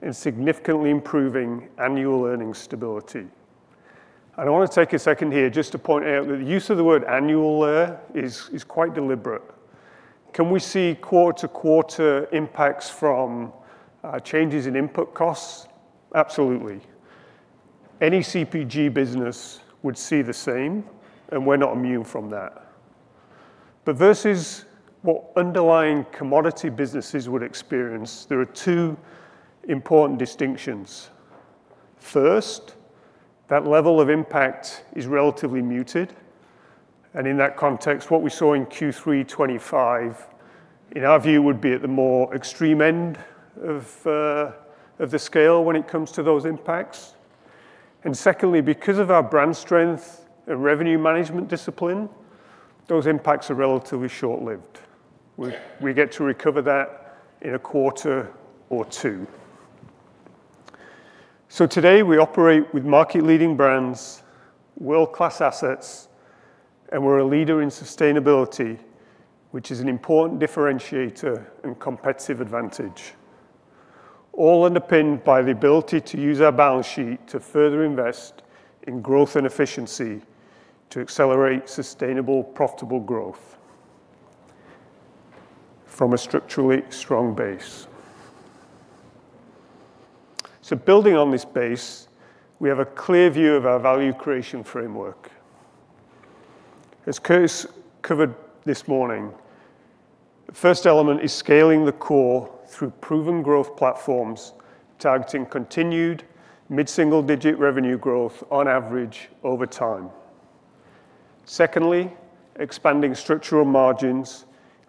and significantly improving annual earnings stability. I want to take a second here just to point out that the use of the word annual there is quite deliberate. Can we see quarter-to-quarter impacts from changes in input costs? Absolutely. Any CPG business would see the same, and we're not immune from that. Versus what underlying commodity businesses would experience, there are two important distinctions. First, that level of impact is relatively muted, and in that context, what we saw in Q3 2025 in our view would be at the more extreme end of the scale when it comes to those impacts. Secondly, because of our brand strength and revenue management discipline, those impacts are relatively short-lived. We get to recover that in a quarter or two. Today, we operate with market-leading brands, world-class assets, and we're a leader in sustainability, which is an important differentiator and competitive advantage, all underpinned by the ability to use our balance sheet to further invest in growth and efficiency to accelerate sustainable, profitable growth from a structurally strong base. Building on this base, we have a clear view of our value creation framework. As Curtis covered this morning, the first element is scaling the core through proven growth platforms, targeting continued mid-single digit revenue growth on average over time. Secondly, expanding structural margins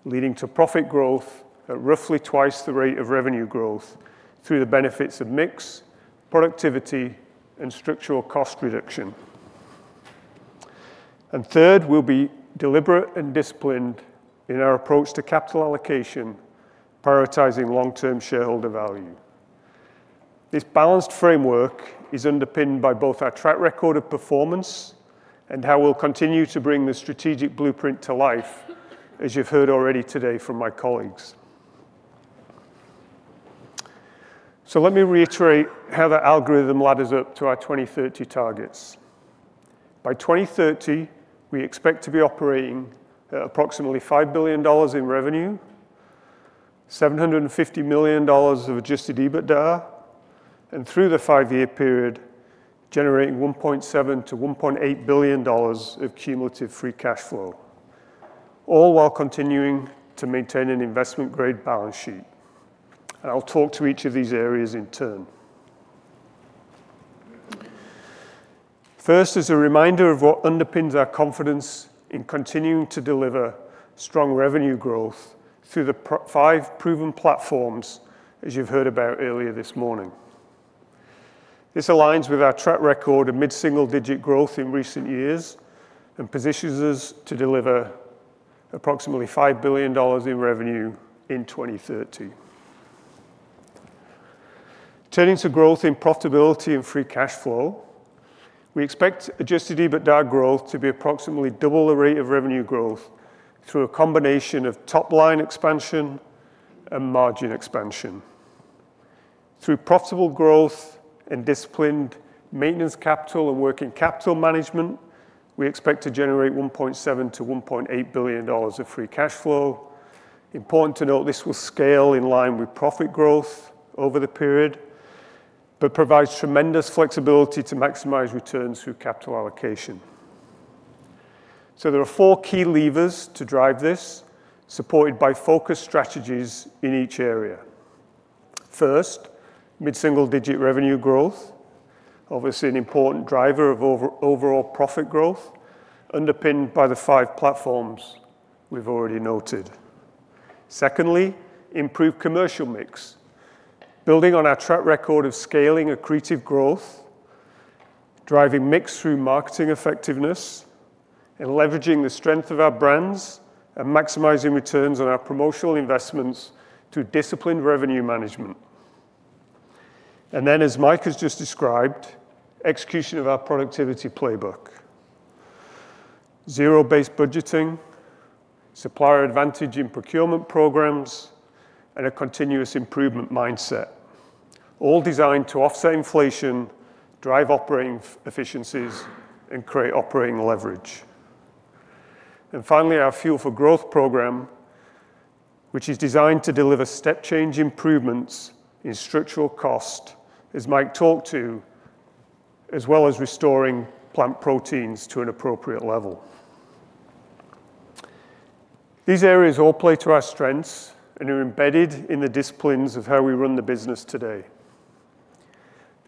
leading to profit growth at roughly twice the rate of revenue growth through the benefits of mix, productivity, and structural cost reduction. Third, we'll be deliberate and disciplined in our approach to capital allocation, prioritizing long-term shareholder value. This balanced framework is underpinned by both our track record of performance and how we'll continue to bring the strategic Blueprint to life, as you've heard already today from my colleagues. Let me reiterate how that algorithm ladders up to our 2030 targets. By 2030, we expect to be operating at approximately 5 billion dollars in revenue, 750 million dollars of adjusted EBITDA, and through the five-year period, generating 1.7 billion-1.8 billion dollars of cumulative free cash flow, all while continuing to maintain an investment-grade balance sheet. I'll talk to each of these areas in turn. First, as a reminder of what underpins our confidence in continuing to deliver strong revenue growth through the five proven platforms, as you've heard about earlier this morning. This aligns with our track record of mid-single-digit growth in recent years and positions us to deliver approximately 5 billion dollars in revenue in 2030. Turning to growth in profitability and free cash flow, we expect adjusted EBITDA growth to be approximately double the rate of revenue growth through a combination of top-line expansion and margin expansion. Through profitable growth and disciplined maintenance capital and working capital management, we expect to generate 1.7 billion-1.8 billion dollars of free cash flow. Important to note, this will scale in line with profit growth over the period, but provides tremendous flexibility to maximize returns through capital allocation. There are four key levers to drive this, supported by focused strategies in each area. First, mid-single-digit revenue growth, obviously an important driver of overall profit growth, underpinned by the five platforms we've already noted. Secondly, improved commercial mix. Building on our track record of scaling accretive growth, driving mix through marketing effectiveness, and leveraging the strength of our brands, and maximizing returns on our promotional investments through disciplined revenue management. Then, as Mike has just described, execution of our productivity playbook. Zero-based budgeting, Supplier Advantage in procurement programs, and a continuous improvement mindset, all designed to offset inflation, drive operating efficiencies, and create operating leverage. Finally, our Fuel for Growth program, which is designed to deliver step-change improvements in structural cost, as Mike talked to, as well as restoring plant proteins to an appropriate level. These areas all play to our strengths and are embedded in the disciplines of how we run the business today.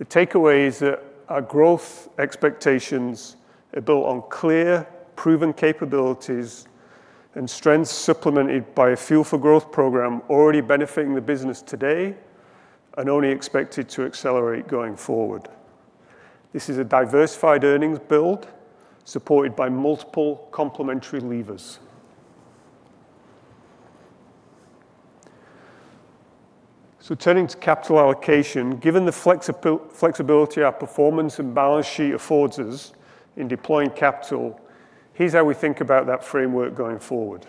The takeaway is that our growth expectations are built on clear, proven capabilities and strengths supplemented by a Fuel for Growth program already benefiting the business today and only expected to accelerate going forward. This is a diversified earnings build supported by multiple complementary levers. Turning to capital allocation, given the flexibility our performance and balance sheet affords us in deploying capital, here's how we think about that framework going forward.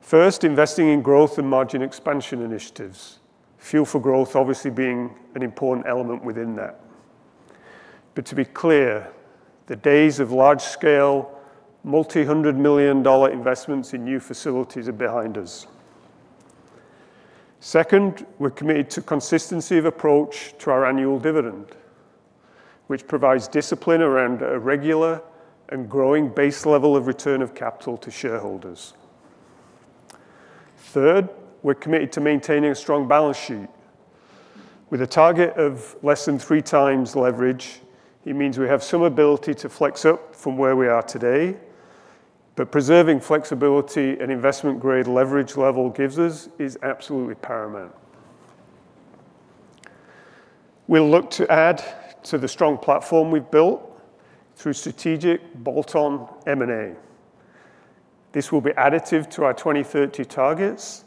First, investing in growth and margin expansion initiatives, Fuel for Growth obviously being an important element within that. To be clear, the days of large-scale, multi-hundred-million-dollar investments in new facilities are behind us. Second, we're committed to consistency of approach to our annual dividend, which provides discipline around a regular and growing base level of return of capital to shareholders. Third, we're committed to maintaining a strong balance sheet. With a target of less than 3x leverage, it means we have some ability to flex up from where we are today, but preserving flexibility in an investment-grade leverage level gives us is absolutely paramount. We'll look to add to the strong platform we've built through strategic bolt-on M&A. This will be additive to our 2030 targets,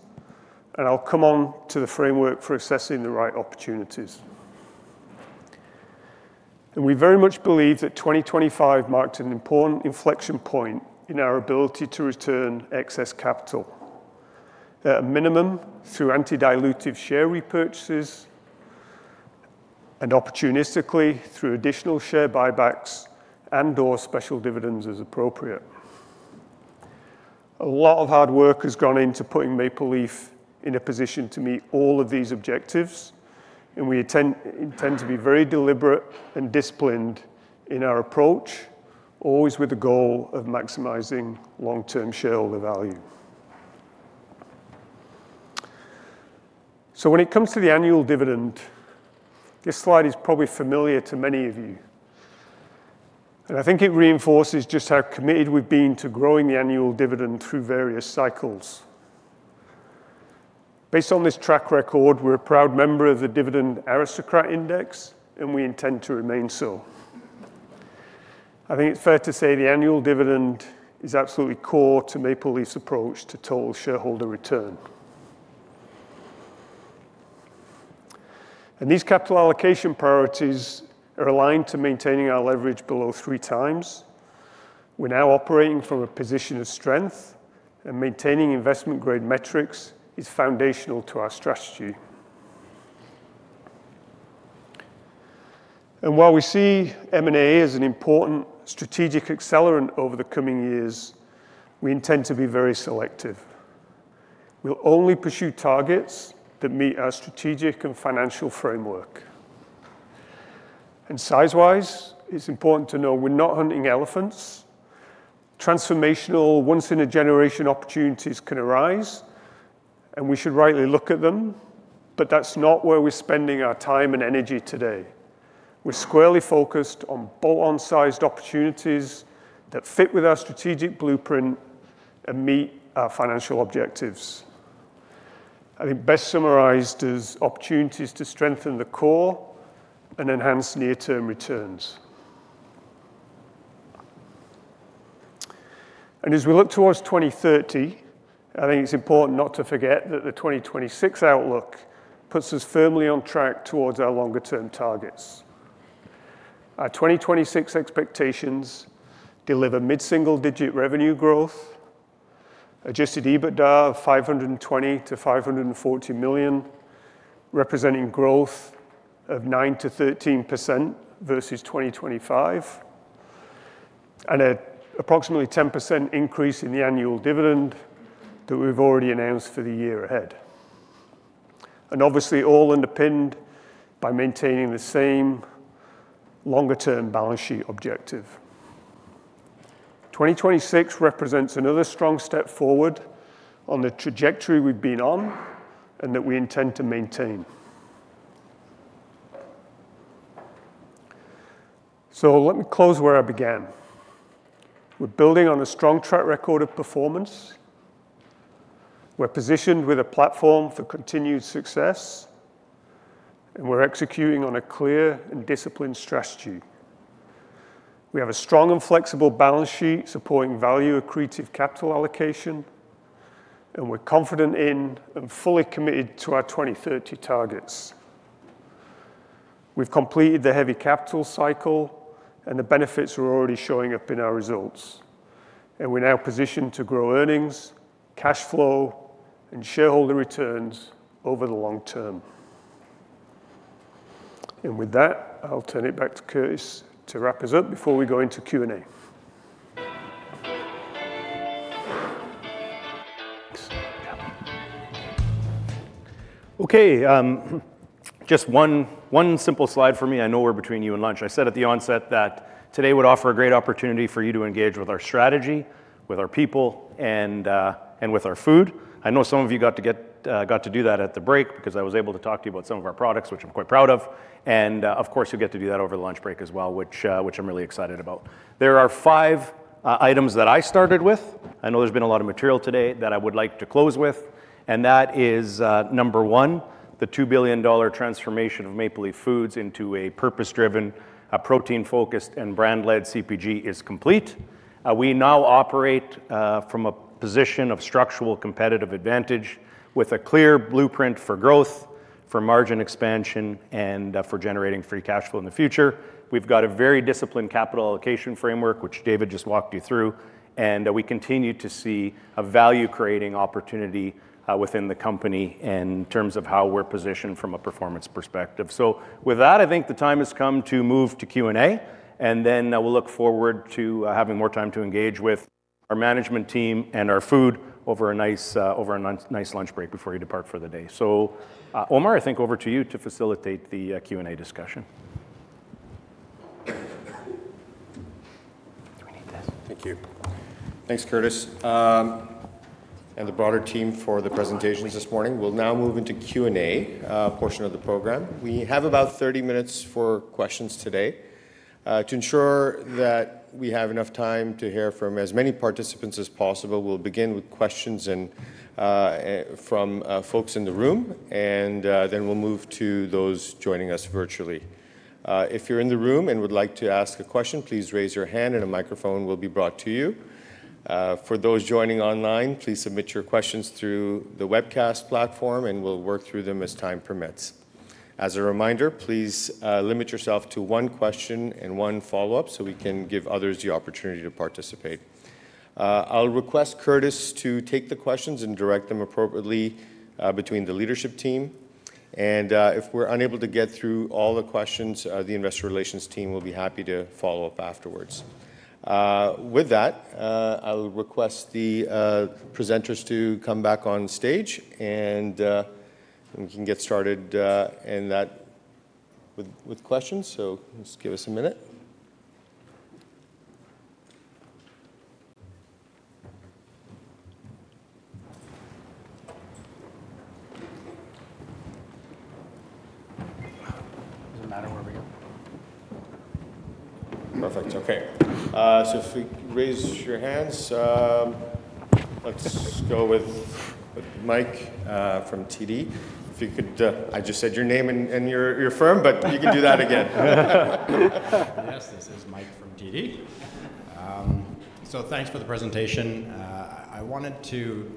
and I'll come on to the framework for assessing the right opportunities. We very much believe that 2025 marked an important inflection point in our ability to return excess capital, at a minimum through anti-dilutive share repurchases and opportunistically through additional share buybacks and/or special dividends as appropriate. A lot of hard work has gone into putting Maple Leaf in a position to meet all of these objectives, and we intend to be very deliberate and disciplined in our approach, always with the goal of maximizing long-term shareholder value. When it comes to the annual dividend, this slide is probably familiar to many of you, and I think it reinforces just how committed we've been to growing the annual dividend through various cycles. Based on this track record, we're a proud member of the Dividend Aristocrat Index, and we intend to remain so. I think it's fair to say the annual dividend is absolutely core to Maple Leaf's approach to total shareholder return. These capital allocation priorities are aligned to maintaining our leverage below three times. We're now operating from a position of strength, and maintaining investment-grade metrics is foundational to our strategy. While we see M&A as an important strategic accelerant over the coming years, we intend to be very selective. We'll only pursue targets that meet our strategic and financial framework. Size-wise, it's important to know we're not hunting elephants. Transformational, once-in-a-generation opportunities can arise, and we should rightly look at them, but that's not where we're spending our time and energy today. We're squarely focused on bolt-on sized opportunities that fit with our strategic blueprint and meet our financial objectives. I think best summarized as opportunities to strengthen the core and enhance near-term returns. As we look towards 2030, I think it's important not to forget that the 2026 outlook puts us firmly on track towards our longer-term targets. Our 2026 expectations deliver mid-single-digit revenue growth, adjusted EBITDA of 520 million-540 million, representing growth of 9%-13% versus 2025, and an approximately 10% increase in the annual dividend that we've already announced for the year ahead. Obviously all underpinned by maintaining the same longer-term balance sheet objective. 2026 represents another strong step forward on the trajectory we've been on and that we intend to maintain. Let me close where I began. We're building on a strong track record of performance. We're positioned with a platform for continued success, and we're executing on a clear and disciplined strategy. We have a strong and flexible balance sheet supporting value-accretive capital allocation, and we're confident in and fully committed to our 2030 targets. We've completed the heavy capital cycle, and the benefits are already showing up in our results. We're now positioned to grow earnings, cash flow, and shareholder returns over the long term. With that, I'll turn it back to Curtis to wrap us up before we go into Q&A. Okay, just one simple slide for me. I know we're between you and lunch. I said at the onset that today would offer a great opportunity for you to engage with our strategy, with our people, and with our food. I know some of you got to do that at the break because I was able to talk to you about some of our products, which I'm quite proud of. Of course, you'll get to do that over the lunch break as well, which I'm really excited about. There are five items that I started with. I know there's been a lot of material today, that I would like to close with, and that is number one, the 2 billion dollar transformation of Maple Leaf Foods into a purpose-driven, a protein-focused, and brand-led CPG is complete. We now operate from a position of structural competitive advantage with a clear blueprint for growth, for margin expansion, and for generating free cash flow in the future. We've got a very disciplined capital allocation framework, which David just walked you through, and we continue to see a value-creating opportunity within the company in terms of how we're positioned from a performance perspective. With that, I think the time has come to move to Q&A, and then we'll look forward to having more time to engage with our management team and our food over a nice lunch break before you depart for the day. Omar, I think over to you to facilitate the Q&A discussion. Do we need this? Thank you. Thanks, Curtis, and the broader team for the presentations this morning. We'll now move into Q&A portion of the program. We have about 30 minutes for questions today. To ensure that we have enough time to hear from as many participants as possible, we'll begin with questions from folks in the room and then we'll move to those joining us virtually. If you're in the room and would like to ask a question, please raise your hand and a microphone will be brought to you. For those joining online, please submit your questions through the webcast platform and we'll work through them as time permits. As a reminder, please limit yourself to one question and one follow-up so we can give others the opportunity to participate. I'll request Curtis to take the questions and direct them appropriately between the leadership team. If we're unable to get through all the questions, the investor relations team will be happy to follow up afterwards. With that, I'll request the presenters to come back on stage and we can get started with questions. Just give us a minute. Does it matter where we go? Perfect. Okay. If we raise your hands, let's go with Mike from TD. If you could, I just said your name and your firm, but you can do that again. Yes, this is Mike from TD. Thanks for the presentation. I wanted to,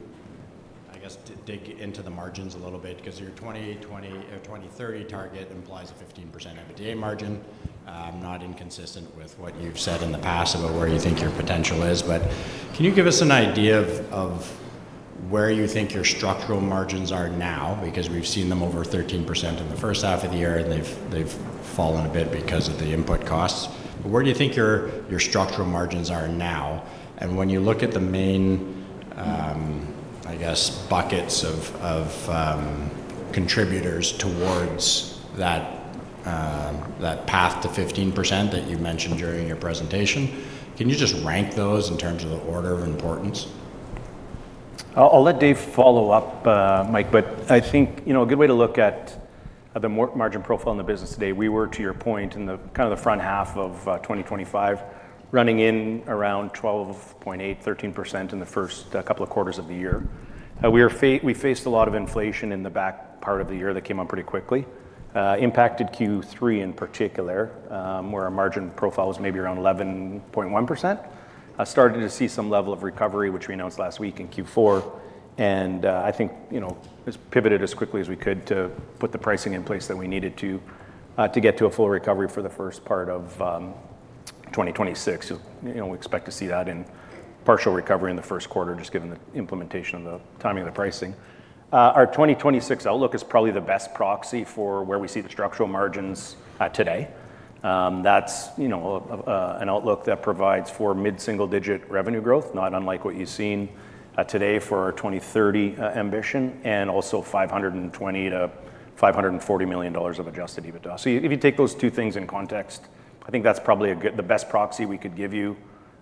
I guess, dig into the margins a little bit because your 2020-2030 target implies a 15% EBITDA margin. Not inconsistent with what you've said in the past about where you think your potential is. Can you give us an idea of where you think your structural margins are now? Because we've seen them over 13% in the first half of the year, and they've fallen a bit because of the input costs. Where do you think your structural margins are now? When you look at the main buckets of contributors towards that path to 15% that you mentioned during your presentation, can you just rank those in terms of the order of importance? I'll let Dave follow up, Mike, but I think, you know, a good way to look at the margin profile in the business today. We were, to your point, in the kind of the front half of 2025, running in around 12.8%-13% in the first couple of quarters of the year. We faced a lot of inflation in the back part of the year that came on pretty quickly. Impacted Q3 in particular, where our margin profile was maybe around 11.1%. Starting to see some level of recovery, which we announced last week in Q4. I think, you know, we pivoted as quickly as we could to put the pricing in place that we needed to get to a full recovery for the first part of 2026. You know, we expect to see a partial recovery in the first quarter just given the implementation of the timing of the pricing. Our 2026 outlook is probably the best proxy for where we see the structural margins today. That's, you know, an outlook that provides for mid-single digit revenue growth, not unlike what you've seen today for our 2030 ambition, and also 520 million-540 million dollars of adjusted EBITDA. If you take those two things in context, I think that's probably the best proxy we could give you.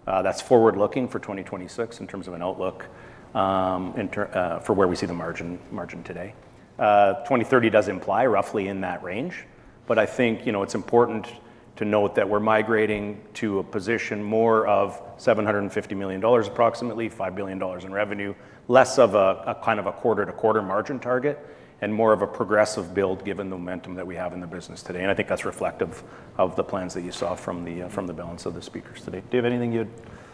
That's forward-looking for 2026 in terms of an outlook for where we see the margin today. 2030 does imply roughly in that range, but I think, you know, it's important to note that we're migrating to a position more of 750 million dollars, approximately 5 billion dollars in revenue, less of a kind of a quarter-to-quarter margin target, and more of a progressive build given the momentum that we have in the business today. I think that's reflective of the plans that you saw from the balance of the speakers today. Dave, anything you'd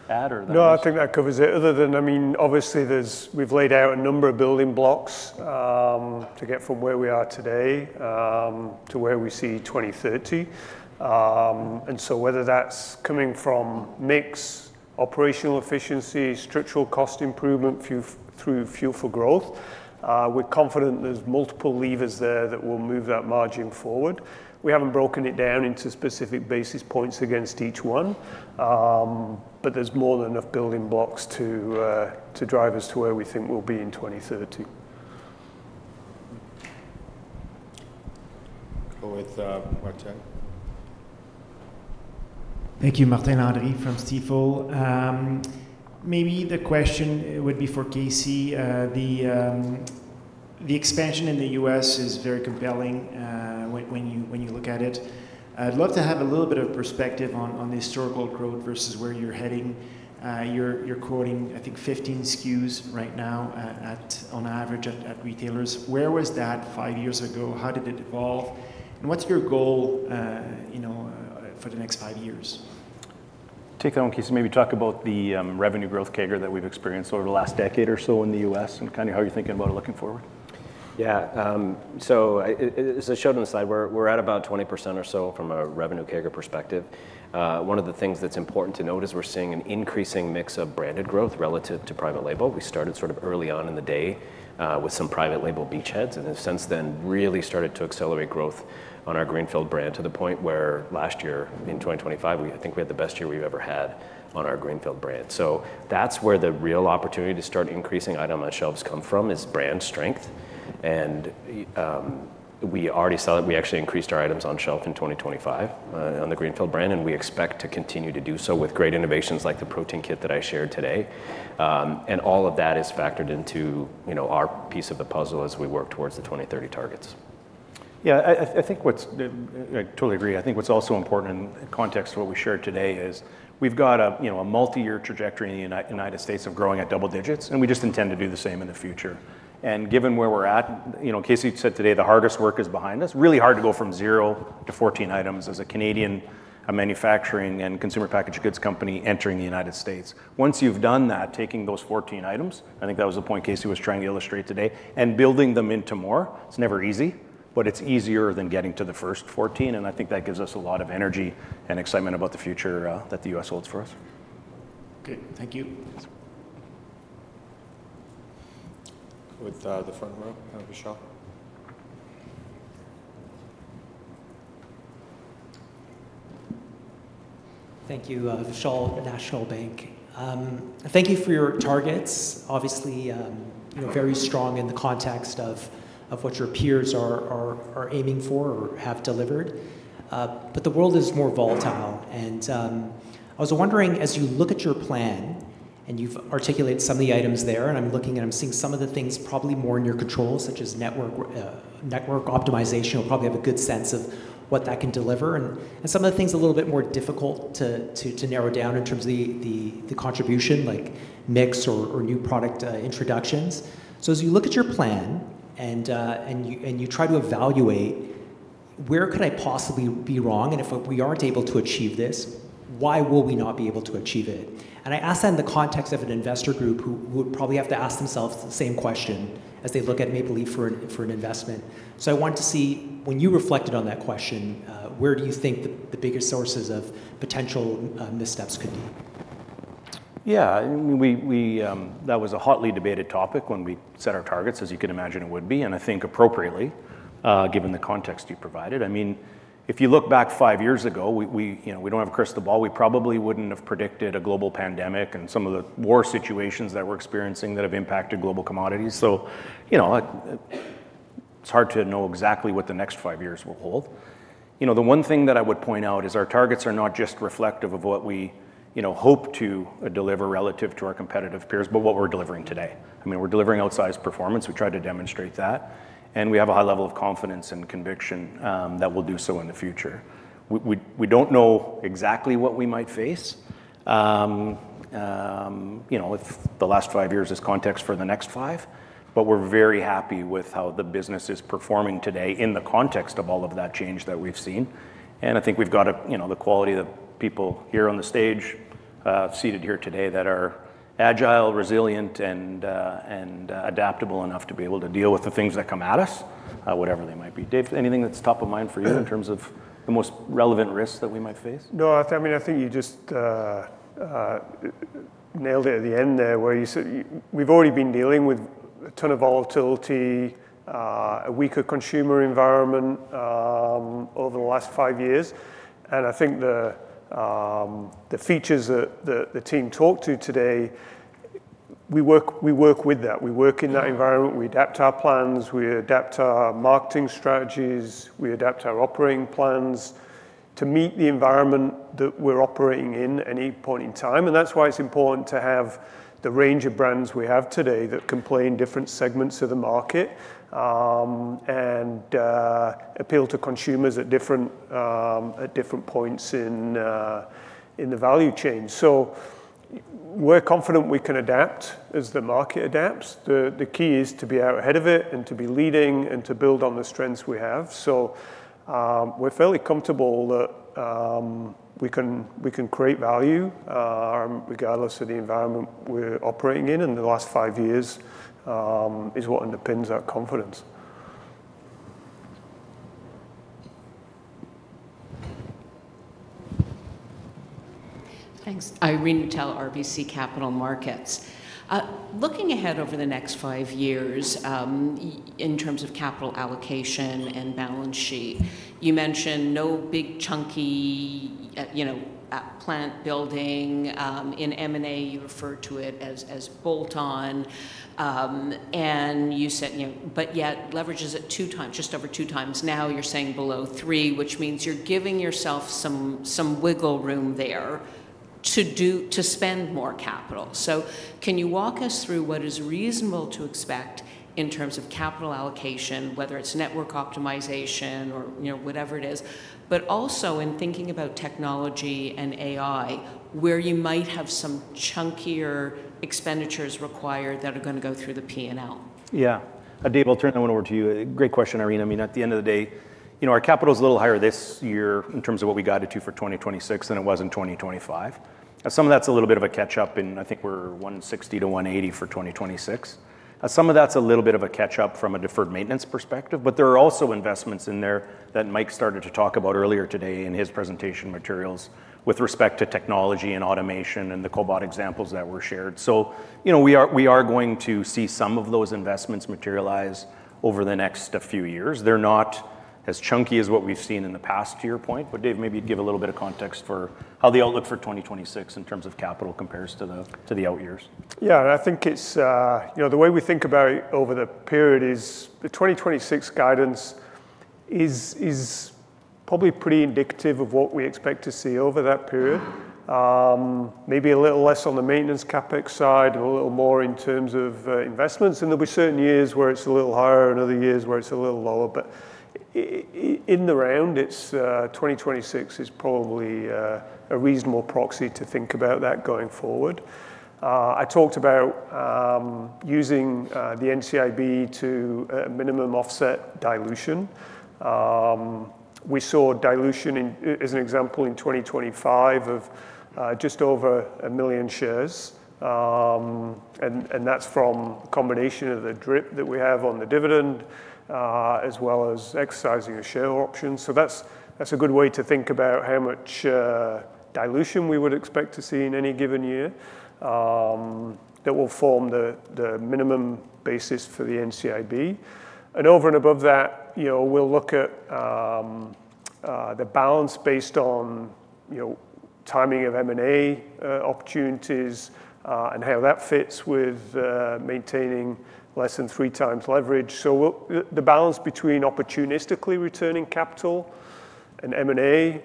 add or that was- No, I think that covers it other than, I mean, obviously, there's we've laid out a number of building blocks to get from where we are today to where we see 2030. Whether that's coming from mix, operational efficiency, structural cost improvement through Fuel for Growth, we're confident there's multiple levers there that will move that margin forward. We haven't broken it down into specific basis points against each one, but there's more than enough building blocks to drive us to where we think we'll be in 2030. Go with, Martin. Thank you. Martin Landry from Stifel. Maybe the question would be for Casey. The expansion in the U.S. is very compelling when you look at it. I'd love to have a little bit of perspective on the historical growth versus where you're heading. You're quoting, I think, 15 SKUs right now on average at retailers. Where was that five years ago? How did it evolve? And what's your goal, you know, for the next five years? Take that one, Casey, maybe talk about the revenue growth CAGR that we've experienced over the last decade or so in the U.S. and kind of how you're thinking about it looking forward. Yeah, as I showed on the slide, we're at about 20% or so from a revenue CAGR perspective. One of the things that's important to note is we're seeing an increasing mix of branded growth relative to private label. We started sort of early on in the day with some private label beachheads, and then since then really started to accelerate growth on our Greenfield brand to the point where last year in 2025, I think we had the best year we've ever had on our Greenfield brand. That's where the real opportunity to start increasing item on shelves come from is brand strength. We already saw that we actually increased our items on shelf in 2025, on the Greenfield brand, and we expect to continue to do so with great innovations like the protein kit that I shared today. All of that is factored into, you know, our piece of the puzzle as we work towards the 2030 targets. I think what's also important in context of what we shared today is we've got a, you know, a multi-year trajectory in the United States of growing at double digits, and we just intend to do the same in the future. Given where we're at, you know, Casey said today the hardest work is behind us. Really hard to go from zero to 14 items as a Canadian, a manufacturing and consumer packaged goods company entering the United States. Once you've done that, taking those 14 items, I think that was the point Casey was trying to illustrate today, and building them into more, it's never easy, but it's easier than getting to the first 14, and I think that gives us a lot of energy and excitement about the future, that the U.S. holds for us. Okay. Thank you. With, the front row. Go Vishal. Thank you. Vishal at National Bank. Thank you for your targets. Obviously, you know, very strong in the context of what your peers are aiming for or have delivered. The world is more volatile and, I was wondering, as you look at your plan You've articulated some of the items there, and I'm looking and I'm seeing some of the things probably more in your control, such as network optimization. You'll probably have a good sense of what that can deliver and some of the things a little bit more difficult to narrow down in terms of the contribution like mix or new product introductions. As you look at your plan and you try to evaluate where could I possibly be wrong, and if we aren't able to achieve this, why will we not be able to achieve it? I ask that in the context of an investor group who would probably have to ask themselves the same question as they look at Maple Leaf for an investment. I want to see when you reflected on that question, where do you think the biggest sources of potential missteps could be? Yeah. I mean, we, that was a hotly debated topic when we set our targets, as you can imagine it would be, and I think appropriately, given the context you provided. I mean, if you look back five years ago, we, you know, we don't have a crystal ball. We probably wouldn't have predicted a global pandemic and some of the war situations that we're experiencing that have impacted global commodities. You know, it's hard to know exactly what the next five years will hold. You know, the one thing that I would point out is our targets are not just reflective of what we, you know, hope to deliver relative to our competitive peers, but what we're delivering today. I mean, we're delivering outsized performance. We try to demonstrate that, and we have a high level of confidence and conviction that we'll do so in the future. We don't know exactly what we might face, you know, if the last five years is context for the next five, but we're very happy with how the business is performing today in the context of all of that change that we've seen. I think we've got a you know, the quality of people here on the stage, seated here today that are agile, resilient, and adaptable enough to be able to deal with the things that come at us, whatever they might be. Dave, anything that's top of mind for you in terms of the most relevant risks that we might face? No, I think, I mean, I think you just nailed it at the end there where you said we've already been dealing with a ton of volatility, a weaker consumer environment, over the last five years. I think the features that the team talked about today. We work with that. We work in that environment. We adapt our plans. We adapt our marketing strategies. We adapt our operating plans to meet the environment that we're operating in at any point in time. That's why it's important to have the range of brands we have today that can play in different segments of the market, and appeal to consumers at different points in the value chain. We're confident we can adapt as the market adapts. The key is to be out ahead of it and to be leading and to build on the strengths we have. We're fairly comfortable that we can create value regardless of the environment we're operating in. The last five years is what underpins our confidence. Thanks. Irene Nattel, RBC Capital Markets. Looking ahead over the next five years, in terms of capital allocation and balance sheet, you mentioned no big chunky, you know, plant building, in M&A, you refer to it as bolt on, and you said, you know, but yet leverage is at 2x, just over 2x. Now you're saying below three, which means you're giving yourself some wiggle room there to spend more capital. Can you walk us through what is reasonable to expect in terms of capital allocation, whether it's network optimization or, you know, whatever it is, but also in thinking about technology and AI, where you might have some chunkier expenditures required that are going to go through the P&L? Yeah. Dave, I'll turn that one over to you. Great question, Irene. I mean, at the end of the day, you know, our capital is a little higher this year in terms of what we guided to for 2026 than it was in 2025. Some of that's a little bit of a catch-up, and I think we're 160-180 for 2026. Some of that's a little bit of a catch-up from a deferred maintenance perspective, but there are also investments in there that Mike started to talk about earlier today in his presentation materials with respect to technology and automation and the cobot examples that were shared. You know, we are going to see some of those investments materialize over the next few years. They're not as chunky as what we've seen in the past, to your point. David, maybe give a little bit of context for how the outlook for 2026 in terms of capital compares to the out years. Yeah. I think it's, you know, the way we think about over the period is the 2026 guidance is probably pretty indicative of what we expect to see over that period. Maybe a little less on the maintenance CapEx side, a little more in terms of investments, and there'll be certain years where it's a little higher and other years where it's a little lower. In the round, it's 2026 is probably a reasonable proxy to think about that going forward. I talked about using the NCIB to at minimum offset dilution. We saw dilution in, as an example, in 2025 of just over 1 million shares. And that's from a combination of the DRIP that we have on the dividend, as well as exercising of share options. That's a good way to think about how much dilution we would expect to see in any given year, that will form the minimum basis for the NCIB. Over and above that, you know, we'll look at the balance based on, you know, timing of M&A opportunities, and how that fits with maintaining less than three times leverage. The balance between opportunistically returning capital and M&A,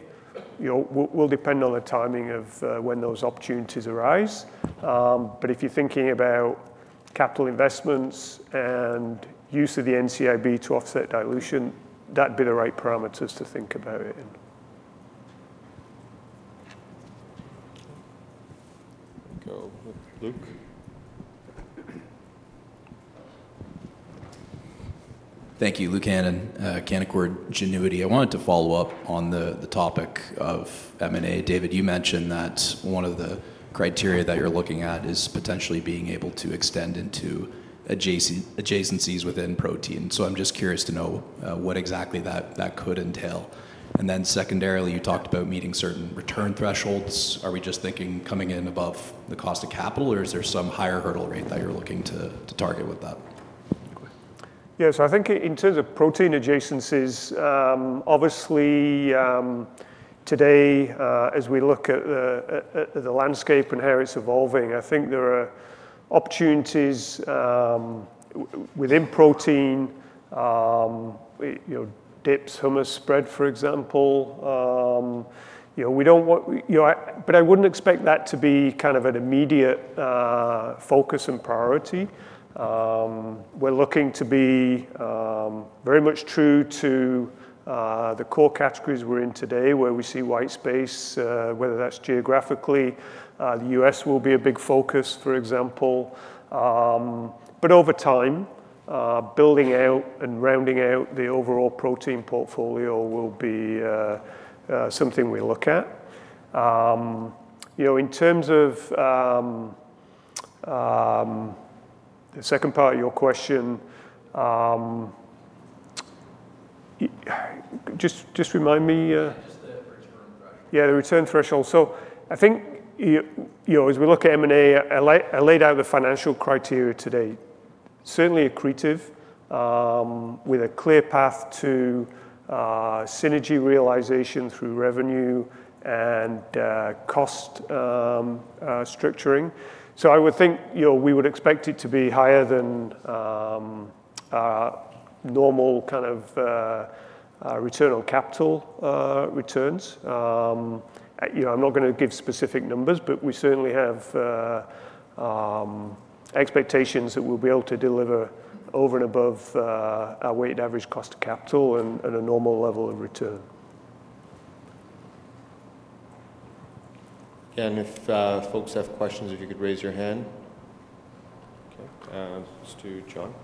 you know, will depend on the timing of when those opportunities arise. But if you're thinking about capital investments and use of the NCIB to offset dilution, that'd be the right parameters to think about it in. Go, Luke. Thank you. Luke Hannan, Canaccord Genuity. I wanted to follow up on the topic of M&A. David, you mentioned that one of the criteria that you're looking at is potentially being able to extend into adjacencies within protein. I'm just curious to know what exactly that could entail. Secondarily, you talked about meeting certain return thresholds. Are we just thinking coming in above the cost of capital, or is there some higher hurdle rate that you're looking to target with that? Yeah. I think in terms of protein adjacencies, obviously, today, as we look at the landscape and how it's evolving, I think there are opportunities within protein, you know, dips, hummus spread, for example. You know, we don't want. I wouldn't expect that to be kind of an immediate focus and priority. We're looking to be very much true to the core categories we're in today, where we see white space, whether that's geographically. The U.S. will be a big focus, for example. Over time, building out and rounding out the overall protein portfolio will be something we look at. You know, in terms of the second part of your question, just remind me. Just the return threshold. Yeah, the return threshold. I think you know, as we look at M&A, I laid out the financial criteria today. Certainly accretive, with a clear path to synergy realization through revenue and cost structuring. I would think, you know, we would expect it to be higher than normal kind of return on capital returns. You know, I'm not gonna give specific numbers, but we certainly have expectations that we'll be able to deliver over and above our weighted average cost of capital and a normal level of return. Again, if folks have questions, if you could raise your hand. Okay, just to John.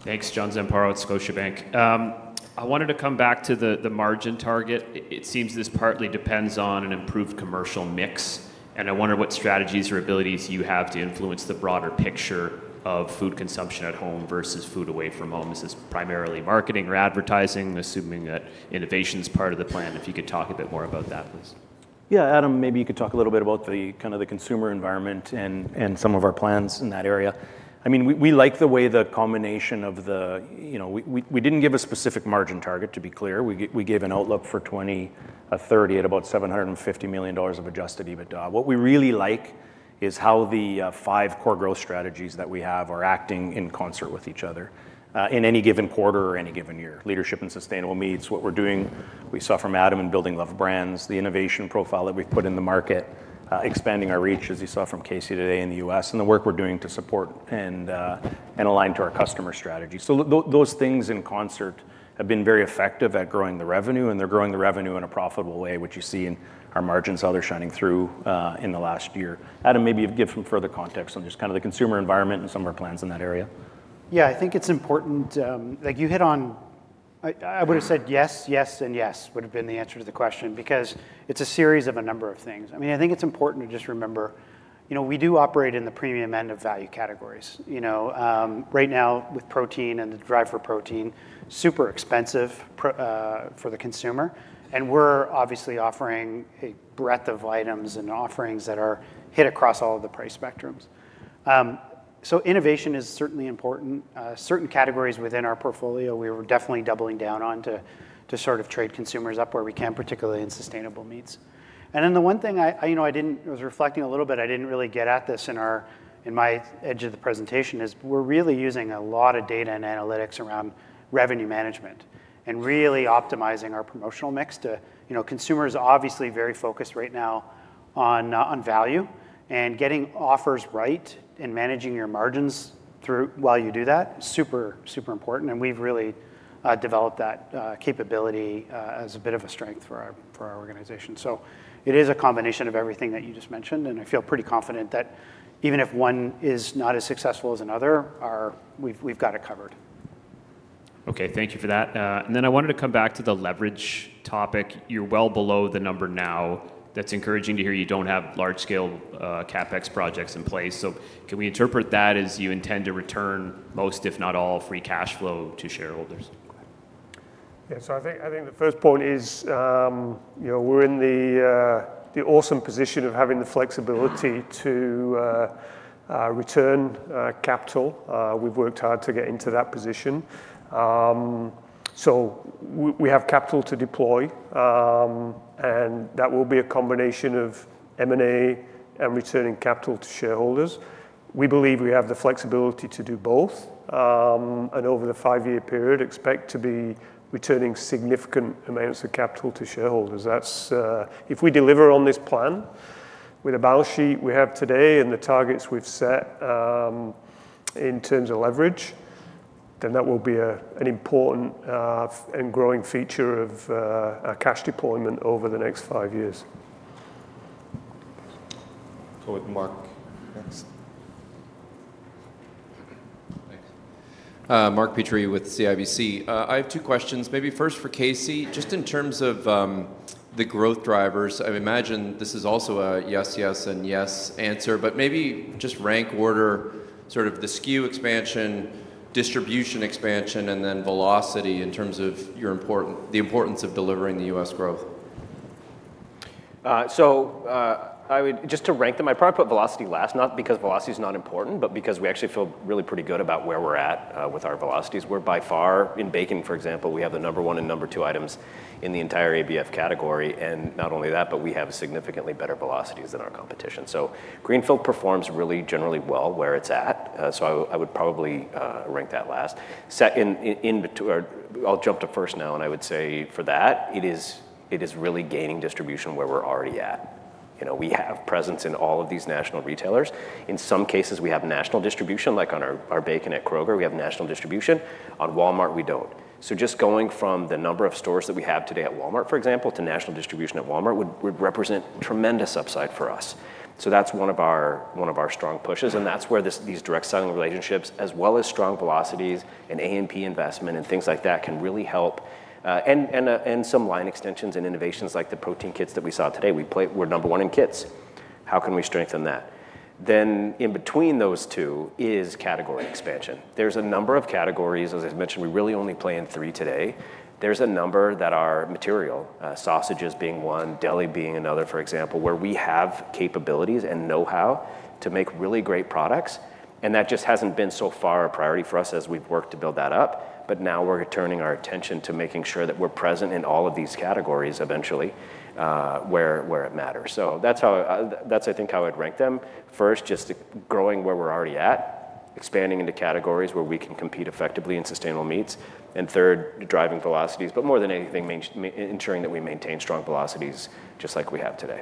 Thanks. John Zamparo at Scotiabank. I wanted to come back to the margin target. It seems this partly depends on an improved commercial mix, and I wonder what strategies or abilities you have to influence the broader picture of food consumption at home versus food away from home. Is this primarily marketing or advertising? I'm assuming that innovation's part of the plan. If you could talk a bit more about that, please. Yeah. Adam, maybe you could talk a little bit about the kind of consumer environment and some of our plans in that area. I mean, we like the way the combination of the. You know, we didn't give a specific margin target, to be clear. We gave an outlook for 2030 at about 750 million dollars of adjusted EBITDA. What we really like is how the five core growth strategies that we have are acting in concert with each other in any given quarter or any given year. Leadership in sustainable meats, what we're doing, we saw from Adam, in building loved brands, the innovation profile that we've put in the market, expanding our reach, as you saw from Casey today in the U.S., and the work we're doing to support and align to our customer strategy. Those things in concert have been very effective at growing the revenue, and they're growing the revenue in a profitable way, which you see in our margins how they're shining through, in the last year. Adam, maybe give some further context on just kind of the consumer environment and some of our plans in that area. Yeah, I think it's important, like you hit on. I would've said yes, and yes would have been the answer to the question because it's a series of a number of things. I mean, I think it's important to just remember, you know, we do operate in the premium end of value categories, you know. Right now with protein and the drive for protein, super expensive for the consumer, and we're obviously offering a breadth of items and offerings that are hit across all of the price spectrums. So innovation is certainly important. Certain categories within our portfolio we're definitely doubling down on to sort of trade consumers up where we can, particularly in sustainable meats. The one thing I, you know, didn't really get at this in my part of the presentation is we're really using a lot of data and analytics around revenue management and really optimizing our promotional mix. You know, the consumer is obviously very focused right now on value and getting offers right and managing your margins through while you do that. Super, super important, and we've really developed that capability as a bit of a strength for our organization. It is a combination of everything that you just mentioned, and I feel pretty confident that even if one is not as successful as another, we've got it covered. Okay. Thank you for that. I wanted to come back to the leverage topic. You're well below the number now. That's encouraging to hear you don't have large scale CapEx projects in place. Can we interpret that as you intend to return most, if not all, free cash flow to shareholders? I think the first point is, we're in the awesome position of having the flexibility to return capital. We've worked hard to get into that position. We have capital to deploy, and that will be a combination of M&A and returning capital to shareholders. We believe we have the flexibility to do both. Over the five-year period, expect to be returning significant amounts of capital to shareholders. That's. If we deliver on this plan with the balance sheet we have today and the targets we've set, in terms of leverage, then that will be an important and growing feature of our cash deployment over the next five years. Go with Mark next. Thanks. Mark Petrie with CIBC. I have two questions, maybe first for Casey. Just in terms of the growth drivers, I would imagine this is also a yes, and yes answer, but maybe just rank order sort of the SKU expansion, distribution expansion, and then velocity in terms of the importance of delivering the U.S. growth. I would just to rank them, I'd probably put velocity last, not because velocity's not important, but because we actually feel really pretty good about where we're at with our velocities. We're by far in bacon, for example, we have the number one and number two items in the entire ABF category, and not only that, but we have significantly better velocities than our competition. Greenfield performs really generally well where it's at, so I would probably rank that last. Second, or I'll jump to first now, and I would say for that it is really gaining distribution where we're already at. You know, we have presence in all of these national retailers. In some cases, we have national distribution, like on our bacon at Kroger, we have national distribution. On Walmart, we don't. Just going from the number of stores that we have today at Walmart, for example, to national distribution at Walmart would represent tremendous upside for us. That's one of our strong pushes, and that's where these direct selling relationships as well as strong velocities and A&P investment and things like that can really help. Some line extensions and innovations like the protein kits that we saw today. We're number one in kits. How can we strengthen that? In between those two is category expansion. There's a number of categories, as I've mentioned, we really only play in three today. There's a number that are material, sausages being one, deli being another, for example, where we have capabilities and know-how to make really great products, and that just hasn't been so far a priority for us as we've worked to build that up, but now we're turning our attention to making sure that we're present in all of these categories eventually, where it matters. So that's, I think, how I'd rank them. First, just growing where we're already at, expanding into categories where we can compete effectively in sustainable meats, and third, driving velocities, but more than anything, ensuring that we maintain strong velocities just like we have today.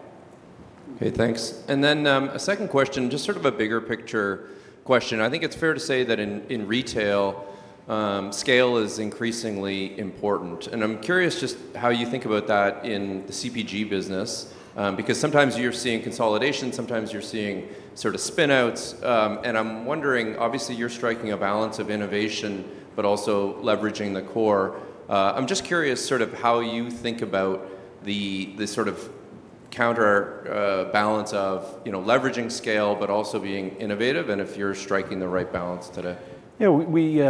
Okay, thanks. A second question, just sort of a bigger picture question. I think it's fair to say that in retail, scale is increasingly important, and I'm curious just how you think about that in the CPG business, because sometimes you're seeing consolidation, sometimes you're seeing sort of spin outs, and I'm wondering, obviously you're striking a balance of innovation, but also leveraging the core. I'm just curious sort of how you think about the sort of counter balance of, you know, leveraging scale, but also being innovative, and if you're striking the right balance today. Yeah, we.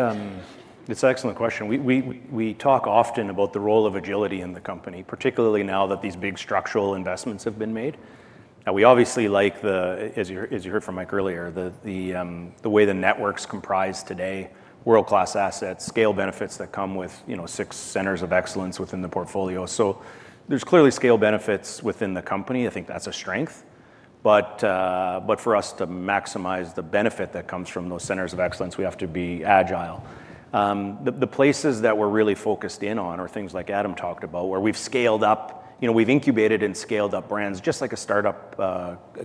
It's an excellent question. We talk often about the role of agility in the company, particularly now that these big structural investments have been made. Now we obviously like the, as you heard from Mike earlier, the way the network's comprised today, world-class assets, scale benefits that come with, you know, six centers of excellence within the portfolio. So there's clearly scale benefits within the company. I think that's a strength. For us to maximize the benefit that comes from those centers of excellence, we have to be agile. The places that we're really focused in on are things like Adam talked about, where we've scaled up. You know, we've incubated and scaled up brands just like a startup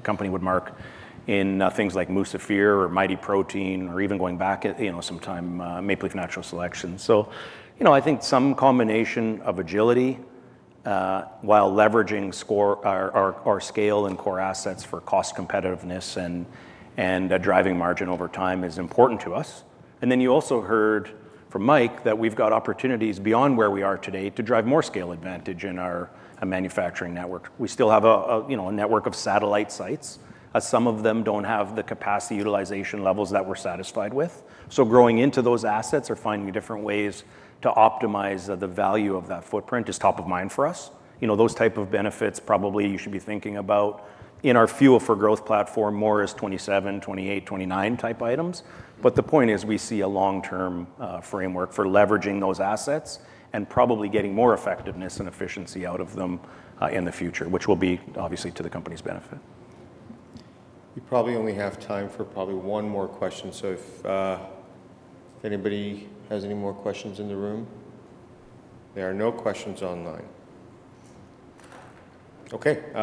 company would, Mark, in things like Musafir or Mighty Protein or even going back at, you know, some time, Maple Leaf Natural Selections. You know, I think some combination of agility while leveraging scale and core assets for cost competitiveness and driving margin over time is important to us. You also heard from Mike that we've got opportunities beyond where we are today to drive more scale advantage in our manufacturing network. We still have a network of satellite sites. Some of them don't have the capacity utilization levels that we're satisfied with. Growing into those assets or finding different ways to optimize the value of that footprint is top of mind for us. You know, those type of benefits probably you should be thinking about in our Fuel for Growth platform more as 27, 28, 29 type items. The point is, we see a long-term framework for leveraging those assets and probably getting more effectiveness and efficiency out of them in the future, which will be obviously to the company's benefit. We probably only have time for probably one more question, so if anybody has any more questions in the room? There are no questions online. Okay, go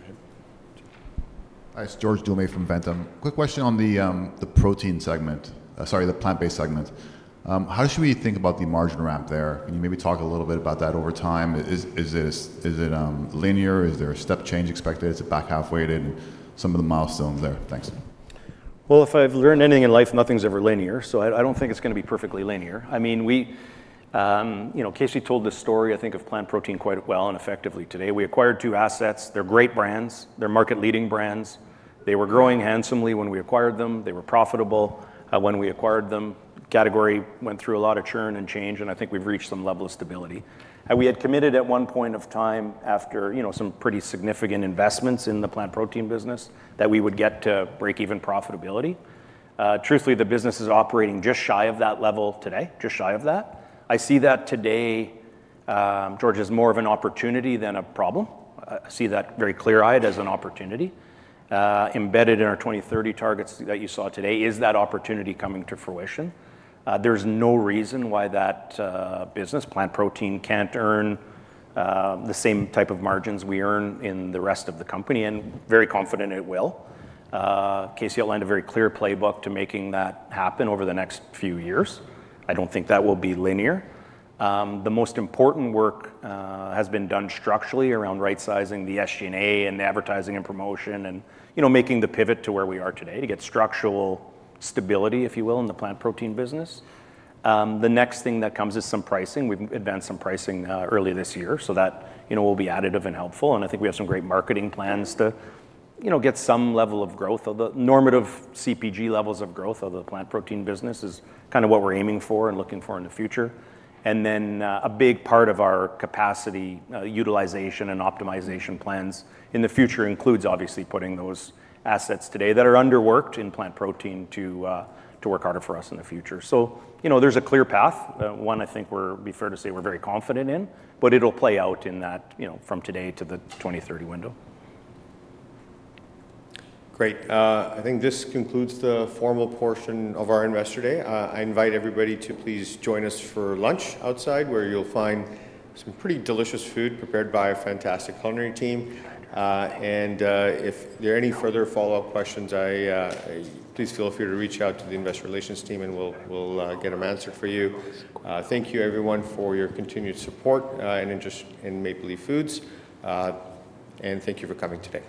ahead. Hi, it's George Doumet from Ventum. Quick question on the protein segment. Sorry, the plant-based segment. How should we think about the margin ramp there? Can you maybe talk a little bit about that over time? Is it linear? Is there a step change expected? Is it back half-weighted? Some of the milestones there. Thanks. Well, if I've learned anything in life, nothing's ever linear, so I don't think it's gonna be perfectly linear. I mean, we, you know, Casey told this story I think of plant protein quite well and effectively today. We acquired two assets. They're great brands. They're market leading brands. They were growing handsomely when we acquired them. They were profitable, when we acquired them. Category went through a lot of churn and change, and I think we've reached some level of stability. We had committed at one point of time after, you know, some pretty significant investments in the plant protein business that we would get to break even profitability. Truthfully, the business is operating just shy of that level today, just shy of that. I see that today, George, as more of an opportunity than a problem. I see that very clear-eyed as an opportunity. Embedded in our 2030 targets that you saw today is that opportunity coming to fruition. There's no reason why that business, plant protein, can't earn the same type of margins we earn in the rest of the company, and very confident it will. Casey outlined a very clear playbook to making that happen over the next few years. I don't think that will be linear. The most important work has been done structurally around right-sizing the SG&A and advertising and promotion and, you know, making the pivot to where we are today to get structural stability, if you will, in the plant protein business. The next thing that comes is some pricing. We've advanced some pricing earlier this year, so that, you know, will be additive and helpful, and I think we have some great marketing plans to, you know, get some level of growth of the normal CPG levels of growth of the plant protein business is kind of what we're aiming for and looking for in the future. A big part of our capacity utilization and optimization plans in the future includes obviously putting those assets today that are underworked in plant protein to work harder for us in the future. You know, there's a clear path, one I think we're, it'd be fair to say we're very confident in, but it'll play out in that, you know, from today to the 2030 window. Great. I think this concludes the formal portion of our Investor Day. I invite everybody to please join us for lunch outside, where you'll find some pretty delicious food prepared by a fantastic culinary team. If there are any further follow-up questions, I please feel free to reach out to the investor relations team and we'll get them answered for you. Thank you everyone for your continued support and interest in Maple Leaf Foods and thank you for coming today.